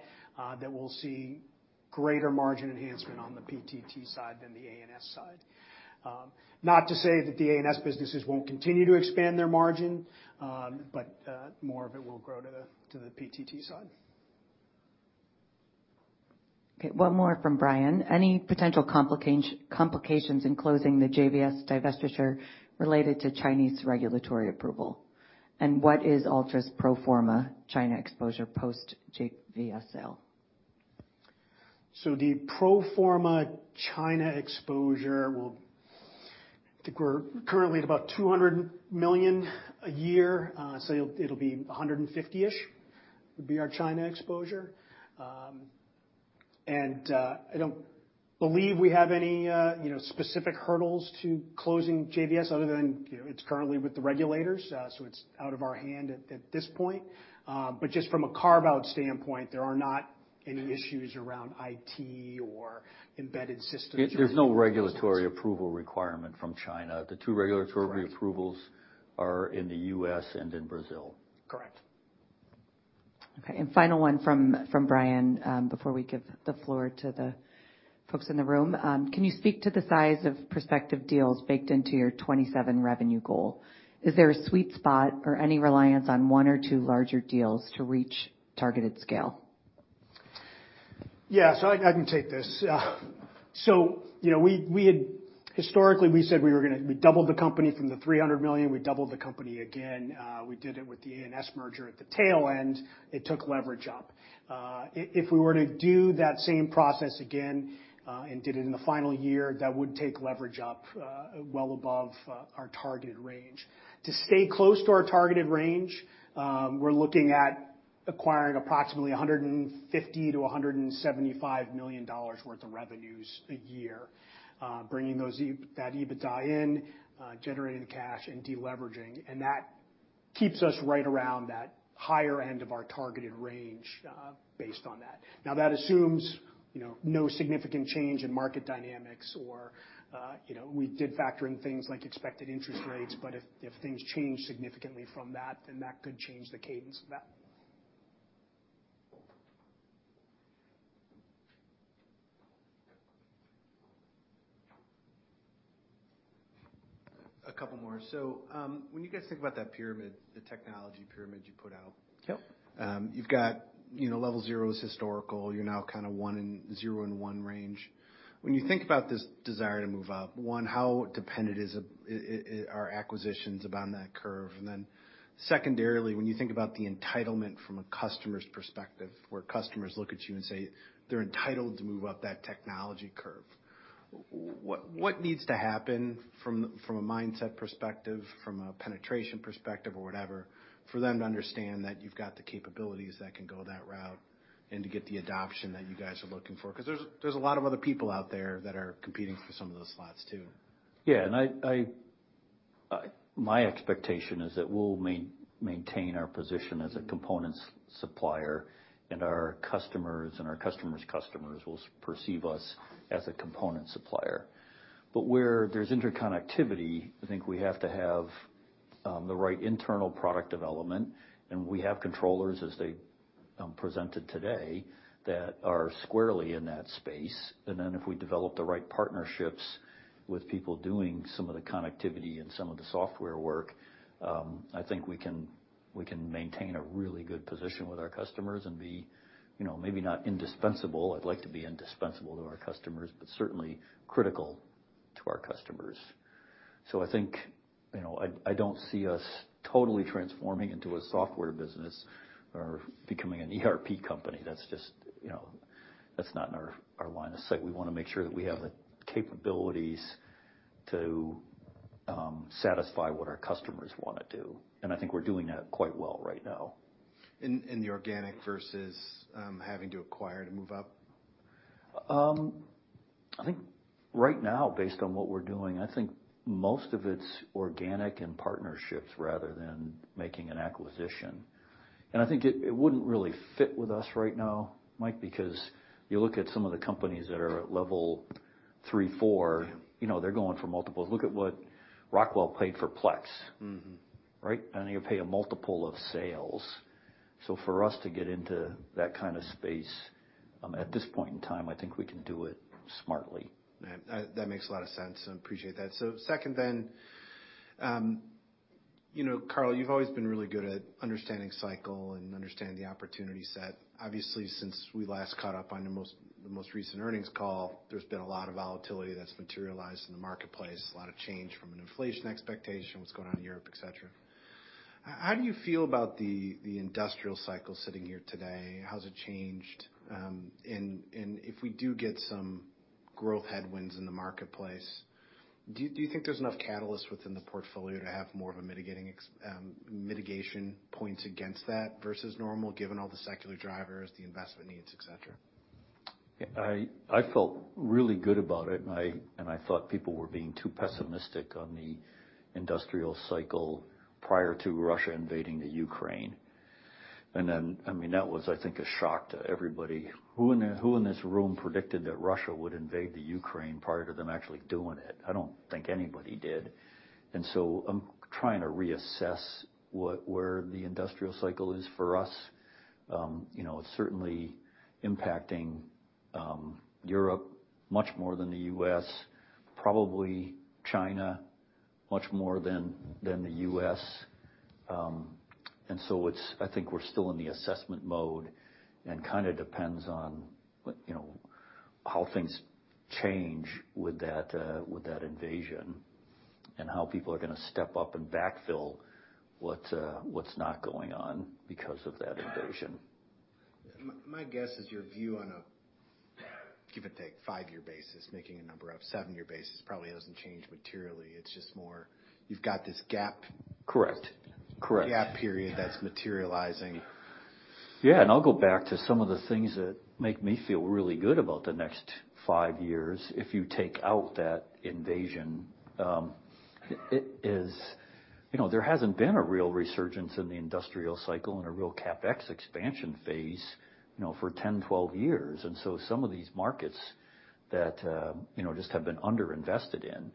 that we'll see greater margin enhancement on the PTT side than the A&S side. Not to say that the A&S businesses won't continue to expand their margin, but more of it will grow to the PTT side. Okay, one more from Bryan. Any potential complications in closing the JVS divestiture related to Chinese regulatory approval, and what is Altra's pro forma China exposure post JVS sale? The pro forma China exposure will. I think we're currently at about $200 million a year. It'll be 150-ish would be our China exposure. I don't believe we have any, you know, specific hurdles to closing JVS other than, you know, it's currently with the regulators, so it's out of our hands at this point. Just from a carve-out standpoint, there are not any issues around IT or embedded systems. There's no regulatory approval requirement from China. The two regulatory Right. Approvals are in the U.S. and in Brazil. Correct. Okay, final one from Bryan Blair before we give the floor to the folks in the room. Can you speak to the size of prospective deals baked into your 2027 revenue goal? Is there a sweet spot or any reliance on one or two larger deals to reach targeted scale? Yeah, I can take this. You know, we doubled the company from $300 million, we doubled the company again. We did it with the A&S merger at the tail end. It took leverage up. If we were to do that same process again and did it in the final year, that would take leverage up well above our targeted range. To stay close to our targeted range, we're looking at acquiring approximately $150 million-$175 million worth of revenues a year, bringing that EBITDA in, generating cash and de-leveraging, and that keeps us right around that higher end of our targeted range, based on that. Now, that assumes, you know, no significant change in market dynamics or, you know, we did factor in things like expected interest rates, but if things change significantly from that, then that could change the cadence of that. A couple more. When you guys think about that pyramid, the technology pyramid you put out. Yep. You've got, you know, level zero is historical. You're now kinda one and zero and one range. When you think about this desire to move up, one, how dependent are acquisitions upon that curve? Then secondarily, when you think about the entitlement from a customer's perspective, where customers look at you and say they're entitled to move up that technology curve, what needs to happen from a mindset perspective, from a penetration perspective or whatever, for them to understand that you've got the capabilities that can go that route and to get the adoption that you guys are looking for? 'Cause there's a lot of other people out there that are competing for some of those spots too. Yeah. My expectation is that we'll maintain our position as a components supplier, and our customers and our customers' customers will perceive us as a component supplier. But where there's interconnectivity, I think we have to have the right internal product development, and we have controllers, as they presented today, that are squarely in that space. If we develop the right partnerships with people doing some of the connectivity and some of the software work, I think we can maintain a really good position with our customers and be, you know, maybe not indispensable. I'd like to be indispensable to our customers, but certainly critical to our customers. I think, you know, I don't see us totally transforming into a software business or becoming an ERP company. That's just, you know, that's not in our line of sight. We wanna make sure that we have the capabilities to satisfy what our customers wanna do, and I think we're doing that quite well right now. In the organic versus having to acquire to move up? I think right now, based on what we're doing, I think most of it's organic and partnerships rather than making an acquisition. I think it wouldn't really fit with us right now, Mike, because you look at some of the companies that are at level three, four, you know, they're going for multiples. Look at what Rockwell paid for Plex. Mm-hmm. Right? You pay a multiple of sales. For us to get into that kinda space, at this point in time, I think we can do it smartly. That makes a lot of sense, so appreciate that. Second then, you know, Carl, you've always been really good at understanding cycle and understanding the opportunity set. Obviously, since we last caught up on the most recent earnings call, there's been a lot of volatility that's materialized in the marketplace, a lot of change from an inflation expectation, what's going on in Europe, et cetera. How do you feel about the industrial cycle sitting here today? How's it changed? And if we do get some growth headwinds in the marketplace, do you think there's enough catalyst within the portfolio to have more of a mitigation points against that versus normal, given all the secular drivers, the investment needs, et cetera? I felt really good about it, and I thought people were being too pessimistic on the industrial cycle prior to Russia invading the Ukraine. I mean, that was, I think, a shock to everybody. Who in this room predicted that Russia would invade the Ukraine prior to them actually doing it? I don't think anybody did. I'm trying to reassess where the industrial cycle is for us. You know, it's certainly impacting Europe much more than the U.S., probably China much more than the U.S. I think we're still in the assessment mode, and kinda depends on what, you know, how things change with that, with that invasion and how people are gonna step up and backfill what's not going on because of that invasion. My guess is your view on a give or take five-year basis, making a number of seven-year basis probably hasn't changed materially. It's just more you've got this gap- Correct. Correct. Gap period that's materializing. Yeah. I'll go back to some of the things that make me feel really good about the next five years if you take out that invasion. You know, there hasn't been a real resurgence in the industrial cycle and a real CapEx expansion phase, you know, for 10, 12 years. Some of these markets that you know just have been underinvested in,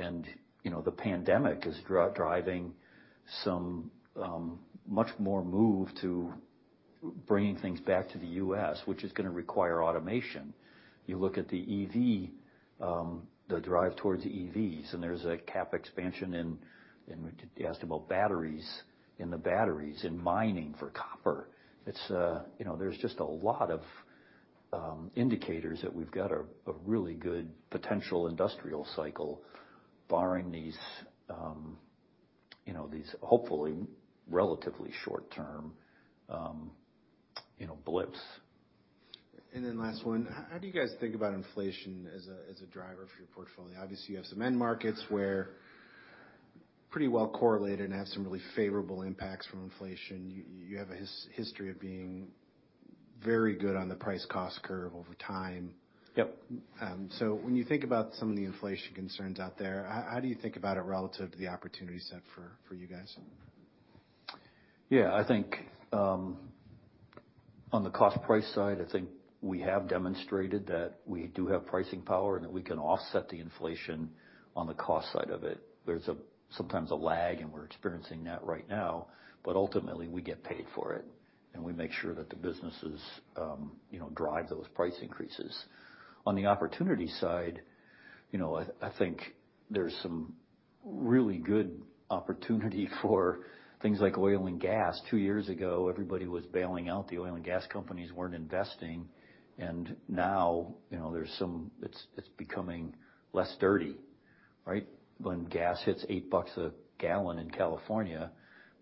and you know, the pandemic is driving some much more move to bringing things back to the U.S., which is gonna require automation. You look at the EV, the drive towards EVs, and there's a CapEx expansion in the batteries and mining for copper. It's you know there's just a lot of indicators that we've got a really good potential industrial cycle barring these you know these hopefully relatively short term you know blips. Then last one. How do you guys think about inflation as a driver for your portfolio? Obviously, you have some end markets where pretty well correlated and have some really favorable impacts from inflation. You have a history of being very good on the price-cost curve over time. Yep. When you think about some of the inflation concerns out there, how do you think about it relative to the opportunity set for you guys? I think on the cost-price side, I think we have demonstrated that we do have pricing power and that we can offset the inflation on the cost side of it. There's sometimes a lag, and we're experiencing that right now, but ultimately, we get paid for it, and we make sure that the businesses you know drive those price increases. On the opportunity side, you know, I think there's some really good opportunity for things like oil and gas. Two years ago, everybody was bailing out. The oil and gas companies weren't investing. Now, you know, there's some. It's becoming less dirty, right? When gas hits $8 a gallon in California,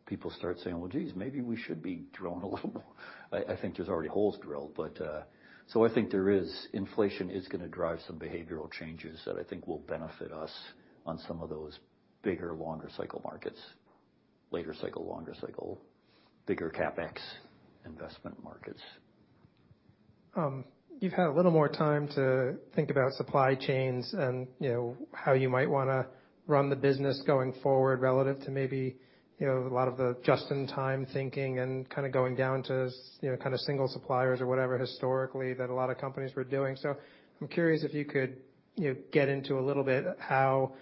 people start saying, "Well, geez, maybe we should be drilling a little more." I think there's already holes drilled. I think there is. Inflation is gonna drive some behavioral changes that I think will benefit us on some of those bigger, longer cycle markets, later cycle, bigger CapEx investment markets. You've had a little more time to think about supply chains and, you know, how you might wanna run the business going forward relative to maybe, you know, a lot of the just-in-time thinking and kinda going down to, you know, kinda single suppliers or whatever historically that a lot of companies were doing. I'm curious if you could, you know, get into a little bit how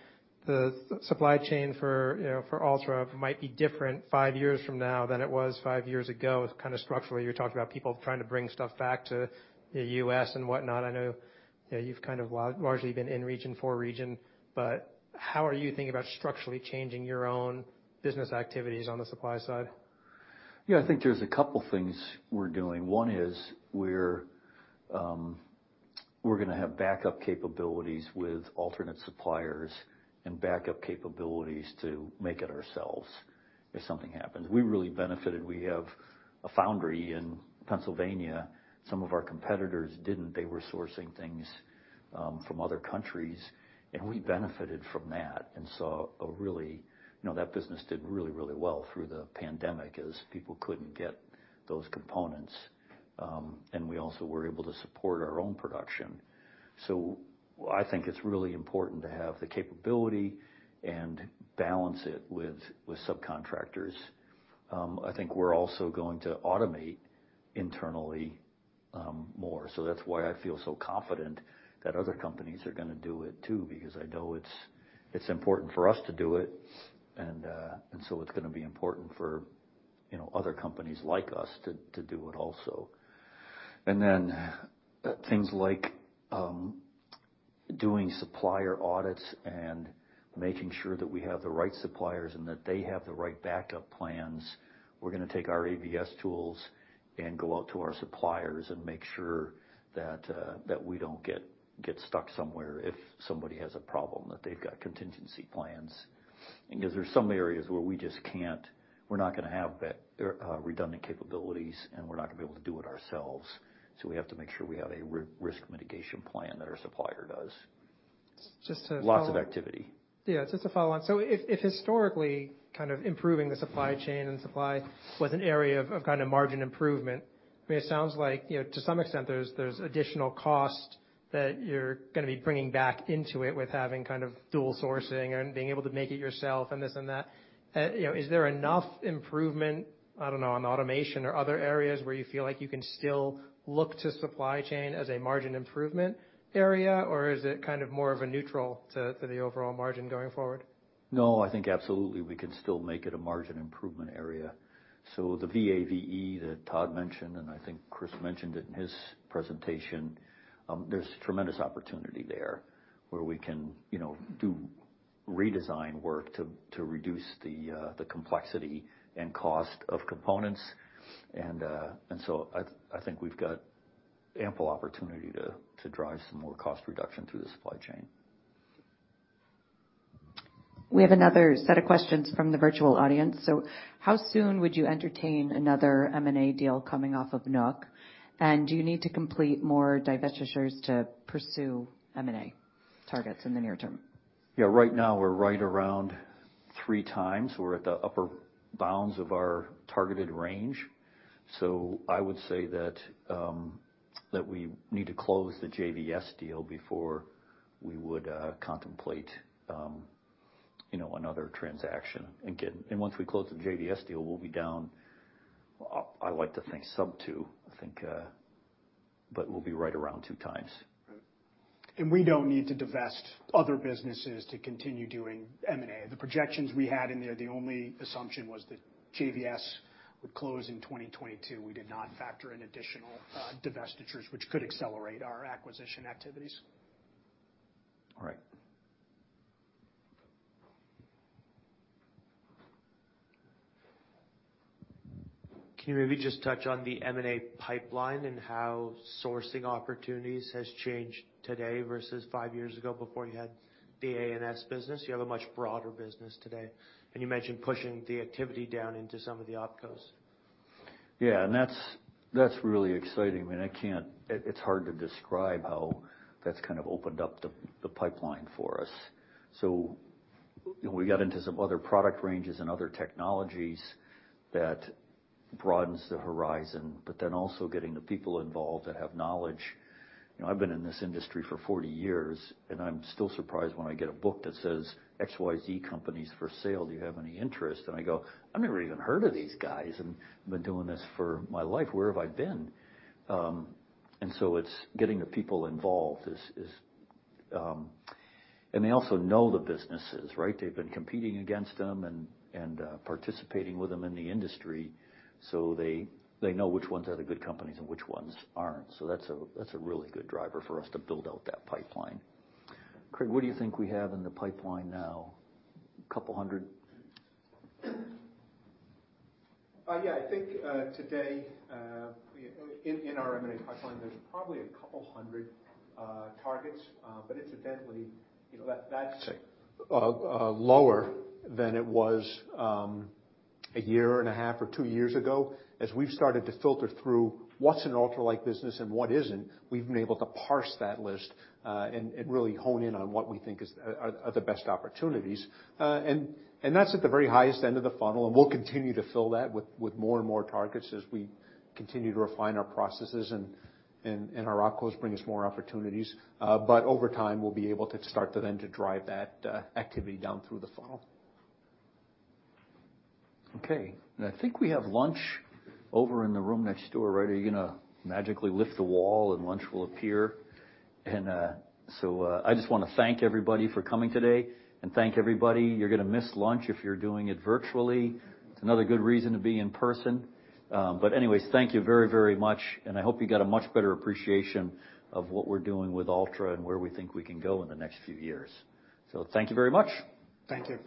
the supply chain for, you know, for Altra might be different five years from now than it was five years ago kind of structurally. You talked about people trying to bring stuff back to the U.S. and whatnot. I know, you know, you've kind of largely been in region for region. How are you thinking about structurally changing your own business activities on the supply side? Yeah. I think there's a couple things we're doing. One is we're gonna have backup capabilities with alternate suppliers and backup capabilities to make it ourselves if something happens. We really benefited. We have a foundry in Pennsylvania. Some of our competitors didn't. They were sourcing things from other countries, and we benefited from that and saw a really, you know, that business did really, really well through the pandemic as people couldn't get those components. We also were able to support our own production. I think it's really important to have the capability and balance it with subcontractors. I think we're also going to automate internally more. That's why I feel so confident that other companies are gonna do it too because I know it's important for us to do it. It's gonna be important for, you know, other companies like us to do it also. Then things like doing supplier audits and making sure that we have the right suppliers and that they have the right backup plans. We're gonna take our ABS tools and go out to our suppliers and make sure that we don't get stuck somewhere if somebody has a problem, that they've got contingency plans. 'Cause there's some areas where we just can't. We're not gonna have that redundant capabilities, and we're not gonna be able to do it ourselves. We have to make sure we have a risk mitigation plan that our supplier does. Just to follow- Lots of activity. Yeah, just to follow on. If historically kind of improving the supply chain and supply was an area of kind of margin improvement, I mean, it sounds like, you know, to some extent there's additional cost that you're gonna be bringing back into it with having kind of dual sourcing and being able to make it yourself and this and that. You know, is there enough improvement, I don't know, on automation or other areas where you feel like you can still look to supply chain as a margin improvement area? Or is it kind of more of a neutral to the overall margin going forward? No, I think absolutely we can still make it a margin improvement area. The VAVE that Todd mentioned, and I think Chris mentioned it in his presentation, there's tremendous opportunity there where we can, you know, do redesign work to reduce the complexity and cost of components. I think we've got ample opportunity to drive some more cost reduction through the supply chain. We have another set of questions from the virtual audience. How soon would you entertain another M&A deal coming off of Nook? And do you need to complete more divestitures to pursue M&A targets in the near term? Right now we're right around 3 times. We're at the upper bounds of our targeted range. I would say that we need to close the JVS deal before we would contemplate another transaction. Once we close the JVS deal, we'll be down, up, I like to think sub 2, I think. But we'll be right around 2 times. We don't need to divest other businesses to continue doing M&A. The projections we had in there, the only assumption was that JVS would close in 2022. We did not factor in additional divestitures which could accelerate our acquisition activities. All right. Can you maybe just touch on the M&A pipeline and how sourcing opportunities has changed today versus five years ago before you had the A&S business? You have a much broader business today, and you mentioned pushing the activity down into some of the OpCos. Yeah. That's really exciting. I mean, it's hard to describe how that's kind of opened up the pipeline for us. You know, we got into some other product ranges and other technologies that broadens the horizon, but then also getting the people involved that have knowledge. You know, I've been in this industry for 40 years, and I'm still surprised when I get a book that says, "XYZ Company's for sale. Do you have any interest?" I go, "I've never even heard of these guys, and I've been doing this for my life. Where have I been?" It's getting the people involved. They also know the businesses, right? They've been competing against them and participating with them in the industry, so they know which ones are the good companies and which ones aren't. That's a really good driver for us to build out that pipeline. Craig, what do you think we have in the pipeline now? A couple hundred? I think today in our M&A pipeline, there's probably a couple of hundreds targets. Incidentally, you know, that's lower than it was a year and a half or two years ago. As we've started to filter through what's an Altra-like business and what isn't, we've been able to parse that list and really hone in on that we think are the best opportunities. That's at the very highest end of the funnel, and we'll continue to fill that with more and more targets as we continue to refine our processes and our OpCos bring us more opportunities. Over time, we'll be able to start to drive that activity down through the funnel. Okay. I think we have lunch over in the room next door, right? Are you gonna magically lift the wall and lunch will appear? I just wanna thank everybody for coming today. You're gonna miss lunch if you're doing it virtually. It's another good reason to be in person. Anyways, thank you very, very much, and I hope you got a much better appreciation of what we're doing with Altra and where we think we can go in the next few years. Thank you very much. Thank you.